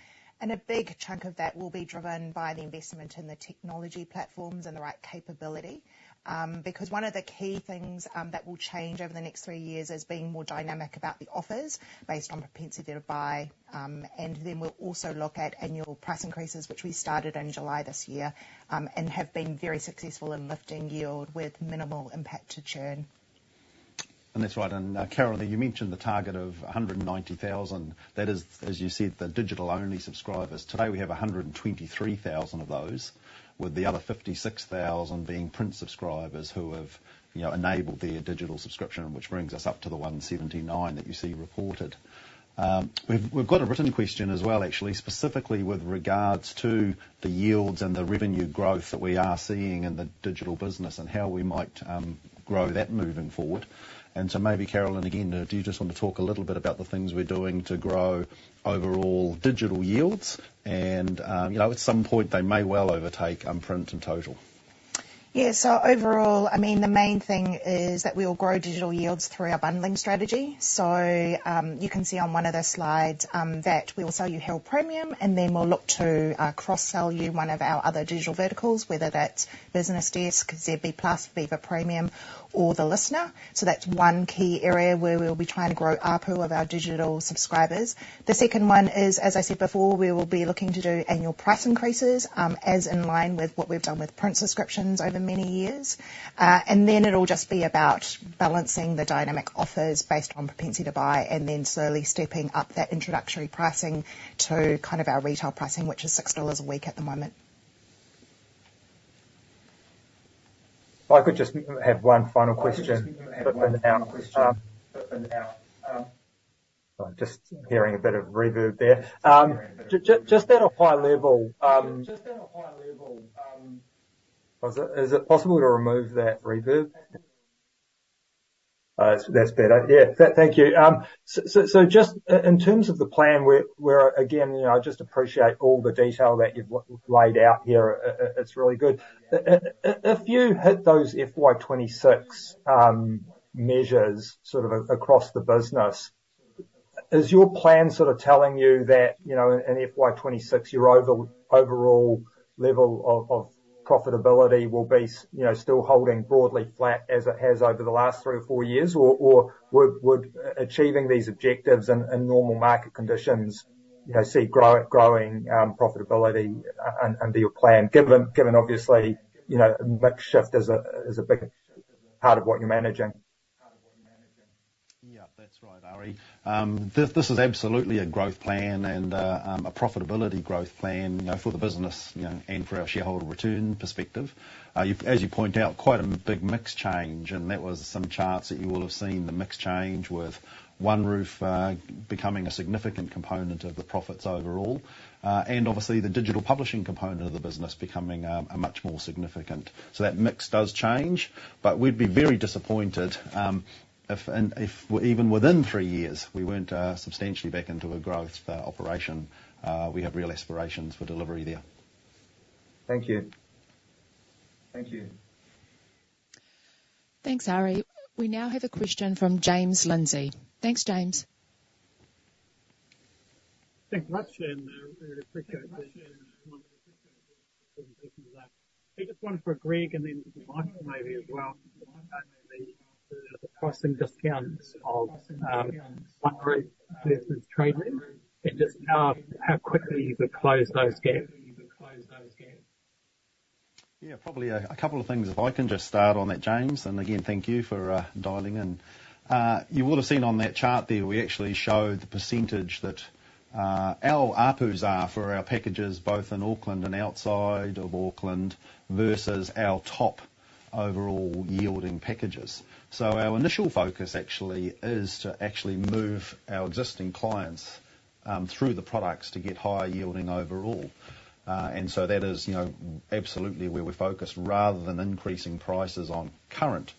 and a big chunk of that will be driven by the investment in the technology platforms and the right capability. Because one of the key things that will change over the next 3 years is being more dynamic about the offers based on propensity to buy. And then we'll also look at annual price increases, which we started in July this year, and have been very successful in lifting yield with minimal impact to churn. And that's right. And, Carolyn, you mentioned the target of 190,000. That is, as you said, the digital-only subscribers. Today, we have 123,000 of those, with the other 56,000 being print subscribers who have, you know, enabled their digital subscription, which brings us up to the 179 that you see reported. We've got a written question as well, actually, specifically with regards to the yields and the revenue growth that we are seeing in the digital business and how we might grow that moving forward. And so maybe, Carolyn, again, do you just want to talk a little bit about the things we're doing to grow overall digital yields? And, you know, at some point, they may well overtake print in total. Yeah, so overall, I mean, the main thing is that we will grow digital yields through our bundling strategy. So, you can see on one of the slides, that we will sell you Herald Premium, and then we'll look to, cross-sell you one of our other digital verticals, whether that's BusinessDesk, ZB Plus, Viva Premium, or The Listener. So that's one key area where we'll be trying to grow ARPU of our digital subscribers. The second one is, as I said before, we will be looking to do annual price increases, as in line with what we've done with print subscriptions over many years. And then it'll just be about balancing the dynamic offers based on propensity to buy and then slowly stepping up that introductory pricing to kind of our retail pricing, which is 6 dollars a week at the moment. If I could just have one final question. Just hearing a bit of reverb there. Just at a high level, is it possible to remove that reverb? That's better. Yeah. Thank you. So, just in terms of the plan, where, where, again, you know, I just appreciate all the detail that you've laid out here. It's really good. If you hit those FY 2026 measures sort of across the business, is your plan sort of telling you that, you know, in FY 2026, your overall level of profitability will be, you know, still holding broadly flat as it has over the last 3 or 4 years? Or would achieving these objectives in normal market conditions, you know, see growing profitability under your plan, given obviously, you know, mix shift is a big part of what you're managing? Yeah, that's right, Ari. This, this is absolutely a growth plan and, a profitability growth plan, you know, for the business, you know, and for our shareholder return perspective. You've, as you point out, quite a big mix change, and that was some charts that you will have seen, the mix change with OneRoof, becoming a significant component of the profits overall. And obviously, the digital publishing component of the business becoming, a much more significant. So that mix does change, but we'd be very disappointed, if and, if even within three years, we weren't, substantially back into a growth, operation. We have real aspirations for delivery there. Thank you. Thank you. Thanks, Arie. We now have a question from James Lindsay. Thanks, James. Thanks much, and really appreciate the presentation today. I just one for Greg, and then Michael, maybe as well. The pricing discounts of OneRoof versus Trade Me, and just how quickly you could close those gaps? Yeah, probably a couple of things, if I can just start on that, James, and again, thank you for dialing in. You would have seen on that chart there, we actually show the percentage that our ARPUs are for our packages, both in Auckland and outside of Auckland, versus our top overall yielding packages. So our initial focus actually is to actually move our existing clients through the products to get higher yielding overall. And so that is, you know, absolutely where we're focused, rather than increasing prices on current.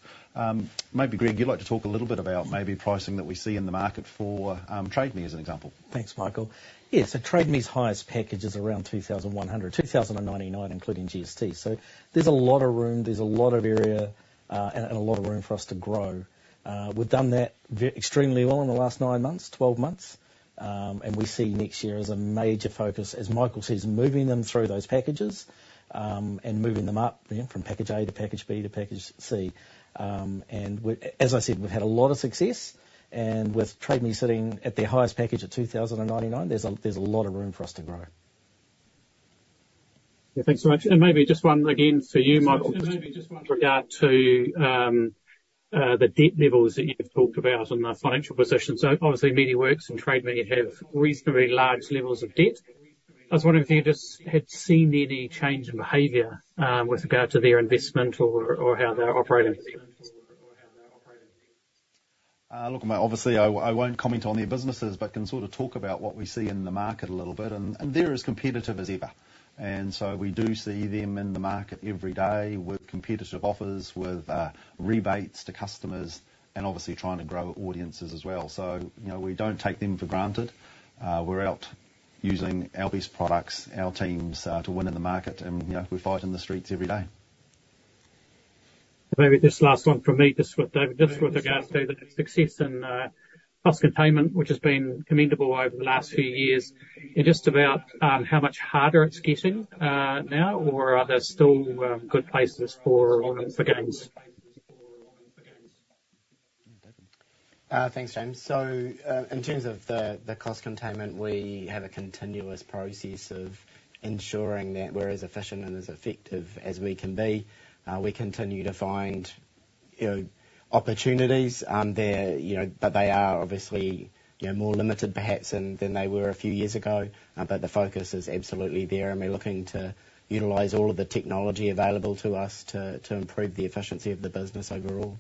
Maybe, Greg, you'd like to talk a little bit about maybe pricing that we see in the market for Trade Me, as an example. Thanks, Michael. Yeah, so Trade Me's highest package is around 2,100, 2,099, including GST. So there's a lot of room, there's a lot of area, and a lot of room for us to grow. We've done that extremely well in the last nine months, 12 months. We see next year as a major focus, as Michael says, moving them through those packages, and moving them up, you know, from package A to package B to package C. As I said, we've had a lot of success, and with Trade Me sitting at their highest package at 2,099, there's a lot of room for us to grow. Yeah, thanks so much. Maybe just one again for you, Michael, with regard to the debt levels that you've talked about in the financial position. So obviously, MediaWorks and Trade Me have reasonably large levels of debt. I was wondering if you just had seen any change in behavior with regard to their investment or how they're operating? Look, obviously, I won't comment on their businesses, but can sort of talk about what we see in the market a little bit, and they're as competitive as ever. So we do see them in the market every day with competitive offers, with rebates to customers, and obviously trying to grow audiences as well. You know, we don't take them for granted. We're out using our best products, our teams, to win in the market, and you know, we fight in the streets every day. Maybe this last one from me, just with regards to the success in cost containment, which has been commendable over the last few years, and just about how much harder it's getting now, or are there still good places for gains? Thanks, James. So, in terms of the cost containment, we have a continuous process of ensuring that we're as efficient and as effective as we can be. We continue to find, you know, opportunities there, you know, but they are obviously, you know, more limited, perhaps, than they were a few years ago. But the focus is absolutely there, and we're looking to utilize all of the technology available to us to improve the efficiency of the business overall.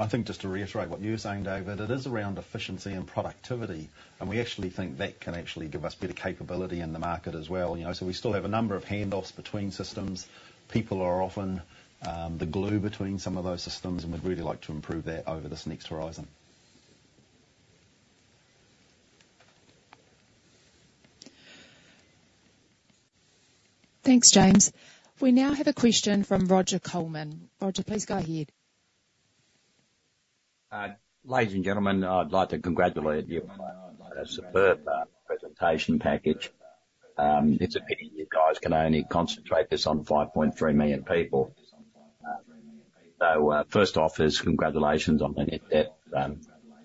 I think just to reiterate what you were saying, David, it is around efficiency and productivity, and we actually think that can actually give us better capability in the market as well. You know, so we still have a number of handoffs between systems. People are often the glue between some of those systems, and we'd really like to improve that over this next horizon. Thanks, James. We now have a question from Roger Colman. Roger, please go ahead. Ladies and gentlemen, I'd like to congratulate you on a superb presentation package. It's a pity you guys can only concentrate this on 5.3 million people. First off, is congratulations on the net debt,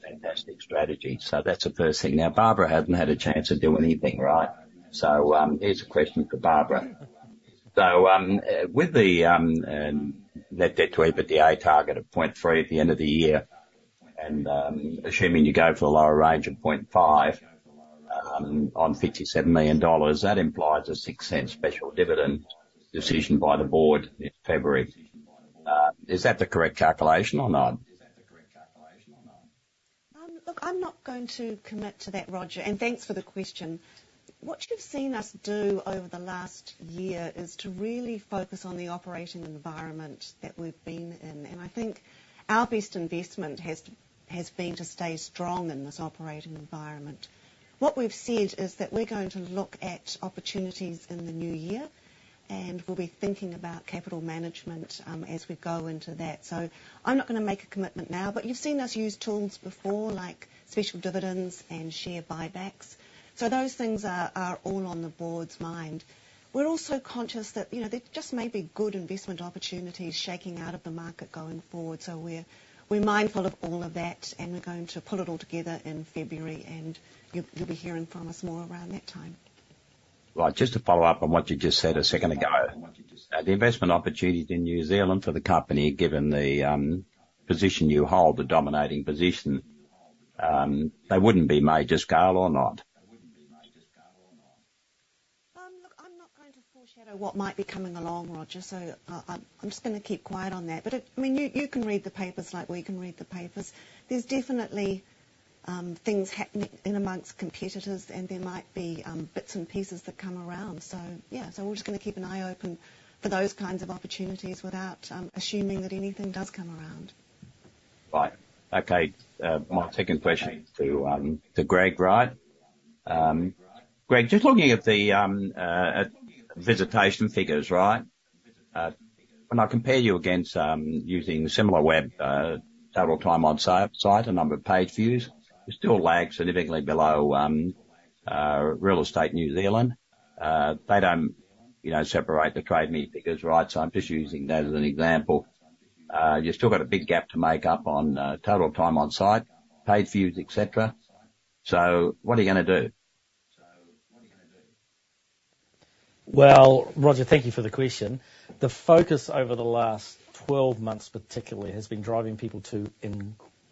fantastic strategy. That's the first thing. Now, Barbara hasn't had a chance to do anything, right? Here's a question for Barbara. With the net debt to EBITDA target of 0.3 at the end of the year, and assuming you go for a lower range of 0.5, on 57 million dollars, that implies a 0.06 special dividend decision by the board in February. Is that the correct calculation or not? Look, I'm not going to commit to that, Roger, and thanks for the question. What you've seen us do over the last year is to really focus on the operating environment that we've been in, and I think our best investment has been to stay strong in this operating environment. What we've said is that we're going to look at opportunities in the new year, and we'll be thinking about capital management, as we go into that. So I'm not gonna make a commitment now, but you've seen us use tools before, like special dividends and share buybacks, so those things are all on the board's mind. We're also conscious that, you know, there just may be good investment opportunities shaking out of the market going forward, so we're, we're mindful of all of that, and we're going to pull it all together in February, and you, you'll be hearing from us more around that time. Right. Just to follow up on what you just said a second ago, the investment opportunities in New Zealand for the company, given the position you hold, the dominating position, they wouldn't be major scale or not? Look, I'm not going to foreshadow what might be coming along, Roger, so I'm just gonna keep quiet on that. But I mean, you can read the papers like we can read the papers. There's definitely things happening among competitors, and there might be bits and pieces that come around. So yeah, so we're just gonna keep an eye open for those kinds of opportunities without assuming that anything does come around. Right. Okay, my second question to Greg, right? Greg, just looking at the visitation figures, right? When I compare you against, using Similarweb, total time on site and number of page views, you still lag significantly below realestate.co.nz. They don't, you know, separate the Trade Me figures, right? So I'm just using that as an example. You've still got a big gap to make up on total time on site, page views, et cetera. So what are you gonna do? Well, Roger, thank you for the question. The focus over the last 12 months, particularly, has been driving people to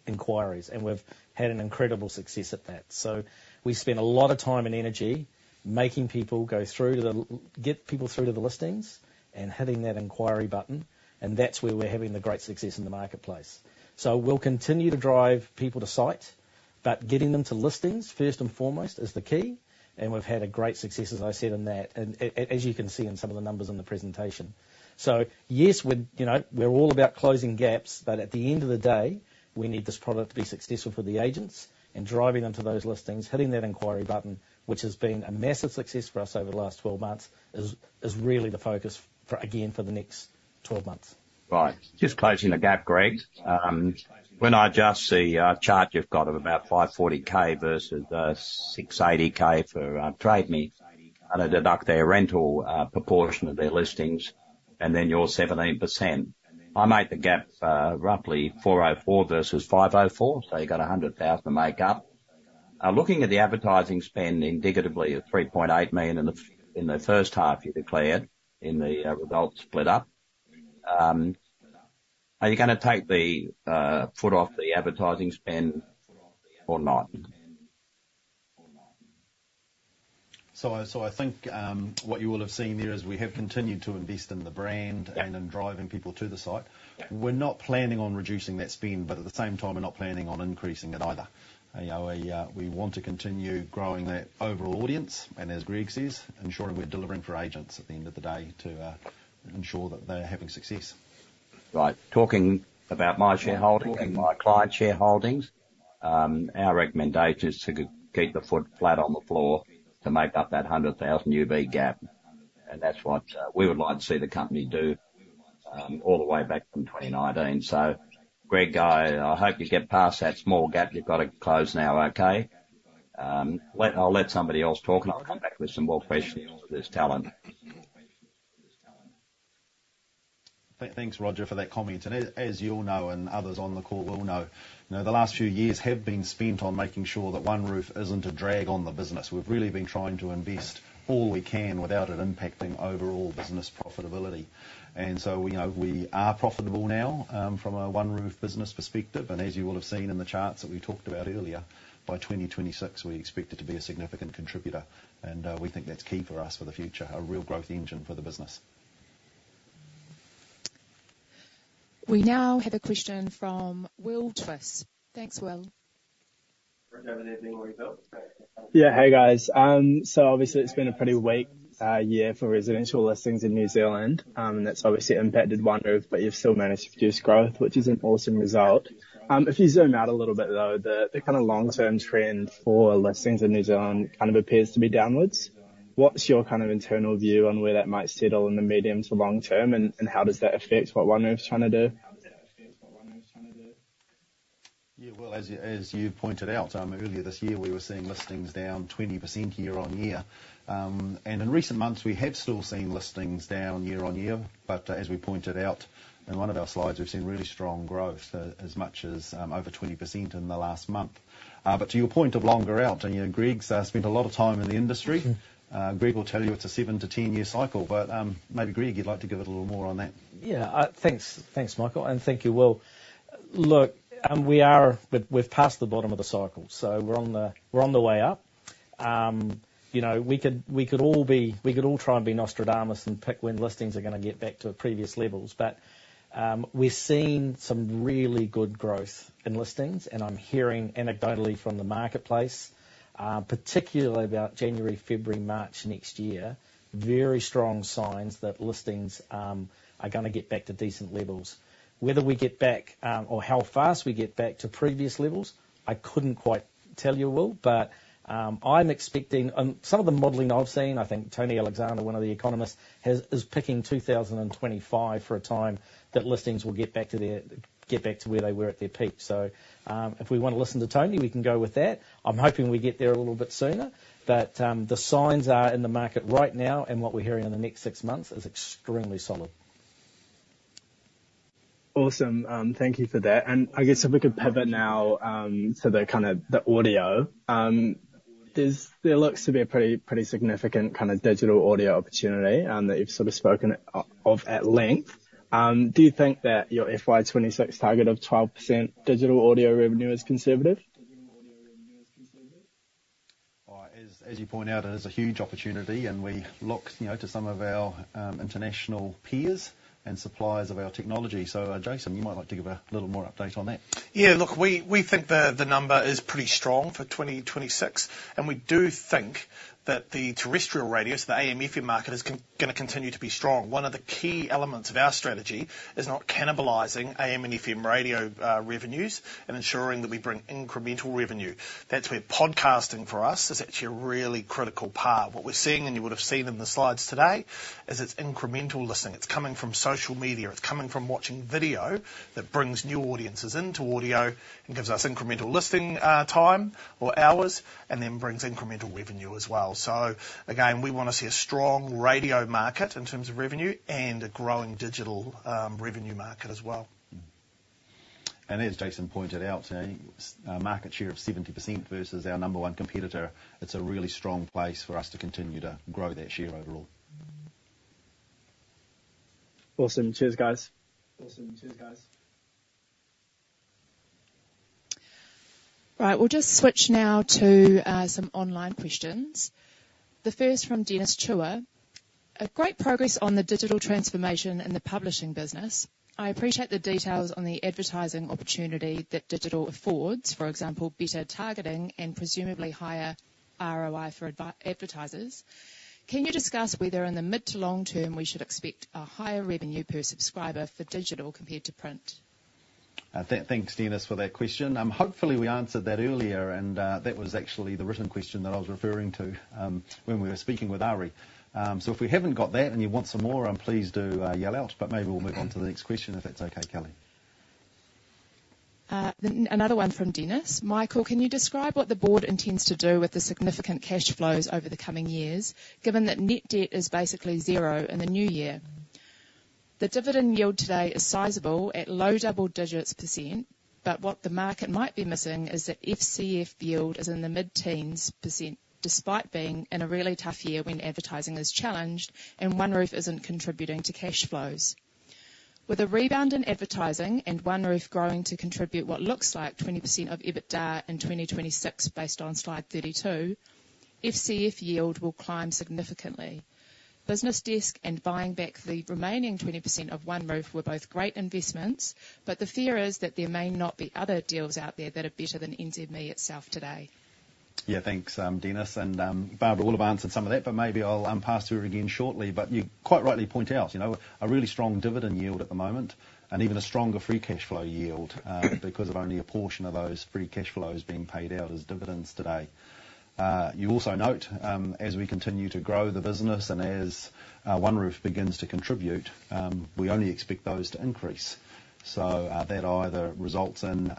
inquiries, and we've had an incredible success at that. So we spent a lot of time and energy making people go through to the listings and hitting that inquiry button, and that's where we're having the great success in the marketplace. So we'll continue to drive people to site, but getting them to listings first and foremost is the key, and we've had a great success, as I said, in that, and as you can see in some of the numbers in the presentation. So yes, we're, you know, we're all about closing gaps, but at the end of the day, we need this product to be successful for the agents and driving them to those listings, hitting that inquiry button, which has been a massive success for us over the last 12 months, is really the focus for, again, for the next 12 months. Right. Just closing the gap, Greg. When I adjust the chart, you've got of about 540K versus 680K for Trade Me, and I deduct their rental proportion of their listings and then your 17%. I make the gap roughly 404 versus 504, so you got a 100,000 to make up. Looking at the advertising spend, indicatively at 3.8 million in the first half, you declared in the results split up. Are you gonna take the foot off the advertising spend or not? So, I think, what you will have seen there is we have continued to invest in the brand- Yeah. and in driving people to the site. Yeah. We're not planning on reducing that spend, but at the same time, we're not planning on increasing it either. You know, we, we want to continue growing that overall audience, and as Greg says, ensuring we're delivering for agents at the end of the day to ensure that they're having success. Right. Talking about my shareholding and my client shareholdings, our recommendation is to keep the foot flat on the floor to make up that 100,000 EBITDA gap, and that's what we would like to see the company do, all the way back from 2019. So Greg, I hope you get past that small gap you've got to close now, okay? I'll let somebody else talk, and I'll come back with some more questions for later on. Thanks, Roger, for that comment. As you'll know, and others on the call will know, you know, the last few years have been spent on making sure that OneRoof isn't a drag on the business. We've really been trying to invest all we can without it impacting overall business profitability. So, you know, we are profitable now from a OneRoof business perspective, and as you will have seen in the charts that we talked about earlier, by 2026, we expect it to be a significant contributor, and we think that's key for us for the future, a real growth engine for the business. We now have a question from Will Twiss. Thanks, Will. Good evening, results. Yeah. Hey, guys. So obviously, it's been a pretty weak year for residential listings in New Zealand, and that's obviously impacted OneRoof, but you've still managed to produce growth, which is an awesome result. If you zoom out a little bit, though, the kinda long-term trend for listings in New Zealand kind of appears to be downwards... What's your kind of internal view on where that might settle in the medium to long term? And how does that affect what OneRoof's trying to do? Yeah, well, as you, as you pointed out, earlier this year, we were seeing listings down 20% year-on-year. In recent months, we have still seen listings down year-on-year. But as we pointed out in one of our slides, we've seen really strong growth, as much as over 20% in the last month. But to your point of longer out, and, you know, Greg's spent a lot of time in the industry. Mm-hmm. Greg will tell you it's a 7-10-year cycle, but maybe, Greg, you'd like to give it a little more on that. Yeah. Thanks, Michael, and thank you, Will. Look, we've passed the bottom of the cycle, so we're on the way up. You know, we could all try and be Nostradamus and pick when listings are gonna get back to previous levels. But, we're seeing some really good growth in listings, and I'm hearing anecdotally from the marketplace, particularly about January, February, March next year, very strong signs that listings are gonna get back to decent levels. Whether we get back or how fast we get back to previous levels, I couldn't quite tell you, Will, but, I'm expecting Some of the modeling I've seen, I think Tony Alexander, one of the economists, is picking 2025 for a time that listings will get back to where they were at their peak. So, if we wanna listen to Tony, we can go with that. I'm hoping we get there a little bit sooner, but the signs are in the market right now, and what we're hearing in the next six months is extremely solid. Awesome. Thank you for that. And I guess if we could pivot now to the kind of the audio. There looks to be a pretty, pretty significant kind of digital audio opportunity that you've sort of spoken of at length. Do you think that your FY 2026 target of 12% digital audio revenue is conservative? As you point out, it is a huge opportunity, and we look, you know, to some of our international peers and suppliers of our technology. So, Jason, you might like to give a little more update on that. Yeah. Look, we think the number is pretty strong for 2026, and we do think that the terrestrial radio's, the AM/FM market, is gonna continue to be strong. One of the key elements of our strategy is not cannibalizing AM and FM radio revenues and ensuring that we bring incremental revenue. That's where podcasting, for us, is actually a really critical part. What we're seeing, and you would have seen in the slides today, is it's incremental listening. It's coming from social media. It's coming from watching video that brings new audiences into audio and gives us incremental listening time or hours, and then brings incremental revenue as well. So again, we want to see a strong radio market in terms of revenue and a growing digital revenue market as well. As Jason pointed out, a market share of 70% versus our number one competitor, it's a really strong place for us to continue to grow that share overall. Awesome. Cheers, guys. Awesome. Cheers, guys. Right. We'll just switch now to some online questions. The first from Dennis Chua: "A great progress on the digital transformation and the publishing business. I appreciate the details on the advertising opportunity that digital affords, for example, better targeting and presumably higher ROI for advertisers. Can you discuss whether in the mid to long term, we should expect a higher revenue per subscriber for digital compared to print? Thanks, Dennis, for that question. Hopefully, we answered that earlier, and that was actually the written question that I was referring to, when we were speaking with Ari. So if we haven't got that and you want some more, please do yell out, but maybe we'll move on to the next question, if that's okay, Kelly. Another one from Dennis: "Michael, can you describe what the board intends to do with the significant cash flows over the coming years, given that net debt is basically zero in the new year? The dividend yield today is sizable at low double digits %, but what the market might be missing is the FCF yield is in the mid-teens %, despite being in a really tough year when advertising is challenged and OneRoof isn't contributing to cash flows. With a rebound in advertising and OneRoof growing to contribute what looks like 20% of EBITDA in 2026, based on slide 32, FCF yield will climb significantly. BusinessDesk and buying back the remaining 20% of OneRoof were both great investments, but the fear is that there may not be other deals out there that are better than NZME itself today. Yeah, thanks, Dennis, and Barbara will have answered some of that, but maybe I'll pass to her again shortly. But you quite rightly point out, you know, a really strong dividend yield at the moment and even a stronger free cash flow yield, because of only a portion of those free cash flows being paid out as dividends today. You also note, as we continue to grow the business and as OneRoof begins to contribute, we only expect those to increase. So, that either results in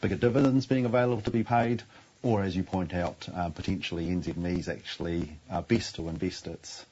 bigger dividends being available to be paid or, as you point out, potentially NZME's actually best to invest its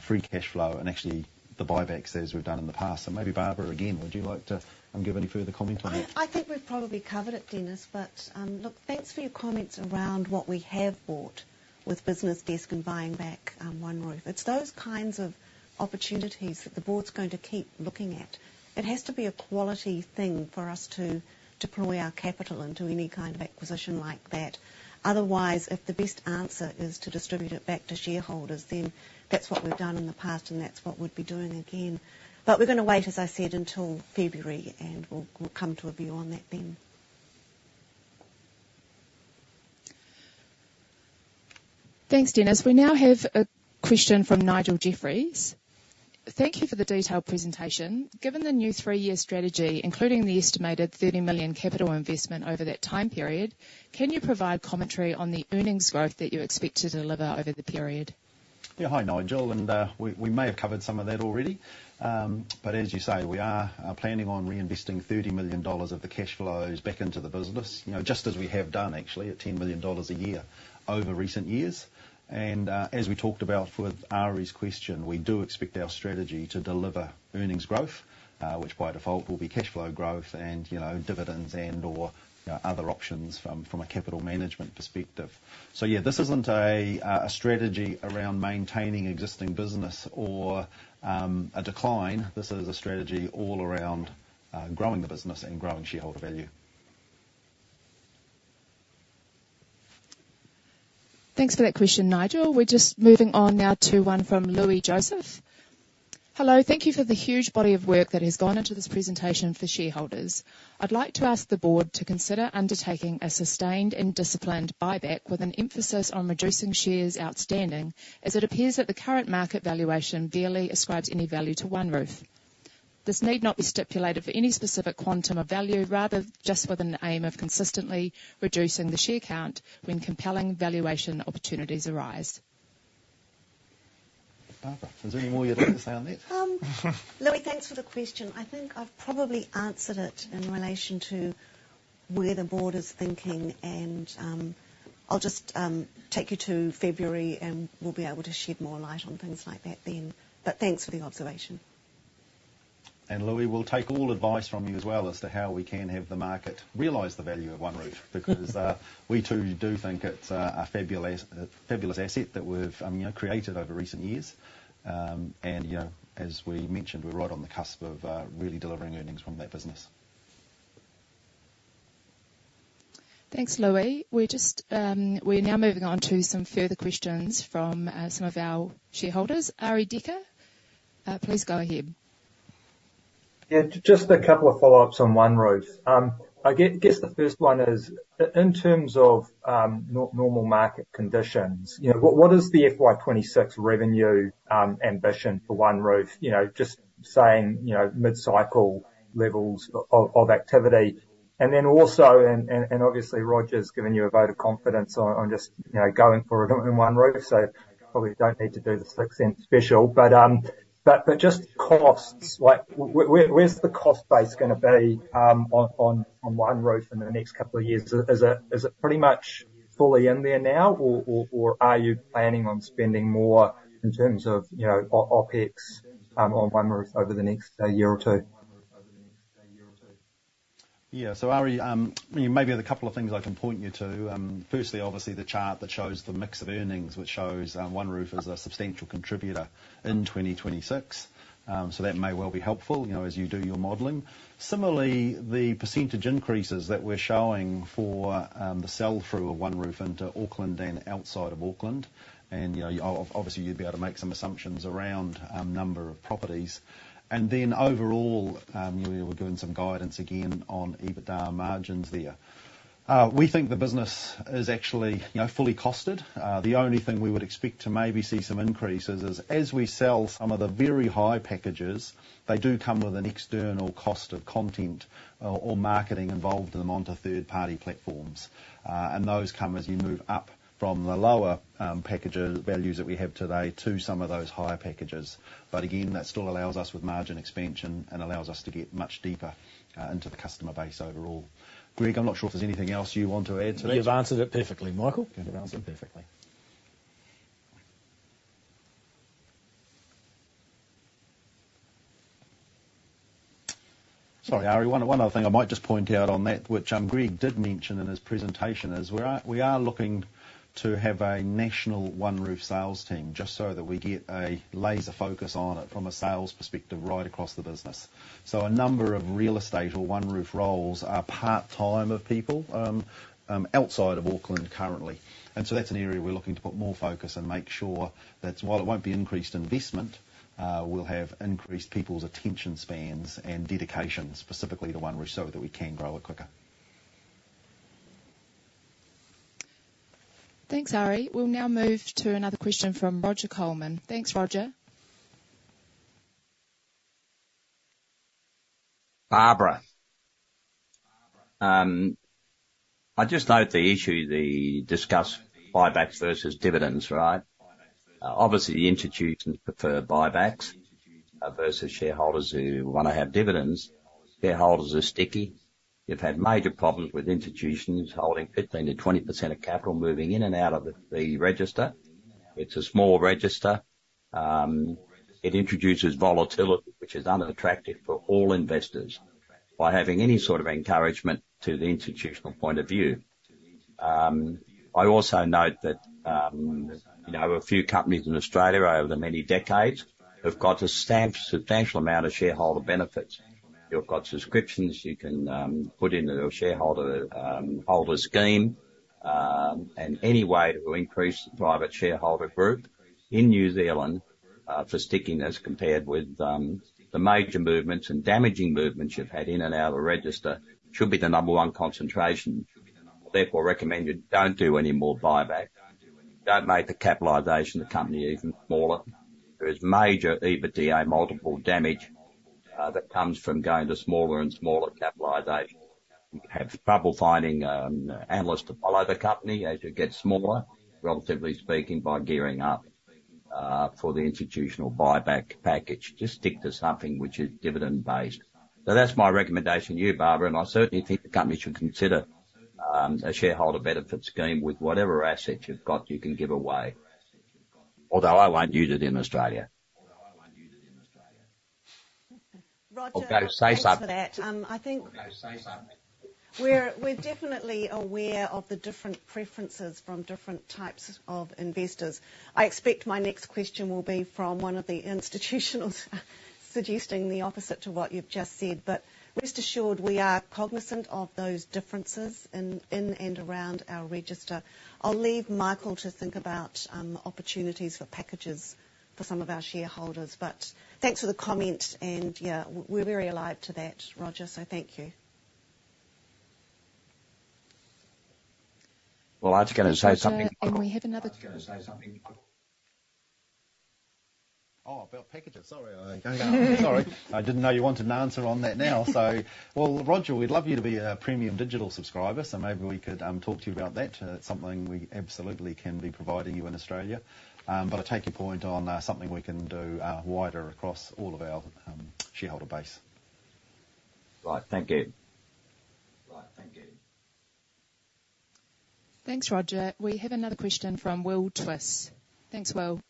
free cash flow and actually the buybacks as we've done in the past. So maybe, Barbara, again, would you like to give any further comment on that? I think we've probably covered it, Dennis, but look, thanks for your comments around what we have bought with BusinessDesk and buying back OneRoof. It's those kinds of opportunities that the board's going to keep looking at. It has to be a quality thing for us to deploy our capital into any kind of acquisition like that. Otherwise, if the best answer is to distribute it back to shareholders, then that's what we've done in the past, and that's what we'd be doing again. But we're gonna wait, as I said, until February, and we'll come to a view on that then. Thanks, Dennis. We now have a question from Nigel Jeffries. Thank you for the detailed presentation. Given the new three-year strategy, including the estimated 30 million capital investment over that time period, can you provide commentary on the earnings growth that you expect to deliver over the period? Yeah. Hi, Nigel. We may have covered some of that already. But as you say, we are planning on reinvesting 30 million dollars of the cash flows back into the business, you know, just as we have done actually, at 10 million dollars a year over recent years. As we talked about with Ari's question, we do expect our strategy to deliver earnings growth, which by default will be cash flow growth and, you know, dividends and/or, you know, other options from, from a capital management perspective. So yeah, this isn't a strategy around maintaining existing business or, a decline. This is a strategy all around, growing the business and growing shareholder value. Thanks for that question, Nigel. We're just moving on now to one from Louie Joseph. Hello, thank you for the huge body of work that has gone into this presentation for shareholders. I'd like to ask the board to consider undertaking a sustained and disciplined buyback, with an emphasis on reducing shares outstanding, as it appears that the current market valuation barely ascribes any value to OneRoof. This need not be stipulated for any specific quantum of value, rather just with an aim of consistently reducing the share count when compelling valuation opportunities arise. Barbara, is there any more you'd like to say on that? Louie, thanks for the question. I think I've probably answered it in relation to where the board is thinking, and, I'll just, take you to February, and we'll be able to shed more light on things like that then. But thanks for the observation. Louie, we'll take all advice from you as well, as to how we can have the market realize the value of OneRoof—because we too do think it's a fabulous asset that we've, you know, created over recent years. And, you know, as we mentioned, we're right on the cusp of really delivering earnings from that business. Thanks, Louie. We're just now moving on to some further questions from some of our shareholders. Arie Dekker, please go ahead. Yeah, just a couple of follow-ups on OneRoof. I guess the first one is, in terms of normal market conditions, you know, what is the FY 2026 revenue ambition for OneRoof? You know, just saying, you know, mid-cycle levels of activity. And then also, and obviously, Roger's given you a vote of confidence on just, you know, going for it in OneRoof, so probably don't need to do the six-cent special. But just costs, like, where's the cost base gonna be on OneRoof in the next couple of years? Is it pretty much fully in there now, or are you planning on spending more in terms of, you know, OpEx on OneRoof over the next year or two? Yeah. So Ari, maybe there are a couple of things I can point you to. Firstly, obviously, the chart that shows the mix of earnings, which shows OneRoof as a substantial contributor in 2026. So that may well be helpful, you know, as you do your modeling. Similarly, the percentage increases that we're showing for the sell-through of OneRoof into Auckland and outside of Auckland, and, you know, obviously, you'd be able to make some assumptions around number of properties. And then overall, you know, we're giving some guidance again on EBITDA margins there. We think the business is actually, you know, fully costed. The only thing we would expect to maybe see some increases is, as we sell some of the very high packages, they do come with an external cost of content or, or marketing involved in them onto third-party platforms. And those come as you move up from the lower, package values that we have today to some of those higher packages. But again, that still allows us with margin expansion and allows us to get much deeper, into the customer base overall. Greg, I'm not sure if there's anything else you want to add to that? You've answered it perfectly, Michael. You've answered it perfectly. Sorry, Ari, one other thing I might just point out on that, which Greg did mention in his presentation, is we are looking to have a national OneRoof sales team, just so that we get a laser focus on it from a sales perspective, right across the business. So a number of real estate or OneRoof roles are part-time of people outside of Auckland currently, and so that's an area we're looking to put more focus and make sure that while it won't be increased investment, we'll have increased people's attention spans and dedication, specifically to OneRoof, so that we can grow it quicker. Thanks, Ari. We'll now move to another question from Roger Colman. Thanks, Roger. Barbara, I just note the issue, the discussion buybacks versus dividends, right? Obviously, the institutions prefer buybacks versus shareholders who want to have dividends. Shareholders are sticky. You've had major problems with institutions holding 15%-20% of capital moving in and out of the register. It's a small register. It introduces volatility, which is unattractive for all investors, by having any sort of encouragement to the institutional point of view. I also note that, you know, a few companies in Australia over the many decades have got a substantial amount of shareholder benefits. You've got subscriptions you can put into the shareholder holder scheme, and any way to increase the private shareholder group in New Zealand for stickiness, compared with the major movements and damaging movements you've had in and out of the register, should be the number one concentration. Therefore recommend you don't do any more buyback. Don't make the capitalization of the company even smaller. There is major EBITDA multiple damage that comes from going to smaller and smaller capitalization. You have trouble finding analysts to follow the company as you get smaller, relatively speaking, by gearing up for the institutional buyback package. Just stick to something which is dividend based. So that's my recommendation to you, Barbara, and I certainly think the company should consider a shareholder benefits scheme with whatever assets you've got you can give away, although I won't use it in Australia. Roger- Although, say something. Thanks for that. I think- Okay, say something. We're definitely aware of the different preferences from different types of investors. I expect my next question will be from one of the institutionals, suggesting the opposite to what you've just said. But rest assured, we are cognizant of those differences in and around our register. I'll leave Michael to think about opportunities for packages for some of our shareholders. Thanks for the comment. Yeah, we're very alive to that, Roger, so thank you. Well, I was gonna say something quick. We have another- I was gonna say something quick. Oh, about packages. Sorry, I rang off. Sorry, I didn't know you wanted an answer on that now, so... Well, Roger, we'd love you to be a premium digital subscriber, so maybe we could talk to you about that. It's something we absolutely can be providing you in Australia. But I take your point on something we can do wider across all of our shareholder base. Right. Thank you. Thanks, Roger. We have another question from Will Twiss. Thanks, Will.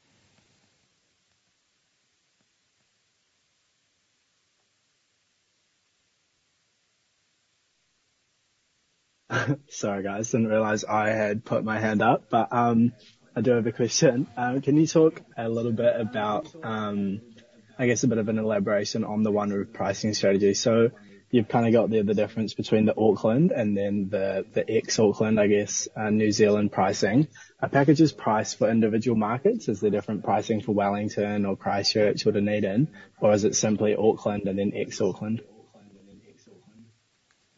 Sorry, guys, didn't realize I had put my hand up, but, I do have a question. Can you talk a little bit about, I guess, a bit of an elaboration on the OneRoof pricing strategy? So you've kind of got there, the difference between the Auckland and then the ex-Auckland, I guess, New Zealand pricing. Are packages priced for individual markets? Is there different pricing for Wellington or Christchurch or Dunedin? Or is it simply Auckland and then ex-Auckland?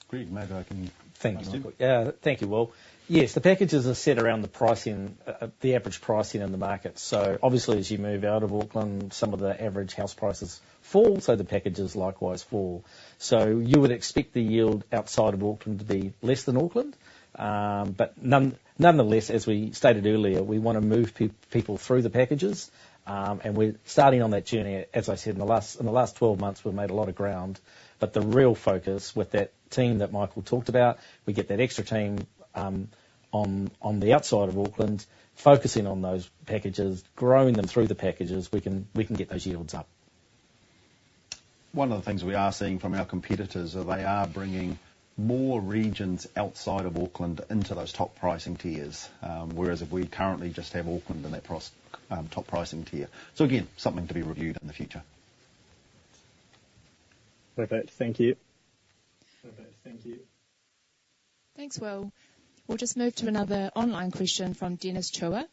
Greg, maybe I can- Thank you, Will. Thank you, Will. Yes, the packages are set around the pricing, the average pricing in the market. So obviously, as you move out of Auckland, some of the average house prices fall, so the packages likewise fall. So you would expect the yield outside of Auckland to be less than Auckland. But nonetheless, as we stated earlier, we wanna move people through the packages. And we're starting on that journey. As I said, in the last 12 months, we've made a lot of ground, but the real focus with that team that Michael talked about, we get that extra team, on the outside of Auckland, focusing on those packages, growing them through the packages, we can get those yields up. One of the things we are seeing from our competitors is they are bringing more regions outside of Auckland into those top pricing tiers. Whereas if we currently just have Auckland in that pro's top pricing tier, so again, something to be reviewed in the future. Perfect. Thank you. Thanks, Will. We'll just move to another online question from Dennis Chua.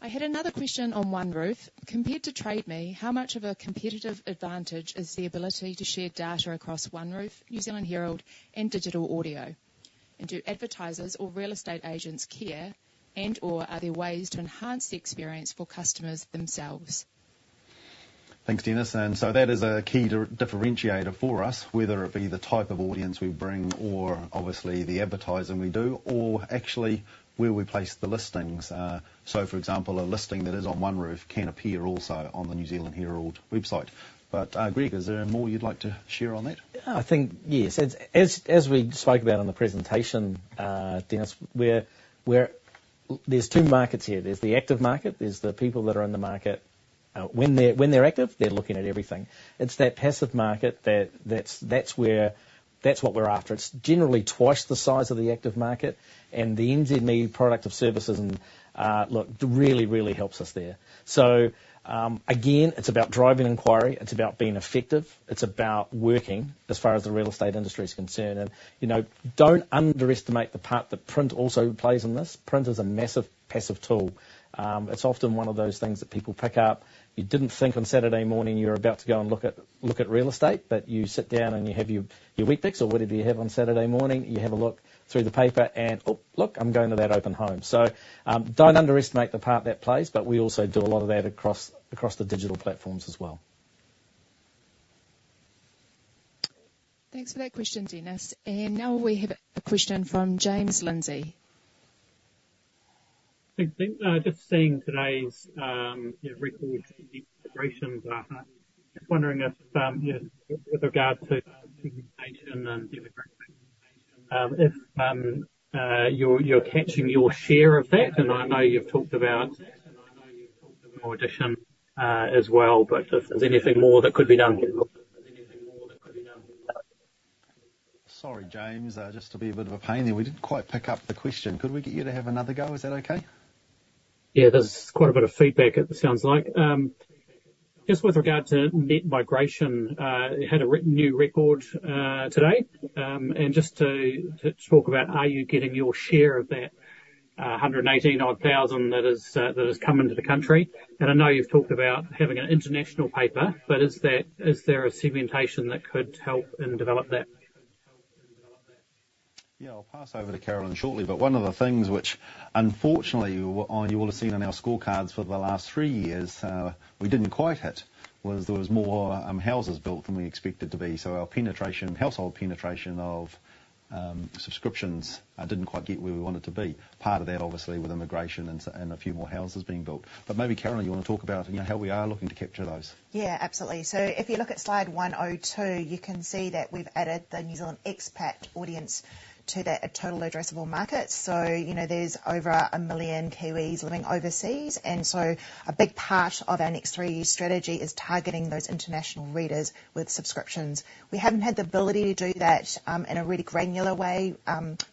I had another question on OneRoof: compared to Trade Me, how much of a competitive advantage is the ability to share data across OneRoof, New Zealand Herald, and Digital Audio? And do advertisers or real estate agents care, and/or are there ways to enhance the experience for customers themselves? Thanks, Dennis, and so that is a key differentiator for us, whether it be the type of audience we bring or obviously the advertising we do or actually where we place the listings. For example, a listing that is on OneRoof can appear also on the New Zealand Herald website. But, Greg, is there more you'd like to share on that? I think yes. As we spoke about in the presentation, Dennis, we're. There's two markets here: There's the active market, there's the people that are in the market. When they're active, they're looking at everything. It's that passive market that's where that's what we're after. It's generally twice the size of the active market, and the NZME product of services and look, really helps us there. So, again, it's about driving inquiry, it's about being effective, it's about working, as far as the real estate industry is concerned. And, you know, don't underestimate the part that print also plays in this. Print is a massive passive tool. It's often one of those things that people pick up. You didn't think on Saturday morning you were about to go and look at real estate, but you sit down and you have your Weet-Bix or whatever you have on Saturday morning. You have a look through the paper and, "Oh, look, I'm going to that open home." So, don't underestimate the part that plays, but we also do a lot of that across the digital platforms as well. Thanks for that question, Dennis. Now we have a question from James Lindsay. Thanks. Just seeing today's, you know, record integration, just wondering if, with regard to segmentation and demographics, if you're catching your share of that? I know you've talked about more addition as well, but is there anything more that could be done here? Sorry, James, just to be a bit of a pain there. We didn't quite pick up the question. Could we get you to have another go? Is that okay? Yeah, there's quite a bit of feedback it sounds like. Just with regard to net migration, it hit a new record today. And just to talk about, are you getting your share of that 118,000-odd that has come into the country? And I know you've talked about having an international paper, but is that, is there a segmentation that could help and develop that? Yeah, I'll pass over to Carolyn shortly, but one of the things which unfortunately, you will have seen in our scorecards for the last three years, we didn't quite hit, was there was more houses built than we expected to be. So our penetration, household penetration of subscriptions, didn't quite get where we wanted to be. Part of that, obviously, with immigration and a few more houses being built. But maybe, Carolyn, you want to talk about, you know, how we are looking to capture those. Yeah, absolutely. So if you look at slide 102, you can see that we've added the New Zealand expat audience to that, total addressable market. So, you know, there's over 1 million Kiwis living overseas, and so a big part of our next three-year strategy is targeting those international readers with subscriptions. We haven't had the ability to do that, in a really granular way,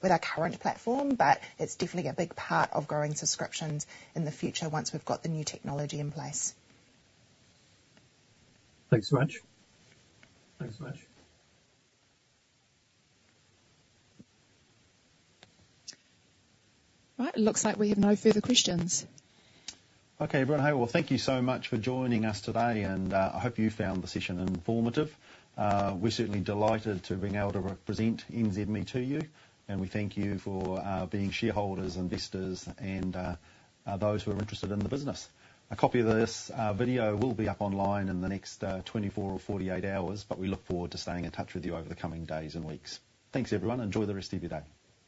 with our current platform, but it's definitely a big part of growing subscriptions in the future once we've got the new technology in place. Thanks so much. Thanks so much. Right. It looks like we have no further questions. Okay, everyone. Well, thank you so much for joining us today, and I hope you found the session informative. We're certainly delighted to being able to present NZME to you, and we thank you for being shareholders, investors, and those who are interested in the business. A copy of this video will be up online in the next 24 or 48 hours, but we look forward to staying in touch with you over the coming days and weeks. Thanks, everyone, enjoy the rest of your day.